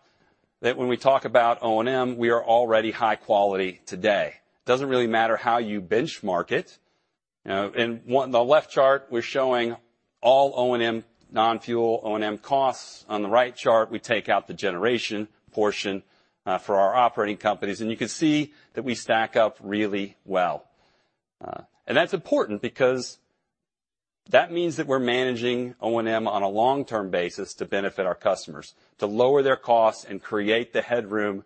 that when we talk about O&M, we are already high quality today. It doesn't really matter how you benchmark it. You know, the left chart, we're showing all O&M, non-fuel O&M costs. On the right chart, we take out the generation portion for our operating companies. You can see that we stack up really well. That's important because that means that we're managing O&M on a long-term basis to benefit our customers, to lower their costs and create the headroom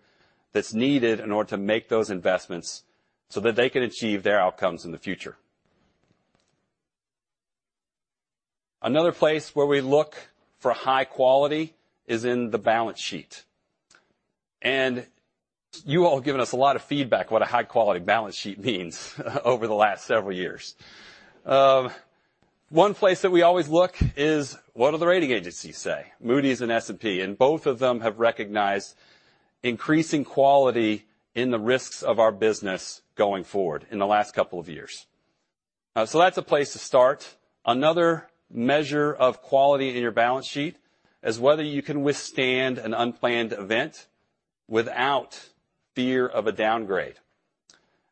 that's needed in order to make those investments so that they can achieve their outcomes in the future. Another place where we look for high quality is in the balance sheet. You all have given us a lot of feedback on what a high-quality balance sheet means over the last several years. One place that we always look is, what do the rating agencies say? Moody's and S&P, and both of them have recognized increasing quality in the risks of our business going forward in the last couple of years. That's a place to start. Another measure of quality in your balance sheet is whether you can withstand an unplanned event without fear of a downgrade.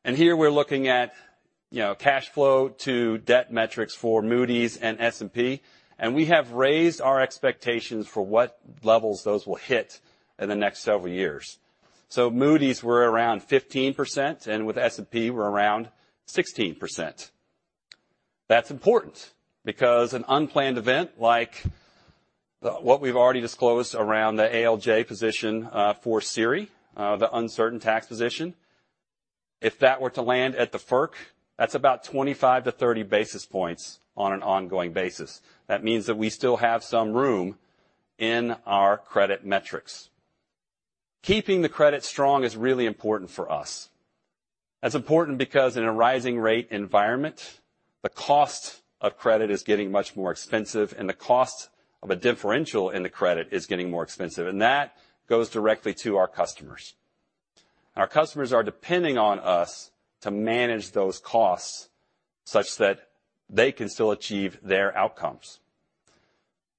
Here, we're looking at, you know, cash flow to debt metrics for Moody's and S&P, and we have raised our expectations for what levels those will hit in the next several years. Moody's, we're around 15%, and with S&P, we're around 16%. That's important because an unplanned event like the what we've already disclosed around the ALJ position for SERI, the uncertain tax position, if that were to land at the FERC, that's about 25-30 basis points on an ongoing basis. That means that we still have some room in our credit metrics. Keeping the credit strong is really important for us. That's important because in a rising rate environment, the cost of credit is getting much more expensive, and the cost of a differential in the credit is getting more expensive, and that goes directly to our customers. Our customers are depending on us to manage those costs such that they can still achieve their outcomes.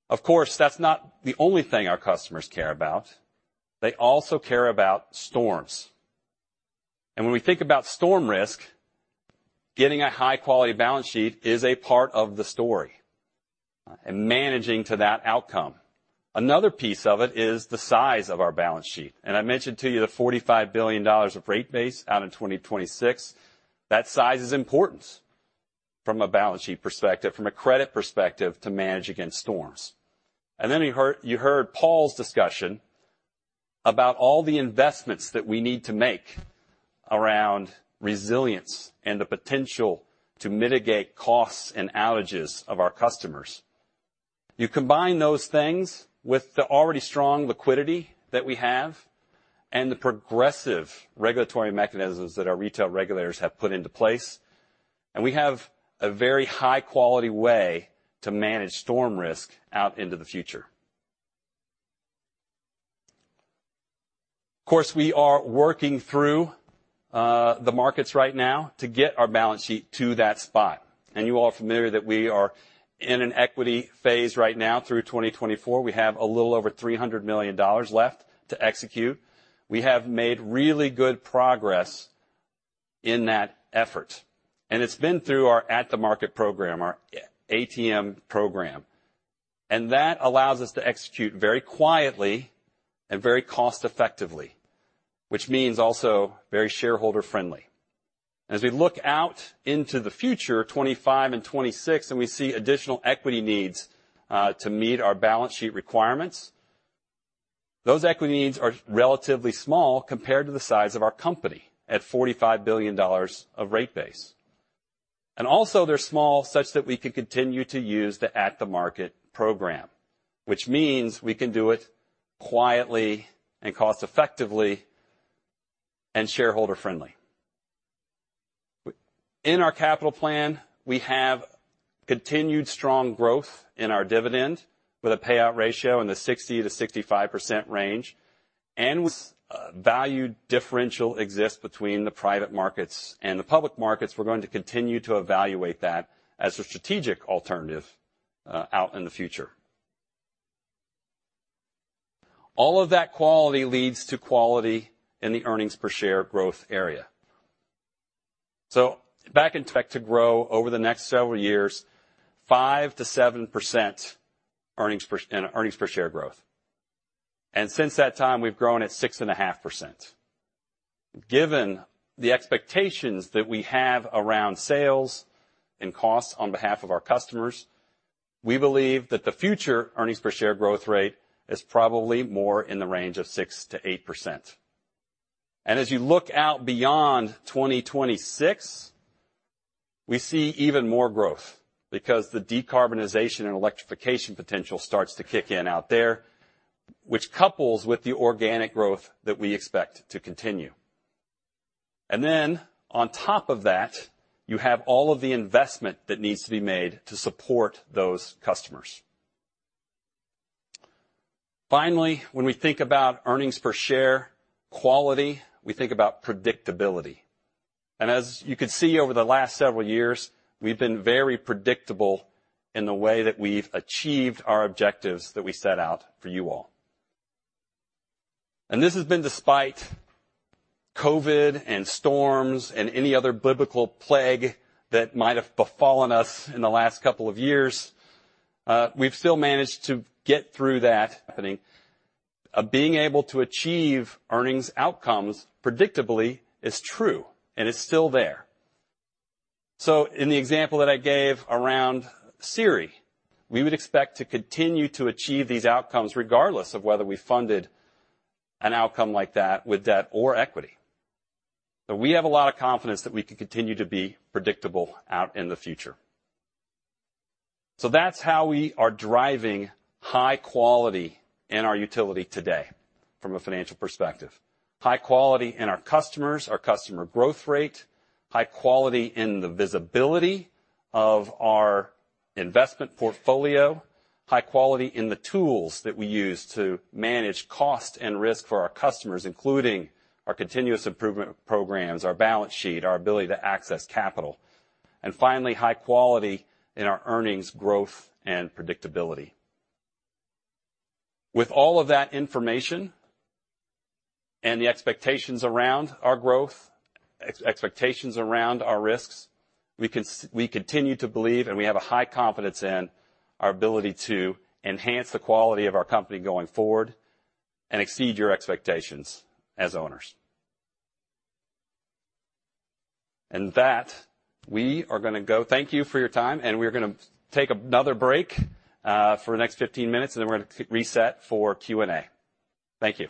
Of course, that's not the only thing our customers care about. They also care about storms. When we think about storm risk, getting a high-quality balance sheet is a part of the story, and managing to that outcome. Another piece of it is the size of our balance sheet. I mentioned to you the $45 billion of rate base out in 2026. That size is important from a balance sheet perspective, from a credit perspective to manage against storms. You heard Paul's discussion about all the investments that we need to make around resilience and the potential to mitigate costs and outages of our customers. You combine those things with the already strong liquidity that we have and the progressive regulatory mechanisms that our retail regulators have put into place, and we have a very high-quality way to manage storm risk out into the future. Of course, we are working through the markets right now to get our balance sheet to that spot. You all are familiar that we are in an equity phase right now through 2024. We have a little over $300 million left to execute. We have made really good progress in that effort, and it's been through our at-the-market program, our ATM program. That allows us to execute very quietly and very cost-effectively, which means also very shareholder-friendly. As we look out into the future, 2025 and 2026, and we see additional equity needs to meet our balance sheet requirements, those equity needs are relatively small compared to the size of our company at $45 billion of rate base. Also, they're small such that we can continue to use the at-the-market program, which means we can do it quietly and cost-effectively and shareholder-friendly. In our capital plan, we have continued strong growth in our dividend with a payout ratio in the 60%-65% range. As value differential exists between the private markets and the public markets, we're going to continue to evaluate that as a strategic alternative out in the future. All of that quality leads to quality in the earnings per share growth area. Back in 2009, we targeted to grow over the next several years, 5%-7% earnings per share growth. Since that time, we've grown at 6.5%. Given the expectations that we have around sales and costs on behalf of our customers, we believe that the future earnings per share growth rate is probably more in the range of 6%-8%. As you look out beyond 2026, we see even more growth because the decarbonization and electrification potential starts to kick in out there, which couples with the organic growth that we expect to continue. Then on top of that, you have all of the investment that needs to be made to support those customers. Finally, when we think about earnings per share quality, we think about predictability. As you can see over the last several years, we've been very predictable in the way that we've achieved our objectives that we set out for you all. This has been despite COVID and storms and any other biblical plague that might have befallen us in the last couple of years. We've still managed to get through that happening. Of being able to achieve earnings outcomes predictably is true, and it's still there. In the example that I gave around SERI, we would expect to continue to achieve these outcomes regardless of whether we funded an outcome like that with debt or equity. We have a lot of confidence that we can continue to be predictable out in the future. That's how we are driving high quality in our utility today from a financial perspective. High quality in our customers, our customer growth rate, high quality in the visibility of our investment portfolio, high quality in the tools that we use to manage cost and risk for our customers, including our continuous improvement programs, our balance sheet, our ability to access capital, and finally, high quality in our earnings growth and predictability. With all of that information and the expectations around our growth, expectations around our risks, we continue to believe, and we have a high confidence in our ability to enhance the quality of our company going forward and exceed your expectations as owners. That, we are gonna go. Thank you for your time, and we're gonna take another break, for the next 15 minutes, and then we're gonna reset for Q&A. Thank you.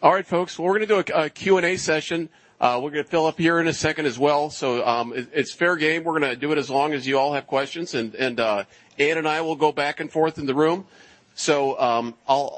All right, folks, we're gonna do a Q&A session. We'll get Phillip here in a second as well. It's fair game. We're gonna do it as long as you all have questions, Dan and I will go back and forth in the room. Ready? Yeah.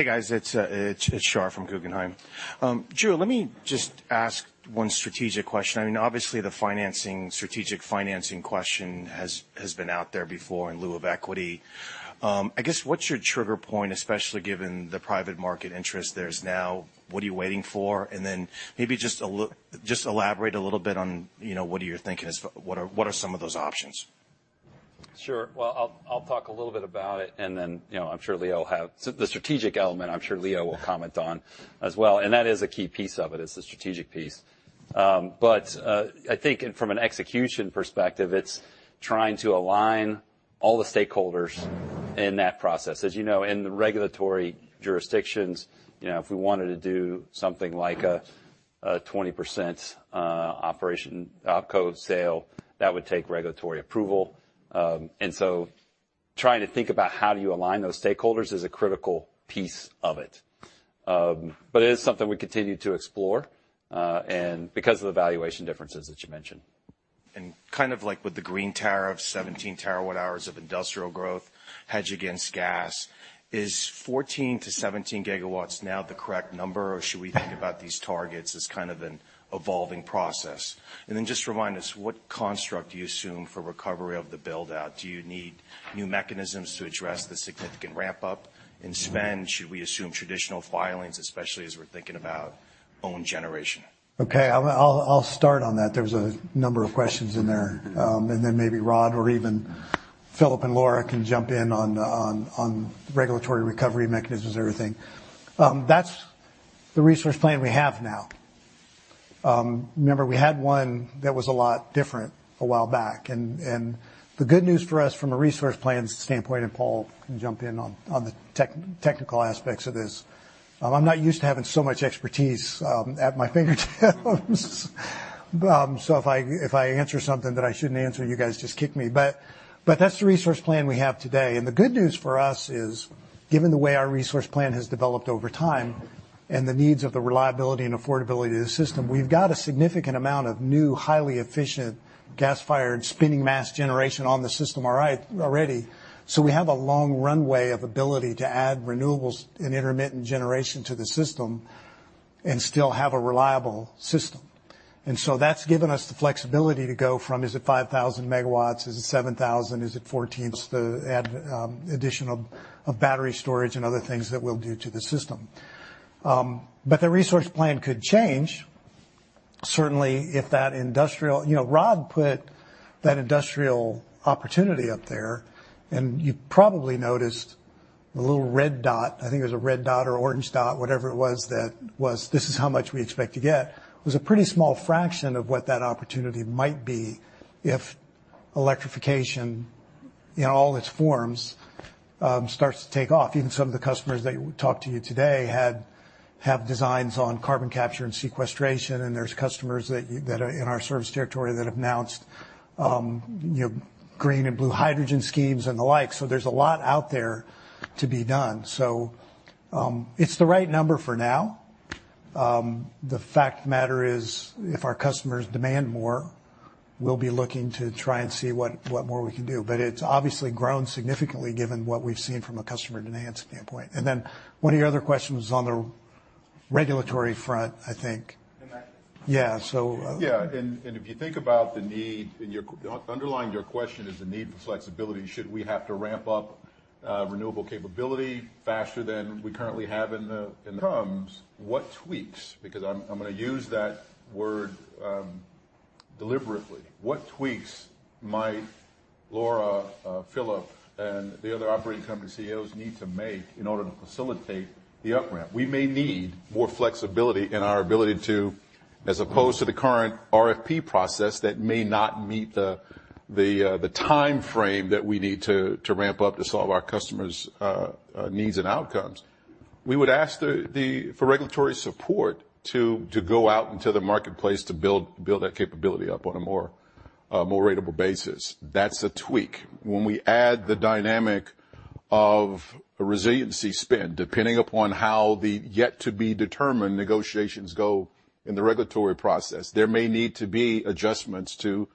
Hey, guys, it's Shar from Guggenheim. Drew, let me just ask one strategic question. I mean, obviously, the strategic financing question has been out there before in lieu of equity. I guess, what's your trigger point, especially given the private market interest there is now? What are you waiting for? Maybe just elaborate a little bit on, you know, what are some of those options? Sure. Well, I'll talk a little bit about it, and then, you know, I'm sure Leo will have. The strategic element, I'm sure Leo will comment on as well. That is a key piece of it. It's the strategic piece. I think from an execution perspective, it's trying to align all the stakeholders in that process. As you know, in the regulatory jurisdictions, you know, if we wanted to do something like a 20% OpCo sale, that would take regulatory approval. Trying to think about how do you align those stakeholders is a critical piece of it. It is something we continue to explore, and because of the valuation differences that you mentioned. Kind of like with the green tariff, 17 terawatt-hours of industrial growth hedge against gas, is 14 gigawatts-17 gigawatts now the correct number, or should we think about these targets as kind of an evolving process? Just remind us, what construct do you assume for recovery of the build-out? Do you need new mechanisms to address the significant ramp up in spend? Should we assume traditional filings, especially as we're thinking about own generation? Okay. I'll start on that. There was a number of questions in there. Then maybe Rod or even Phillip and Laura can jump in on regulatory recovery mechanisms and everything. That's the resource plan we have now. Remember we had one that was a lot different a while back. The good news for us from a resource plan standpoint, and Paul can jump in on the technical aspects of this. I'm not used to having so much expertise at my fingertips. So if I answer something that I shouldn't answer, you guys just kick me. That's the resource plan we have today. The good news for us is, given the way our resource plan has developed over time and the needs of the reliability and affordability of the system, we've got a significant amount of new, highly efficient gas-fired spinning mass generation on the system, alright, already. We have a long runway of ability to add renewables and intermittent generation to the system and still have a reliable system. That's given us the flexibility to go from, is it 5,000 megawatts? Is it 7,000? Is it 14 to add additional battery storage and other things that we'll do to the system. The resource plan could change. Certainly if that industrial. You know, Rod put that industrial opportunity up there, and you probably noticed the little red dot. I think it was a red dot or orange dot, whatever it was, that was, "This is how much we expect to get." It was a pretty small fraction of what that opportunity might be if electrification in all its forms starts to take off. Even some of the customers that talked to you today have designs on carbon capture and sequestration, and there's customers that are in our service territory that have announced, you know, green and blue hydrogen schemes and the like. There's a lot out there to be done. It's the right number for now. The fact of the matter is, if our customers demand more, we'll be looking to try and see what more we can do. It's obviously grown significantly given what we've seen from a customer demand standpoint. One of your other questions was on the regulatory front, I think. In that- Yeah. Yeah. If you think about the need, underlying your question is the need for flexibility. Should we have to ramp up renewable capability faster than we currently have in the terms, what tweaks, because I'm gonna use that word deliberately. What tweaks might Laura, Phillip, and the other operating company CEOs need to make in order to facilitate the up ramp? We may need more flexibility in our ability to, as opposed to the current RFP process that may not meet the timeframe that we need to ramp up to solve our customers needs and outcomes. We would ask for regulatory support to go out into the marketplace to build that capability up on a more ratable basis. That's a tweak. When we add the dynamic of a resiliency spend, depending upon how the yet to be determined negotiations go in the regulatory process, there may need to be adjustments to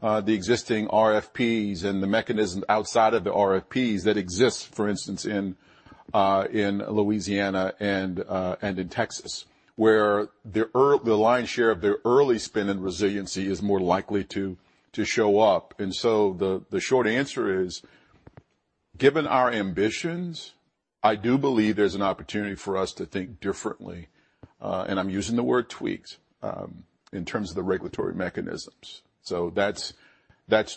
the existing RFPs and the mechanism outside of the RFPs that exist, for instance, in Louisiana and in Texas, where the lion's share of their early spend and resiliency is more likely to show up. The short answer is, given our ambitions, I do believe there's an opportunity for us to think differently, and I'm using the word tweaks in terms of the regulatory mechanisms. That's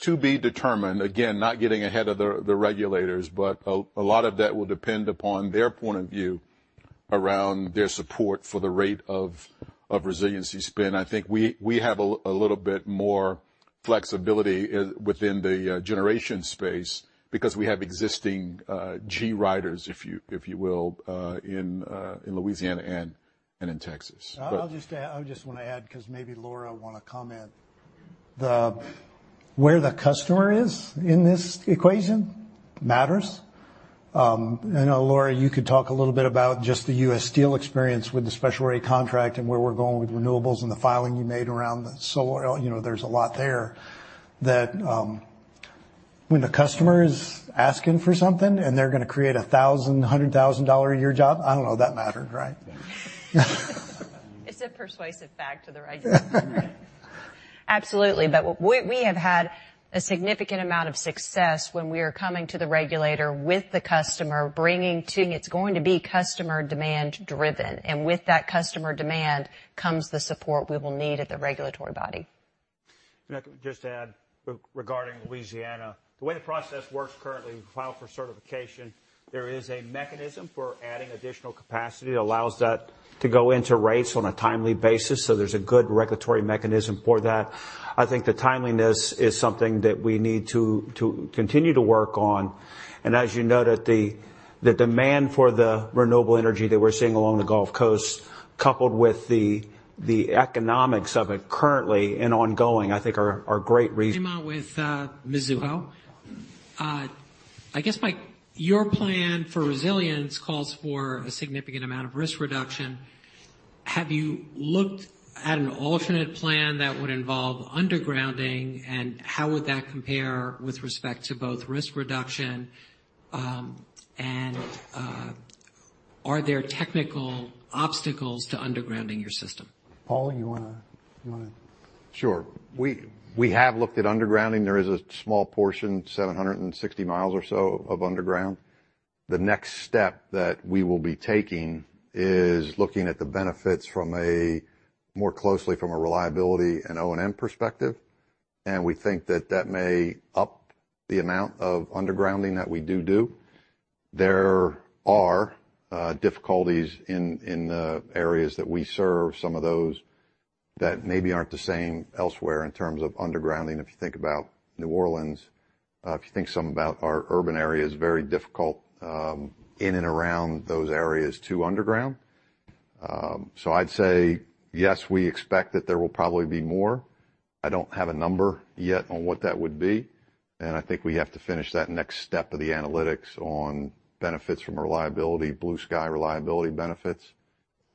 to be determined. Again, not getting ahead of the regulators, but a lot of that will depend upon their point of view around their support for the rate of resiliency spend. I think we have a little bit more flexibility within the generation space because we have existing G Riders, if you will, in Louisiana and in Texas. But I'll just add, 'cause maybe Laura wanna comment. Where the customer is in this equation matters. I know Laura, you could talk a little bit about just the U.S. Steel experience with the special rate contract and where we're going with renewables and the filing you made around the solar. You know, there's a lot there that, when the customer is asking for something and they're gonna create a $1,000-$100,000-a-year job, I don't know that mattered, right? Yeah. It's a persuasive fact to the right. Absolutely. We have had a significant amount of success when we are coming to the regulator. It's going to be customer demand driven. With that customer demand comes the support we will need at the regulatory body. If I could just add regarding Louisiana. The way the process works currently, we file for certification. There is a mechanism for adding additional capacity that allows that to go into rates on a timely basis, so there's a good regulatory mechanism for that. I think the timeliness is something that we need to continue to work on. As you know that the demand for the renewable energy that we're seeing along the Gulf Coast, coupled with the economics of it currently and ongoing, I think are great reasons. Came out with Mizuho. I guess your plan for resilience calls for a significant amount of risk reduction. Have you looked at an alternate plan that would involve undergrounding, and how would that compare with respect to both risk reduction and are there technical obstacles to undergrounding your system? Paul, you wanna Sure. We have looked at undergrounding. There is a small portion, 760 miles or so of underground. The next step that we will be taking is looking at the benefits more closely from a reliability and O&M perspective. We think that may up the amount of undergrounding that we do. There are difficulties in the areas that we serve, some of those that maybe aren't the same elsewhere in terms of undergrounding. If you think about New Orleans, if you think something about our urban areas, very difficult in and around those areas to underground. I'd say yes, we expect that there will probably be more. I don't have a number yet on what that would be, and I think we have to finish that next step of the analytics on benefits from reliability, blue sky reliability benefits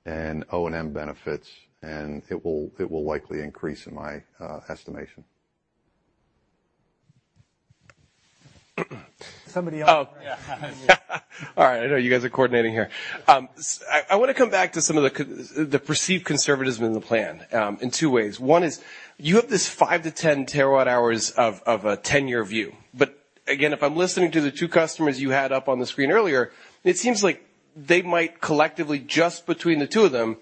and O&M benefits, and it will likely increase in my estimation. Somebody else. Oh. All right. I know you guys are coordinating here. I wanna come back to some of the perceived conservatism in the plan in two ways. One is you have this 5-10 terawatt-hours of a ten-year view. Again, if I'm listening to the two customers you had up on the screen earlier, it seems like they might collectively, just between the two of them,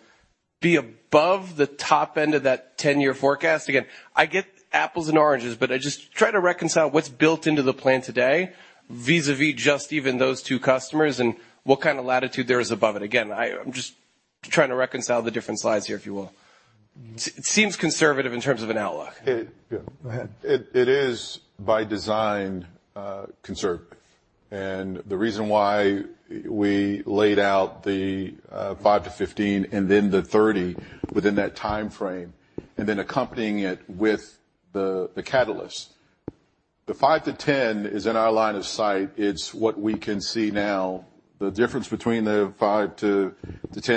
be above the top end of that ten-year forecast. Again, I get apples and oranges, but I just try to reconcile what's built into the plan today vis-a-vis just even those two customers and what kind of latitude there is above it. Again, I'm just trying to reconcile the different slides here, if you will. It seems conservative in terms of an outlook. It... Go ahead. It is by design, conservative. The reason why we laid out the 5-15 and then the 30 within that timeframe, and then accompanying it with the catalyst. The 5-10 is in our line of sight. It's what we can see now. The difference between the 5-10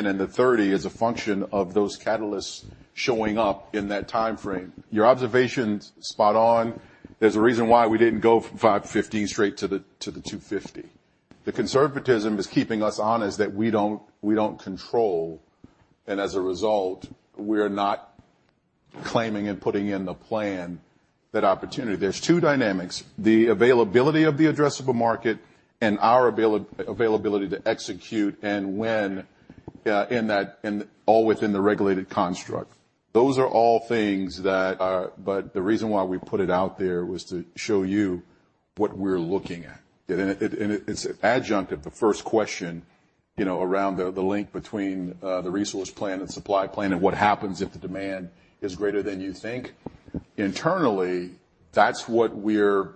and the 30 is a function of those catalysts showing up in that timeframe. Your observation's spot on. There's a reason why we didn't go 5-15 straight to the 250. The conservatism is keeping us honest that we don't control, and as a result we're not claiming and putting in the plan that opportunity. There are two dynamics, the availability of the addressable market and our availability to execute and when in that, in all within the regulated construct. Those are all things that are. The reason why we put it out there was to show you what we're looking at. It an adjunct of the first question, you know, around the link between the resource plan and supply plan and what happens if the demand is greater than you think. Internally, that's what we're.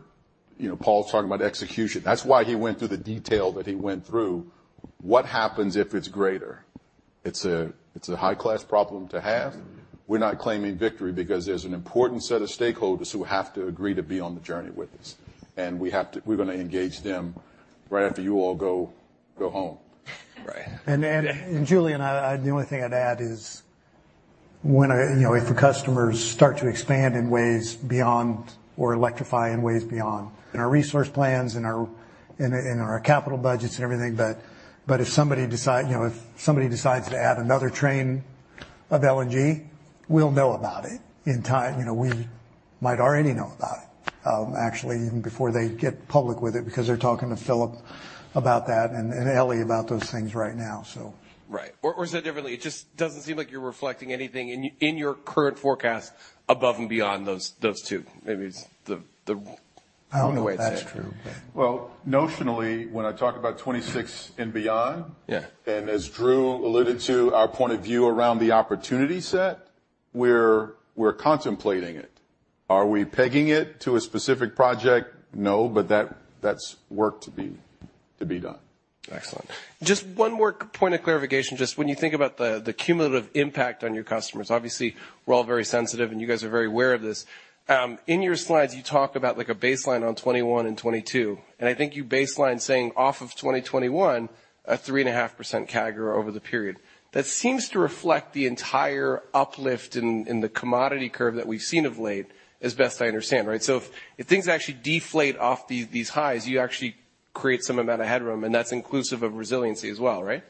You know, Paul's talking about execution. That's why he went through the detail that he went through. What happens if it's greater? It's a high-class problem to have. We're not claiming victory because there's an important set of stakeholders who have to agree to be on the journey with us, and we have to. We're gonna engage them right after you all go home. Right. Julian, the only thing I'd add is when, you know, if the customers start to expand in ways beyond or electrify in ways beyond our resource plans and our capital budgets and everything, but if somebody decides, you know, if somebody decides to add another train of LNG, we'll know about it in time. You know, we might already know about it, actually even before they go public with it, because they're talking to Phillip about that and Eli about those things right now, so. Right. Said differently, it just doesn't seem like you're reflecting anything in your current forecast above and beyond those two. I don't know if that's true, but. Well, notionally, when I talk about 26 and beyond. Yeah. as Drew alluded to our point of view around the opportunity set, we're contemplating it. Are we pegging it to a specific project? No, but that's work to be done. Excellent. Just one more point of clarification. Just when you think about the cumulative impact on your customers, obviously we're all very sensitive, and you guys are very aware of this. In your slides you talk about like a baseline on 2021 and 2022, and I think you baseline saying off of 2021, a 3.5% CAGR over the period. That seems to reflect the entire uplift in the commodity curve that we've seen of late, as best I understand, right? If things actually deflate off these highs, you actually create some amount of headroom, and that's inclusive of resiliency as well, right?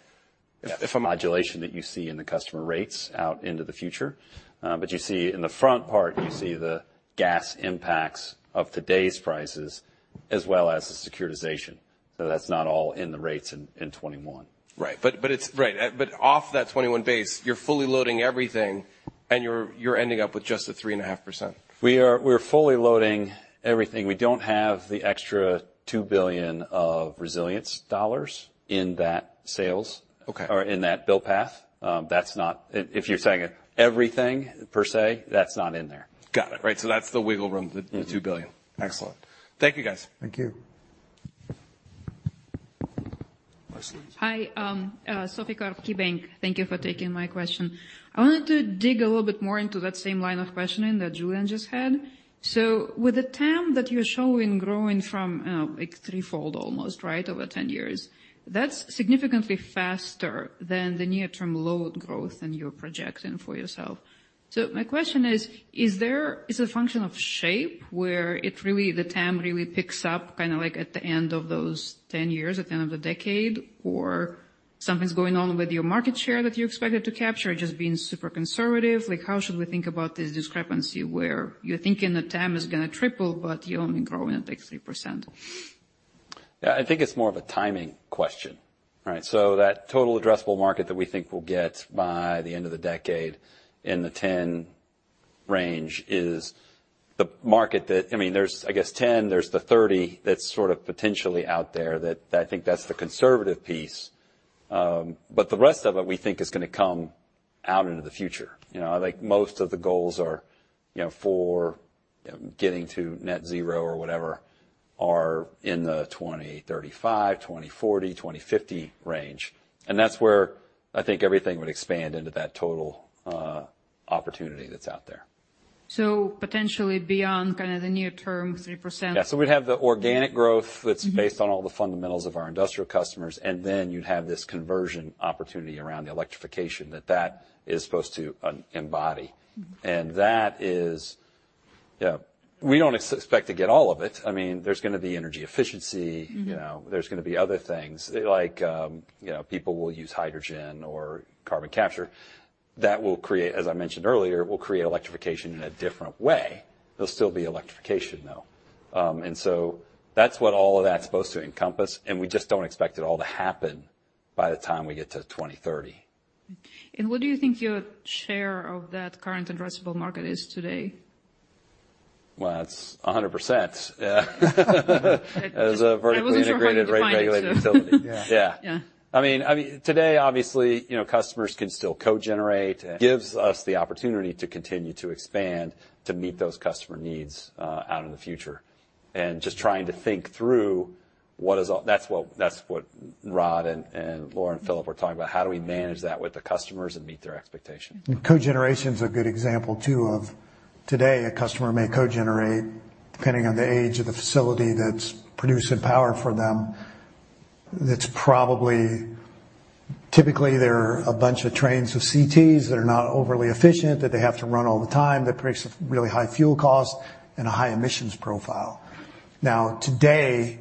If a modulation that you see in the customer rates out into the future, but you see in the front part, you see the gas impacts of today's prices as well as the securitization. That's not all in the rates in 2021. Off that 21 base, you're fully loading everything and you're ending up with just a 3.5%. We are. We're fully loading everything. We don't have the extra 2 billion of resilience dollars in that sales- Okay. or in that bill path. That's not. If you're saying everything per se, that's not in there. Got it. Right. That's the wiggle room. Mm-hmm. the $2 billion. Excellent. Thank you, guys. Thank you. Hi, Sophie Karp, KeyBank. Thank you for taking my question. I wanted to dig a little bit more into that same line of questioning that Julian just had. With the TAM that you're showing growing from, like threefold almost, right, over 10 years, that's significantly faster than the near term load growth than you're projecting for yourself. My question is a function of shape where the TAM really picks up kinda like at the end of those 10 years, at the end of the decade? Or something's going on with your market share that you expected to capture just being super conservative? Like, how should we think about this discrepancy where you're thinking the TAM is gonna triple, but you're only growing at like 3%? Yeah, I think it's more of a timing question, right? That total addressable market that we think we'll get by the end of the decade in the 10 range is the market that I mean, there's, I guess 10, the 30 that's sort of potentially out there that I think that's the conservative piece. But the rest of it, we think is gonna come out into the future. You know, I think most of the goals are, you know, for, you know, getting to net zero or whatever, are in the 2035, 2040, 2050 range. That's where I think everything would expand into that total opportunity that's out there. Potentially beyond kinda the near term 3%? Yeah. We'd have the organic growth that's based on all the fundamentals of our industrial customers, and then you'd have this conversion opportunity around the electrification that is supposed to embody. Mm-hmm. That is. You know, we don't expect to get all of it. I mean, there's gonna be energy efficiency. Mm-hmm. You know, there's gonna be other things like, you know, people will use hydrogen or carbon capture. That will create, as I mentioned earlier, electrification in a different way. There'll still be electrification, though. That's what all of that's supposed to encompass, and we just don't expect it all to happen by the time we get to 2030. What do you think your share of that current addressable market is today? Well, it's 100%. Yeah. I wasn't sure how you'd define it, so. As a vertically integrated, rate-regulated utility. Yeah. Yeah. Yeah. I mean, today obviously, you know, customers can still co-generate. Gives us the opportunity to continue to expand to meet those customer needs out in the future. Just trying to think through. That's what Rod and Laura and Phillip are talking about. How do we manage that with the customers and meet their expectation? Co-generation's a good example too of today, a customer may co-generate depending on the age of the facility that's producing power for them. That's probably. Typically, they're a bunch of trains to cities that are not overly efficient, that they have to run all the time. That creates a really high fuel cost and a high emissions profile. Now today,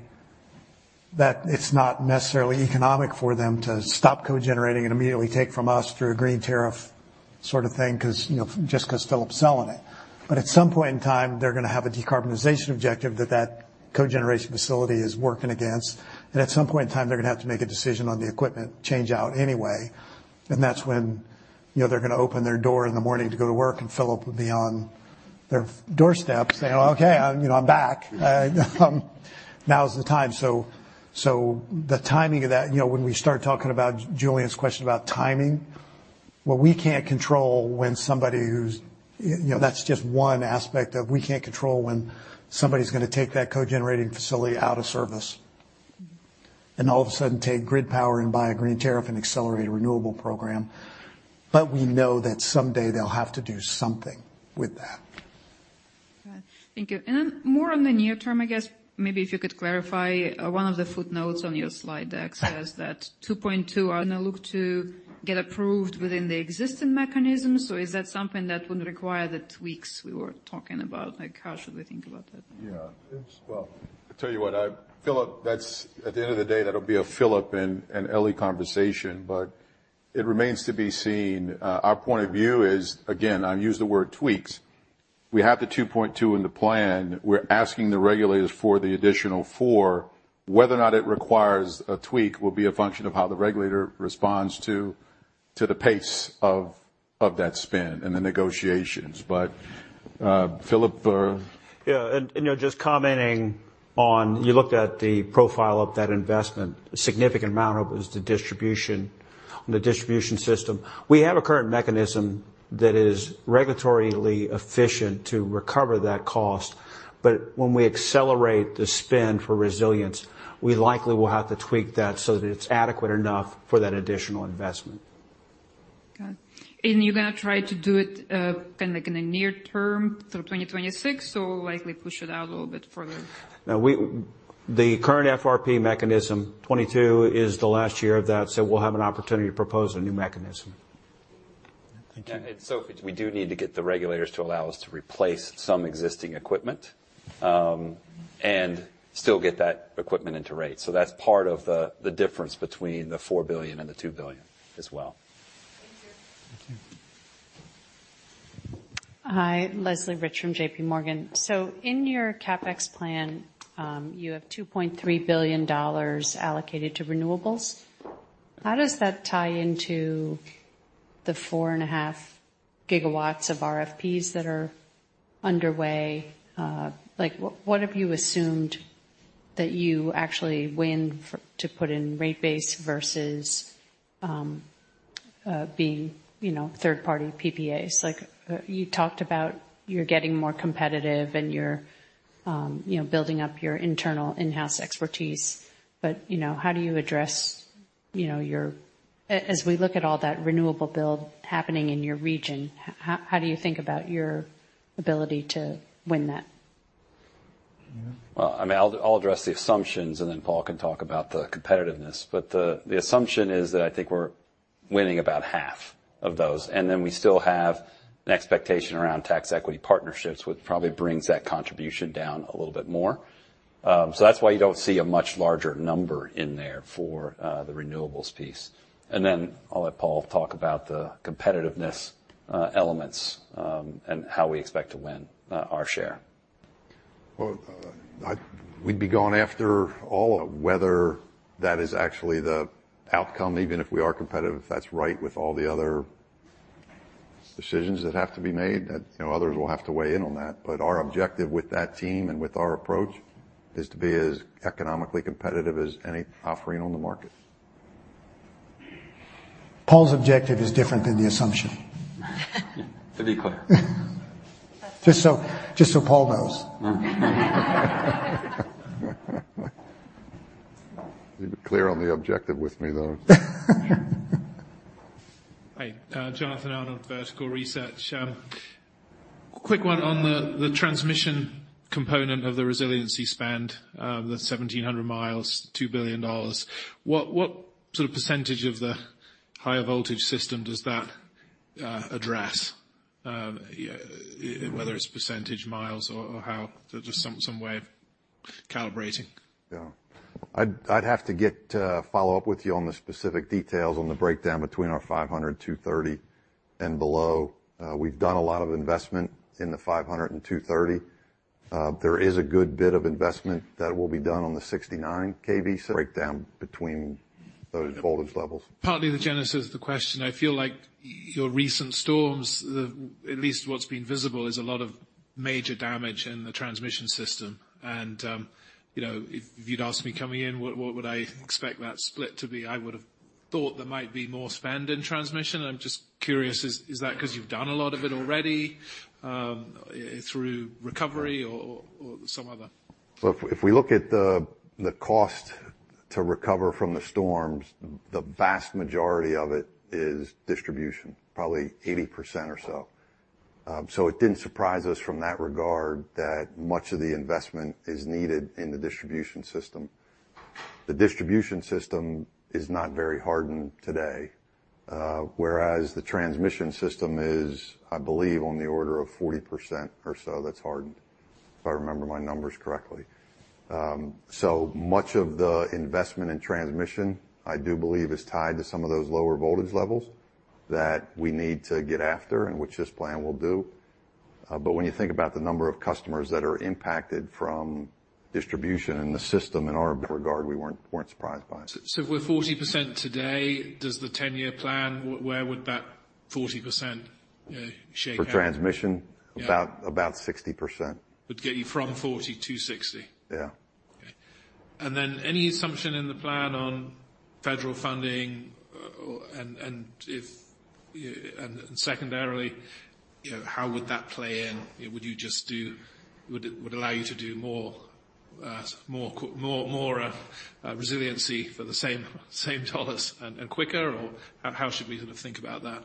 that it's not necessarily economic for them to stop co-generating and immediately take from us through a green tariff sort of thing 'cause, you know, just 'cause Phillip's selling it. But at some point in time, they're gonna have a decarbonization objective that that co-generation facility is working against. And at some point in time, they're gonna have to make a decision on the equipment change-out anyway. That's when, you know, they're gonna open their door in the morning to go to work, and Phillip will be on their doorstep saying, "Okay, you know, I'm back." Now's the time. The timing of that, you know, when we start talking about Julian's question about timing, what we can't control when somebody who's, you know, that's just one aspect of we can't control when somebody's gonna take that co-generating facility out of service. All of a sudden take grid power and buy a green tariff and accelerate a renewable program. We know that someday they'll have to do something with that. Okay. Thank you. More on the near term, I guess maybe if you could clarify, one of the footnotes on your slide deck says that $2.2 are now looked to get approved within the existing mechanisms. Is that something that would require the tweaks we were talking about? Like, how should we think about that? Yeah. Well, I tell you what, Phillip, that's at the end of the day, that'll be a Phillip and Eli conversation, but it remains to be seen. Our point of view is, again, I'll use the word tweaks. We have the $2.2 in the plan. We're asking the regulators for the additional $4. Whether or not it requires a tweak will be a function of how the regulator responds to the pace of that spend and the negotiations. Phillip, Yeah. You know, you looked at the profile of that investment. A significant amount of it is the distribution on the distribution system. We have a current mechanism that is regulatorily efficient to recover that cost. When we accelerate the spend for resilience, we likely will have to tweak that so that it's adequate enough for that additional investment. Got it. You're gonna try to do it, kind of like in the near term through 2026, or likely push it out a little bit further? No. The current FRP mechanism, 2022 is the last year of that, so we'll have an opportunity to propose a new mechanism. Thank you. Sophie, we do need to get the regulators to allow us to replace some existing equipment and still get that equipment into rate. That's part of the difference between the $4 billion and the $2 billion as well. Thank you. Thank you. Hi, Leslie Rich from JP Morgan. In your CapEx plan, you have $2.3 billion allocated to renewables. How does that tie into the 4.5 gigawatts of RFPs that are underway? Like, what have you assumed that you actually win to put in rate base versus you know, third-party PPAs. Like, you talked about you're getting more competitive and you're, you know, building up your internal in-house expertise. You know, how do you address, you know, as we look at all that renewable build happening in your region, how do you think about your ability to win that? Well, I mean, I'll address the assumptions, and then Paul can talk about the competitiveness. The assumption is that I think we're winning about half of those, and then we still have an expectation around tax equity partnerships, which probably brings that contribution down a little bit more. That's why you don't see a much larger number in there for the renewables piece. I'll let Paul talk about the competitiveness elements and how we expect to win our share. We'd be going after all of whether that is actually the outcome, even if we are competitive, if that's right with all the other decisions that have to be made, that, you know, others will have to weigh in on that. Our objective with that team and with our approach is to be as economically competitive as any offering on the market. Paul's objective is different than the assumption. To be clear. Just so Paul knows. You're clear on the objective with me, though. Hi. Jonathan Arnold, Vertical Research. Quick one on the transmission component of the resiliency spend, the 1,700 miles, $2 billion. What sort of percentage of the higher voltage system does that address? You know, whether it's percentage, miles or how. Just some way of calibrating. Yeah. I'd have to follow up with you on the specific details on the breakdown between our 500 and 230 and below. We've done a lot of investment in the 500 and 230. There is a good bit of investment that will be done on the 69 KV breakdown between those voltage levels. Partly the genesis of the question, I feel like your recent storms, at least what's been visible, is a lot of major damage in the transmission system. You know, if you'd asked me coming in what would I expect that split to be, I would have thought there might be more spend in transmission. I'm just curious, is that 'cause you've done a lot of it already, through recovery or some other? Look, if we look at the cost to recover from the storms, the vast majority of it is distribution, probably 80% or so. It didn't surprise us from that regard that much of the investment is needed in the distribution system. The distribution system is not very hardened today, whereas the transmission system is, I believe, on the order of 40% or so that's hardened, if I remember my numbers correctly. Much of the investment in transmission, I do believe, is tied to some of those lower voltage levels that we need to get after and which this plan will do. When you think about the number of customers that are impacted from distribution in the system in our regard, we weren't surprised by it. If we're 40% today, does the ten-year plan, where would that 40% shake out? For transmission? Yeah. About 60%. Would get you from 40-60. Yeah. Okay. Then any assumption in the plan on federal funding or, and if, and secondarily, you know, how would that play in? Would it allow you to do more resiliency for the same dollars and quicker, or how should we sort of think about that?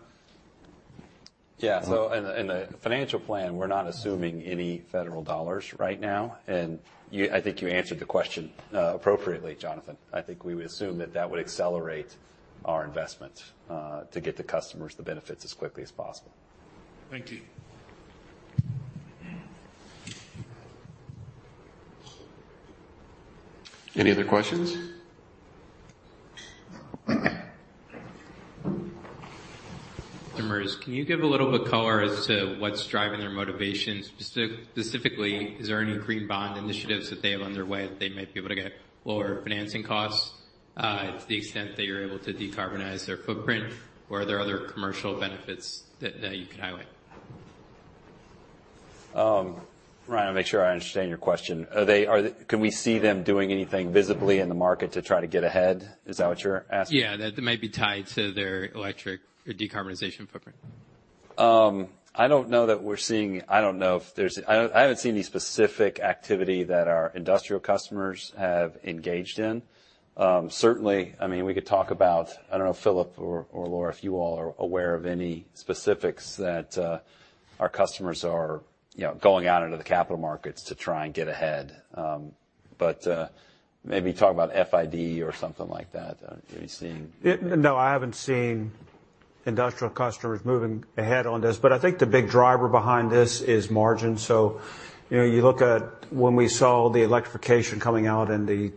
In the financial plan, we're not assuming any federal dollars right now. You, I think you answered the question appropriately, Jonathan. I think we would assume that that would accelerate our investment to get the customers the benefits as quickly as possible. Thank you. Any other questions? Can you give a little bit color as to what's driving their motivation? Specifically, is there any green bond initiatives that they have underway that they might be able to get lower financing costs, to the extent that you're able to decarbonize their footprint? Or are there other commercial benefits that you could highlight? Ryan, I wanna make sure I understand your question. Can we see them doing anything visibly in the market to try to get ahead? Is that what you're asking? Yeah. That might be tied to their electric or decarbonization footprint. I haven't seen any specific activity that our industrial customers have engaged in. Certainly, I mean, we could talk about, I don't know, Phillip or Laura, if you all are aware of any specifics that our customers are, you know, going out into the capital markets to try and get ahead. Maybe talk about FID or something like that. Have you seen? No, I haven't seen industrial customers moving ahead on this. I think the big driver behind this is margin. You know, you look at when we saw the electrification coming out in the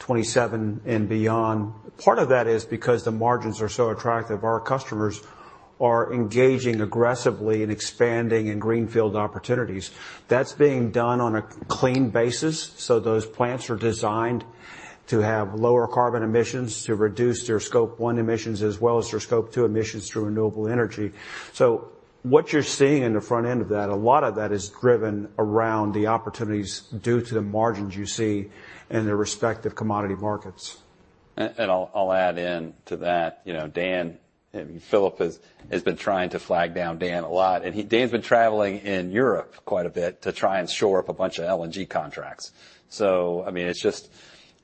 2027 and beyond, part of that is because the margins are so attractive, our customers are engaging aggressively in expanding in greenfield opportunities. That's being done on a clean basis, so those plants are designed to have lower carbon emissions to reduce their Scope 1 emissions as well as their Scope 2 emissions through renewable energy. What you're seeing in the front end of that, a lot of that is driven around the opportunities due to the margins you see in their respective commodity markets. I'll add in to that. You know, Dan and Phillip has been trying to flag down Dan a lot, and Dan's been traveling in Europe quite a bit to try and shore up a bunch of LNG contracts. I mean, it's just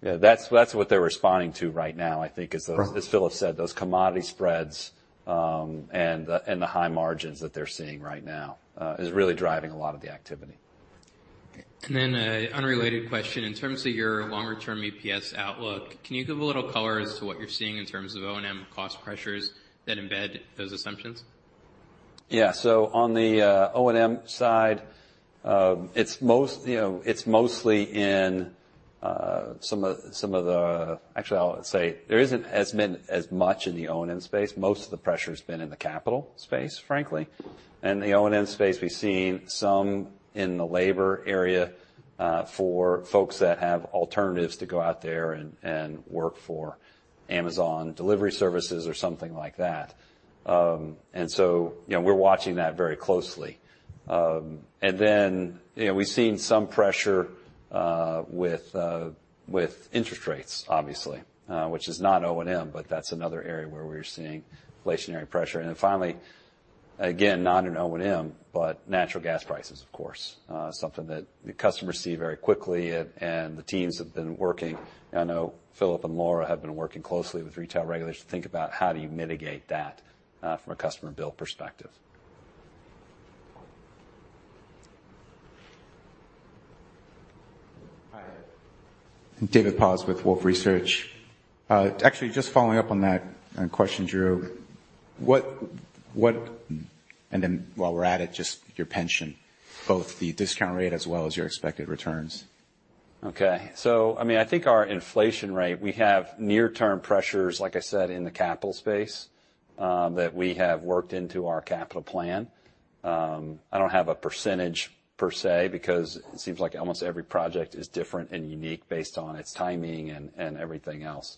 that. That's what they're responding to right now, I think is those. Right. As Phillip said, those commodity spreads and the high margins that they're seeing right now is really driving a lot of the activity. Okay. An unrelated question. In terms of your longer term EPS outlook, can you give a little color as to what you're seeing in terms of O&M cost pressures that embed those assumptions? Yeah. On the O&M side, it's mostly in some of the... Actually, I'll say there isn't as much in the O&M space. Most of the pressure's been in the capital space, frankly. In the O&M space, we've seen some in the labor area, for folks that have alternatives to go out there and work for Amazon delivery services or something like that. You know, we're watching that very closely. You know, we've seen some pressure with interest rates obviously, which is not O&M, but that's another area where we're seeing inflationary pressure. Then finally, again, not in O&M, but natural gas prices of course. Something that the customers see very quickly and the teams have been working. I know Phillip and Laura have been working closely with retail regulators to think about how do you mitigate that, from a customer bill perspective. Hi. David Paz with Wolfe Research. Actually just following up on that question, Drew. What and then w we're at it, just your pension, both the discount rate as well as your expected returns. Okay. I mean, I think our inflation rate, we have near-term pressures, like I said, in the capital space, that we have worked into our capital plan. I don't have a percentage per se, because it seems like almost every project is different and unique based on its timing and everything else.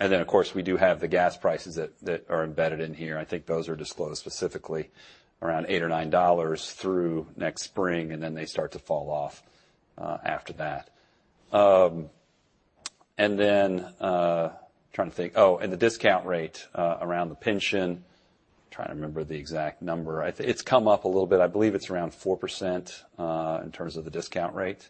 Of course, we do have the gas prices that are embedded in here. I think those are disclosed specifically around $8 or $9 through next spring, and then they start to fall off after that. Trying to think. Oh, and the discount rate around the pension. I'm trying to remember the exact number. It's come up a little bit. I believe it's around 4%, in terms of the discount rate,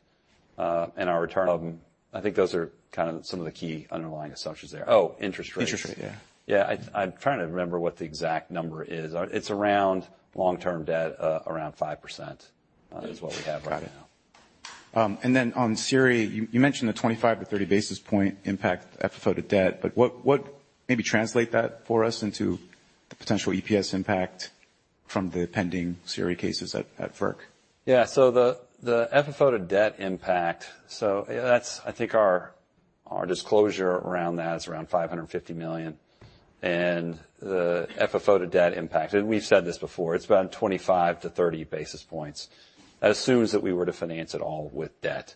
and our return on them. I think those are kind of some of the key underlying assumptions there. Oh, interest rates. Interest rate, yeah. Yeah. I'm trying to remember what the exact number is. It's around long-term debt, around 5%, is what we have right now. Got it. On SERI, you mentioned the 25-30 basis point impact FFO to debt, but what, maybe translate that for us into the potential EPS impact from the pending SERI cases at FERC. The FFO to debt impact, that's I think our disclosure around that is around $550 million. The FFO to debt impact, we've said this before, it's around 25-30 basis points. That assumes that we were to finance it all with debt.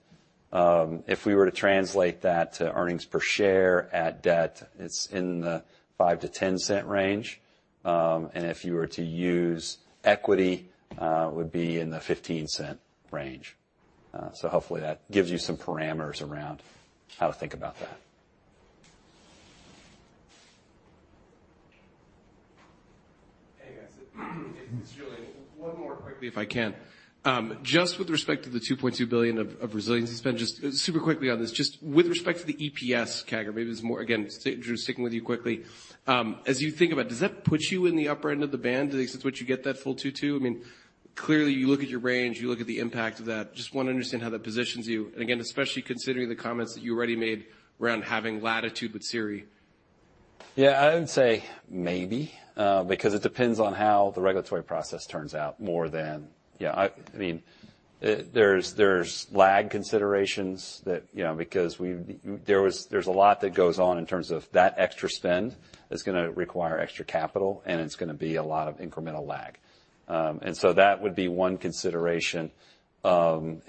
If we were to translate that to earnings per share at debt, it's in the $0.05-$0.10 range. If you were to use equity, it would be in the $0.15 range. Hopefully that gives you some parameters around how to think about that. Hey, guys. It's Julian. One more quickly, if I can. Just with respect to the $2.2 billion of resilience spend, just super quickly on this. Just with respect to the EPS CAGR, maybe this is more, again, so Drew, sticking with you quickly. As you think about it, does that put you in the upper end of the band? Does it switch? You get that full 2.2? I mean, clearly you look at your range, you look at the impact of that. Just wanna understand how that positions you, and again, especially considering the comments that you already made around having latitude with SERI. Yeah. I would say maybe because it depends on how the regulatory process turns out more than. Yeah, I mean, there's lag considerations that, you know, because there's a lot that goes on in terms of that extra spend that's gonna require extra capital, and it's gonna be a lot of incremental lag. That would be one consideration. You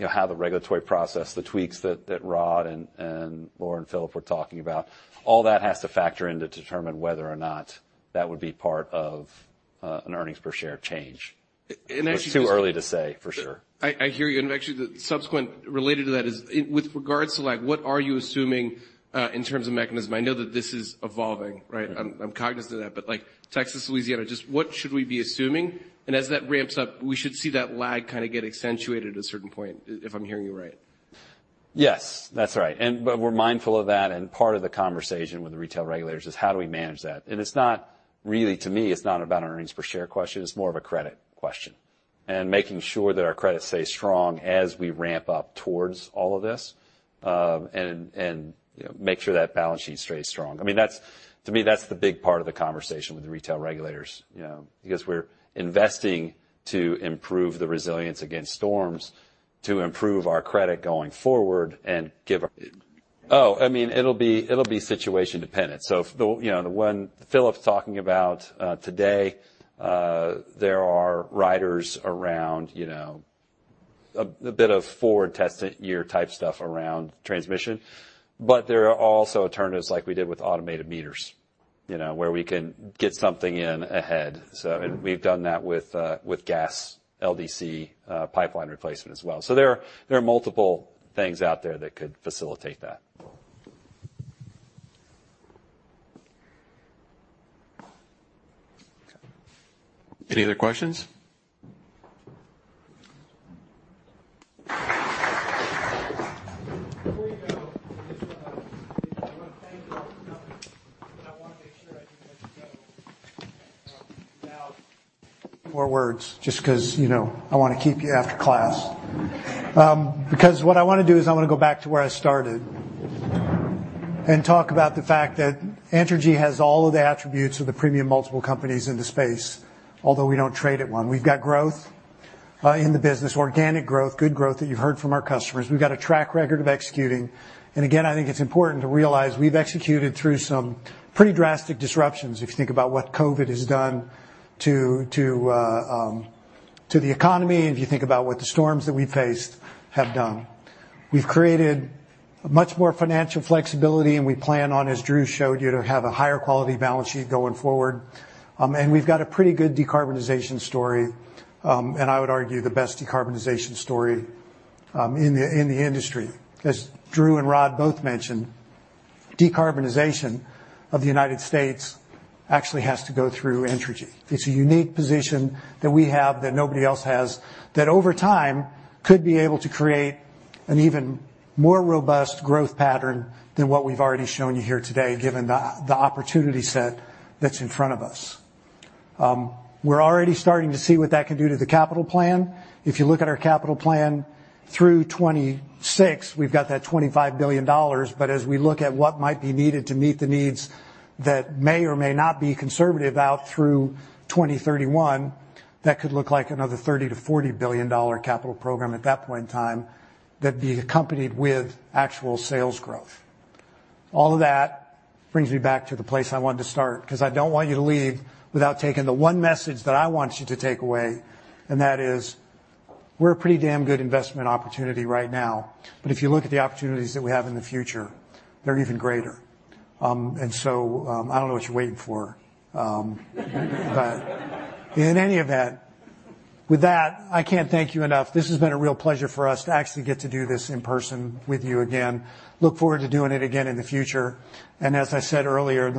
know, how the regulatory process, the tweaks that Rod and Laura and Phillip were talking about, all that has to factor in to determine whether or not that would be part of an earnings per share change. A-and actually just- It's too early to say for sure. I hear you. Actually the subsequent related to that is with regards to lag, what are you assuming, in terms of mechanism? I know that this is evolving, right? Mm-hmm. I'm cognizant of that, but like Texas, Louisiana, just what should we be assuming? As that ramps up, we should see that lag kind of get accentuated at a certain point if I'm hearing you right. Yes, that's right. We're mindful of that, and part of the conversation with the retail regulators is how do we manage that. It's not really, to me, it's not about an earnings per share question, it's more of a credit question, and making sure that our credit stays strong as we ramp up towards all of this. You know, make sure that balance sheet stays strong. I mean, that's, to me, that's the big part of the conversation with the retail regulators, you know. We're investing to improve the resilience against storms to improve our credit going forward. I mean, it'll be situation dependent. If the, you know, the one Phillip's talking about today, there are riders around, you know, a bit of forward test year type stuff around transmission. But there are also alternatives like we did with automated meters, you know, where we can get something in ahead. And we've done that with gas LDC pipeline replacement as well. There are multiple things out there that could facilitate that. Any other questions? Before you go, I just wanna thank you all for coming, but I wanna make sure I do this together. Now four words just 'cause, you know, I wanna keep you after class. Because what I wanna do is I wanna go back to where I started and talk about the fact that Entergy has all of the attributes of the premium multiple companies in the space, although we don't trade at one. We've got growth in the business, organic growth, good growth that you've heard from our customers. We've got a track record of executing. I think it's important to realize we've executed through some pretty drastic disruptions, if you think about what COVID has done to the economy, and if you think about what the storms that we've faced have done. We've created much more financial flexibility, and we plan on, as Drew showed you, to have a higher quality balance sheet going forward. We've got a pretty good decarbonization story. I would argue the best decarbonization story in the industry. As Drew and Rod both mentioned, decarbonization of the United States actually has to go through Entergy. It's a unique position that we have that nobody else has that over time could be able to create an even more robust growth pattern than what we've already shown you here today, given the opportunity set that's in front of us. We're already starting to see what that can do to the capital plan. If you look at our capital plan through 2026, we've got that $25 billion. As we look at what might be needed to meet the needs that may or may not be conservative out through 2031, that could look like another $30-$40 billion capital program at that point in time that'd be accompanied with actual sales growth. All of that brings me back to the place I wanted to start 'cause I don't want you to leave without taking the one message that I want you to take away, and that is, we're a pretty damn good investment opportunity right now. If you look at the opportunities that we have in the future, they're even greater. I don't know what you're waiting for. In any event, with that, I can't thank you enough. This has been a real pleasure for us to actually get to do this in person with you again. Look forward to doing it again in the future. As I said earlier.